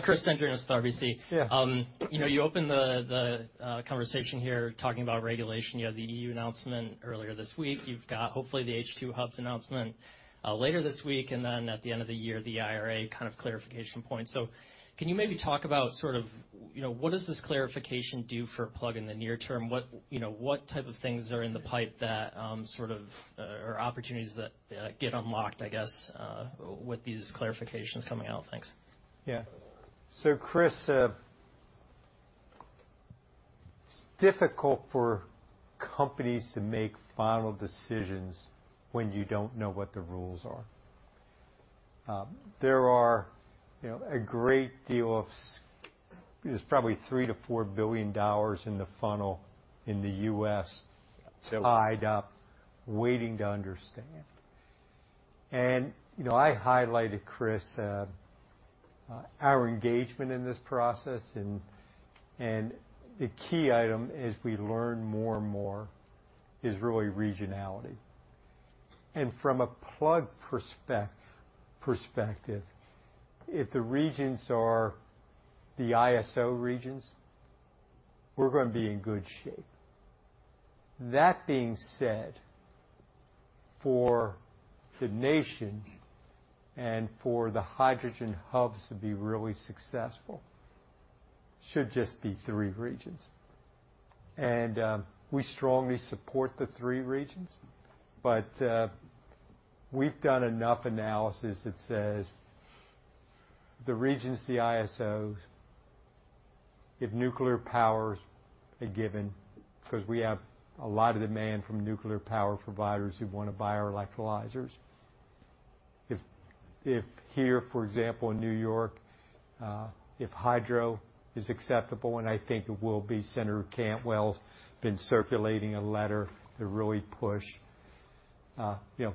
Chris Dendrinos with RBC. Yeah. You know, you opened the, the conversation here talking about regulation. You had the EU announcement earlier this week. You've got, hopefully, the H2 Hubs announcement later this week, and then at the end of the year, the IRA kind of clarification point. So can you maybe talk about sort of, you know, what does this clarification do for Plug in the near term? What, you know, what type of things are in the pipe that sort of or opportunities that get unlocked, I guess, with these clarifications coming out? Thanks. Yeah. So, Chris,... It's difficult for companies to make final decisions when you don't know what the rules are. There are, you know, a great deal of—there's probably $3 billion-$4 billion in the funnel in the U.S. tied up, waiting to understand. And, you know, I highlighted, Chris, our engagement in this process, and the key item, as we learn more and more, is really regionality. And from a Plug perspective, if the regions are the ISO regions, we're gonna be in good shape. That being said, for the nation and for the hydrogen hubs to be really successful, should just be three regions. We strongly support the three regions, but we've done enough analysis that says the regions, the ISOs, if nuclear power is a given, 'cause we have a lot of demand from nuclear power providers who wanna buy our electrolyzers. If here, for example, in New York, if hydro is acceptable, and I think it will be, Senator Cantwell's been circulating a letter to really push, you know.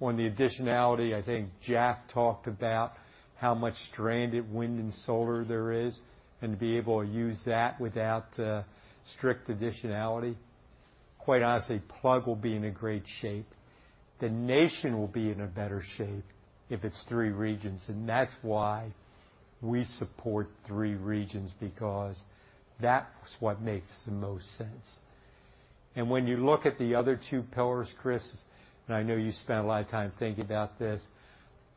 On the additionality, I think Jack talked about how much stranded wind and solar there is, and to be able to use that without strict additionality, quite honestly, Plug will be in a great shape. The nation will be in a better shape if it's three regions, and that's why we support three regions, because that's what makes the most sense. When you look at the other two pillars, Chris, and I know you spent a lot of time thinking about this,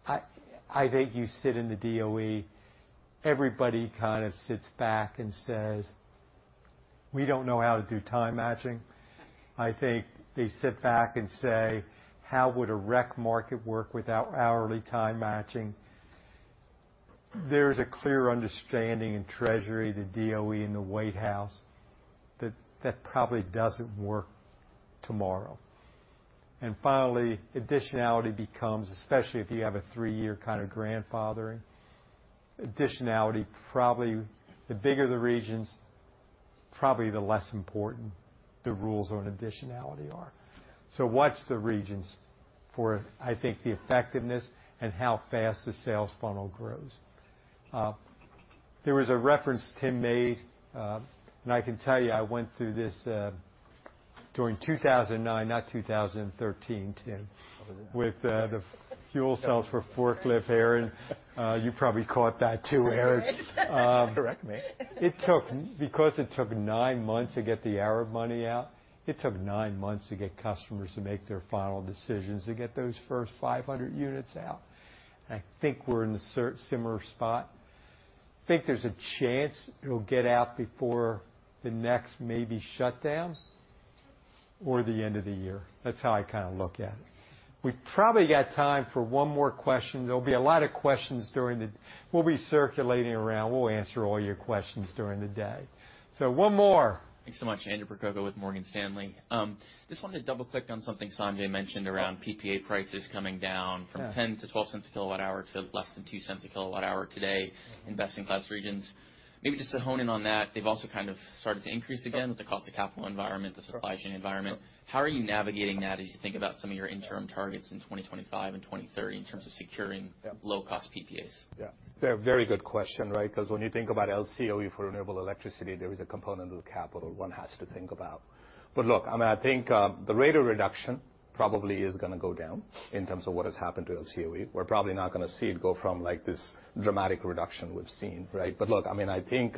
I, I think you sit in the DOE, everybody kind of sits back and says, "We don't know how to do time matching." I think they sit back and say, "How would a REC market work without hourly time matching?" There's a clear understanding in Treasury, the DOE, and the White House that that probably doesn't work tomorrow. And finally, additionality becomes, especially if you have a three-year kind of grandfathering, additionality, probably the bigger the regions, probably the less important the rules on additionality are. So watch the regions for, I think, the effectiveness and how fast the sales funnel grows. There was a reference Tim made, and I can tell you, I went through this during 2009, not 2013, Tim, with the fuel cells for forklift. Aaron, you probably caught that, too, Aaron. Correct me. Because it took nine months to get the ARRA money out, it took nine months to get customers to make their final decisions to get those first 500 units out. I think we're in a similar spot. I think there's a chance it'll get out before the next maybe shutdown or the end of the year. That's how I kinda look at it. We've probably got time for one more question. There'll be a lot of questions during the... We'll be circulating around. We'll answer all your questions during the day. So one more. Thanks so much. Andrew Percoco with Morgan Stanley. Just wanted to double-click on something Sanjay mentioned around PPA prices coming down from $0.10-$0.12 per kWh to less than $0.02 per kWh today in best-in-class regions. Maybe just to hone in on that, they've also kind of started to increase again with the cost of capital environment, the supply chain environment. How are you navigating that as you think about some of your interim targets in 2025 and 2030, in terms of securing low-cost PPAs? Yeah. Very good question, right? 'Cause when you think about LCOE for renewable electricity, there is a component of capital one has to think about. But look, I mean, I think, the rate of reduction probably is gonna go down in terms of what has happened to LCOE. We're probably not gonna see it go from, like, this dramatic reduction we've seen, right? But look, I mean, I think,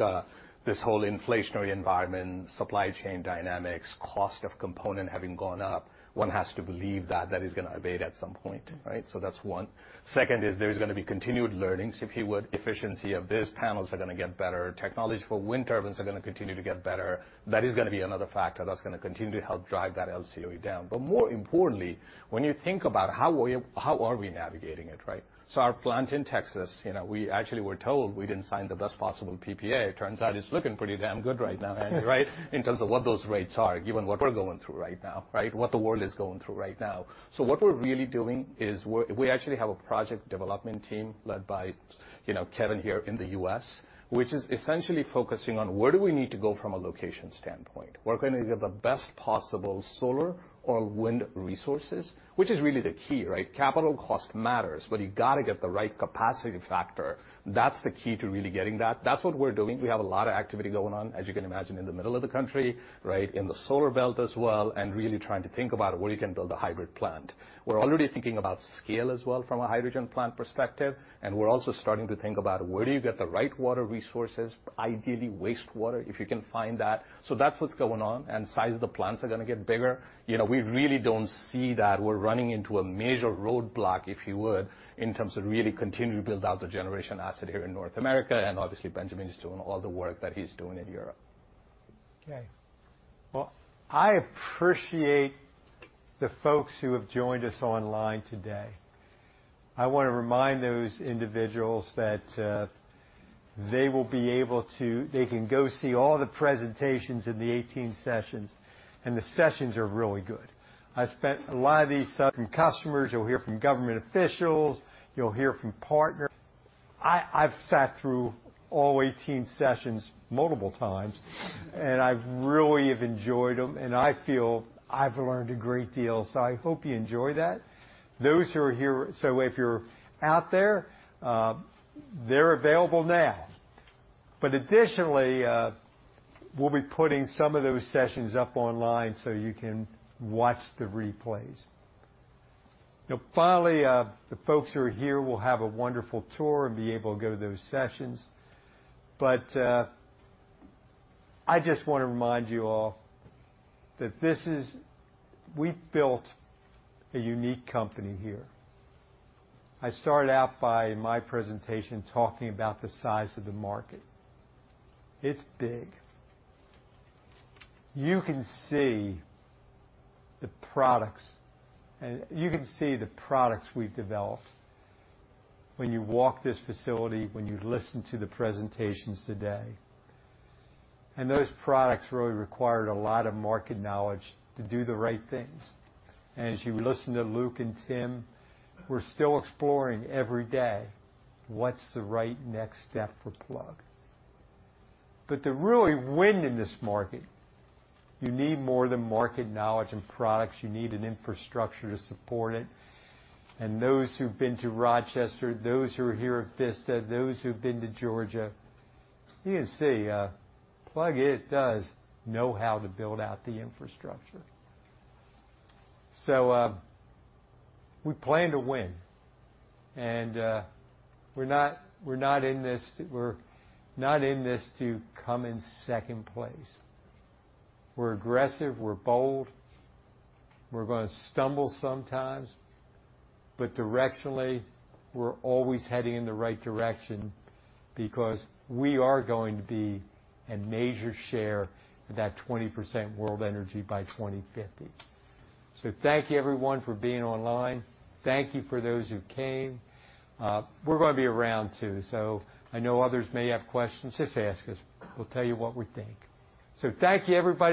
this whole inflationary environment, supply chain dynamics, cost of component having gone up, one has to believe that that is gonna abate at some point, right? So that's one. Second is there is gonna be continued learnings, if you would. Efficiency of these panels are gonna get better. Technology for wind turbines are gonna continue to get better. That is gonna be another factor that's gonna continue to help drive that LCOE down. But more importantly, when you think about how are we, how are we navigating it, right? So our plant in Texas, you know, we actually were told we didn't sign the best possible PPA. It turns out it's looking pretty damn good right now, Andy, right? In terms of what those rates are, given what we're going through right now, right? What the world is going through right now. So what we're really doing is, we actually have a project development team led by, you know, Kevin here in the U.S., which is essentially focusing on where do we need to go from a location standpoint? We're going to get the best possible solar or wind resources, which is really the key, right? Capital cost matters, but you gotta get the right capacity factor. That's the key to really getting that. That's what we're doing. We have a lot of activity going on, as you can imagine, in the middle of the country, right, in the solar belt as well, and really trying to think about where you can build a hybrid plant. We're already thinking about scale as well from a hydrogen plant perspective, and we're also starting to think about where do you get the right water resources, ideally wastewater, if you can find that. So that's what's going on, and size of the plants are gonna get bigger. You know, we really don't see that we're running into a major roadblock, if you would, in terms of really continuing to build out the generation asset here in North America, and obviously, Benjamin is doing all the work that he's doing in Europe. Okay. Well, I appreciate the folks who have joined us online today. I wanna remind those individuals that they can go see all the presentations in the 18 sessions, and the sessions are really good. I spent a lot of these from customers, you'll hear from government officials, you'll hear from partner. I've sat through all 18 sessions multiple times, and I've really have enjoyed them, and I feel I've learned a great deal. So I hope you enjoy that. Those who are here so if you're out there, they're available now. But additionally, we'll be putting some of those sessions up online so you can watch the replays. Now, finally, the folks who are here will have a wonderful tour and be able to go to those sessions. But, I just wanna remind you all that this is. We've built a unique company here. I started out by my presentation talking about the size of the market. It's big. You can see the products and you can see the products we've developed when you walk this facility, when you listen to the presentations today, and those products really required a lot of market knowledge to do the right things. And as you listen to Luke and Tim, we're still exploring every day, what's the right next step for Plug? But to really win in this market, you need more than market knowledge and products. You need an infrastructure to support it, and those who've been to Rochester, those who are here at Vista, those who've been to Georgia, you can see, Plug it does know how to build out the infrastructure. So, we plan to win, and, we're not, we're not in this to-- we're not in this to come in second place. We're aggressive, we're bold, we're gonna stumble sometimes, but directionally, we're always heading in the right direction because we are going to be a major share of that 20% world energy by 2050. So thank you, everyone, for being online. Thank you for those who came. We're gonna be around, too, so I know others may have questions. Just ask us. We'll tell you what we think. So thank you, everybody!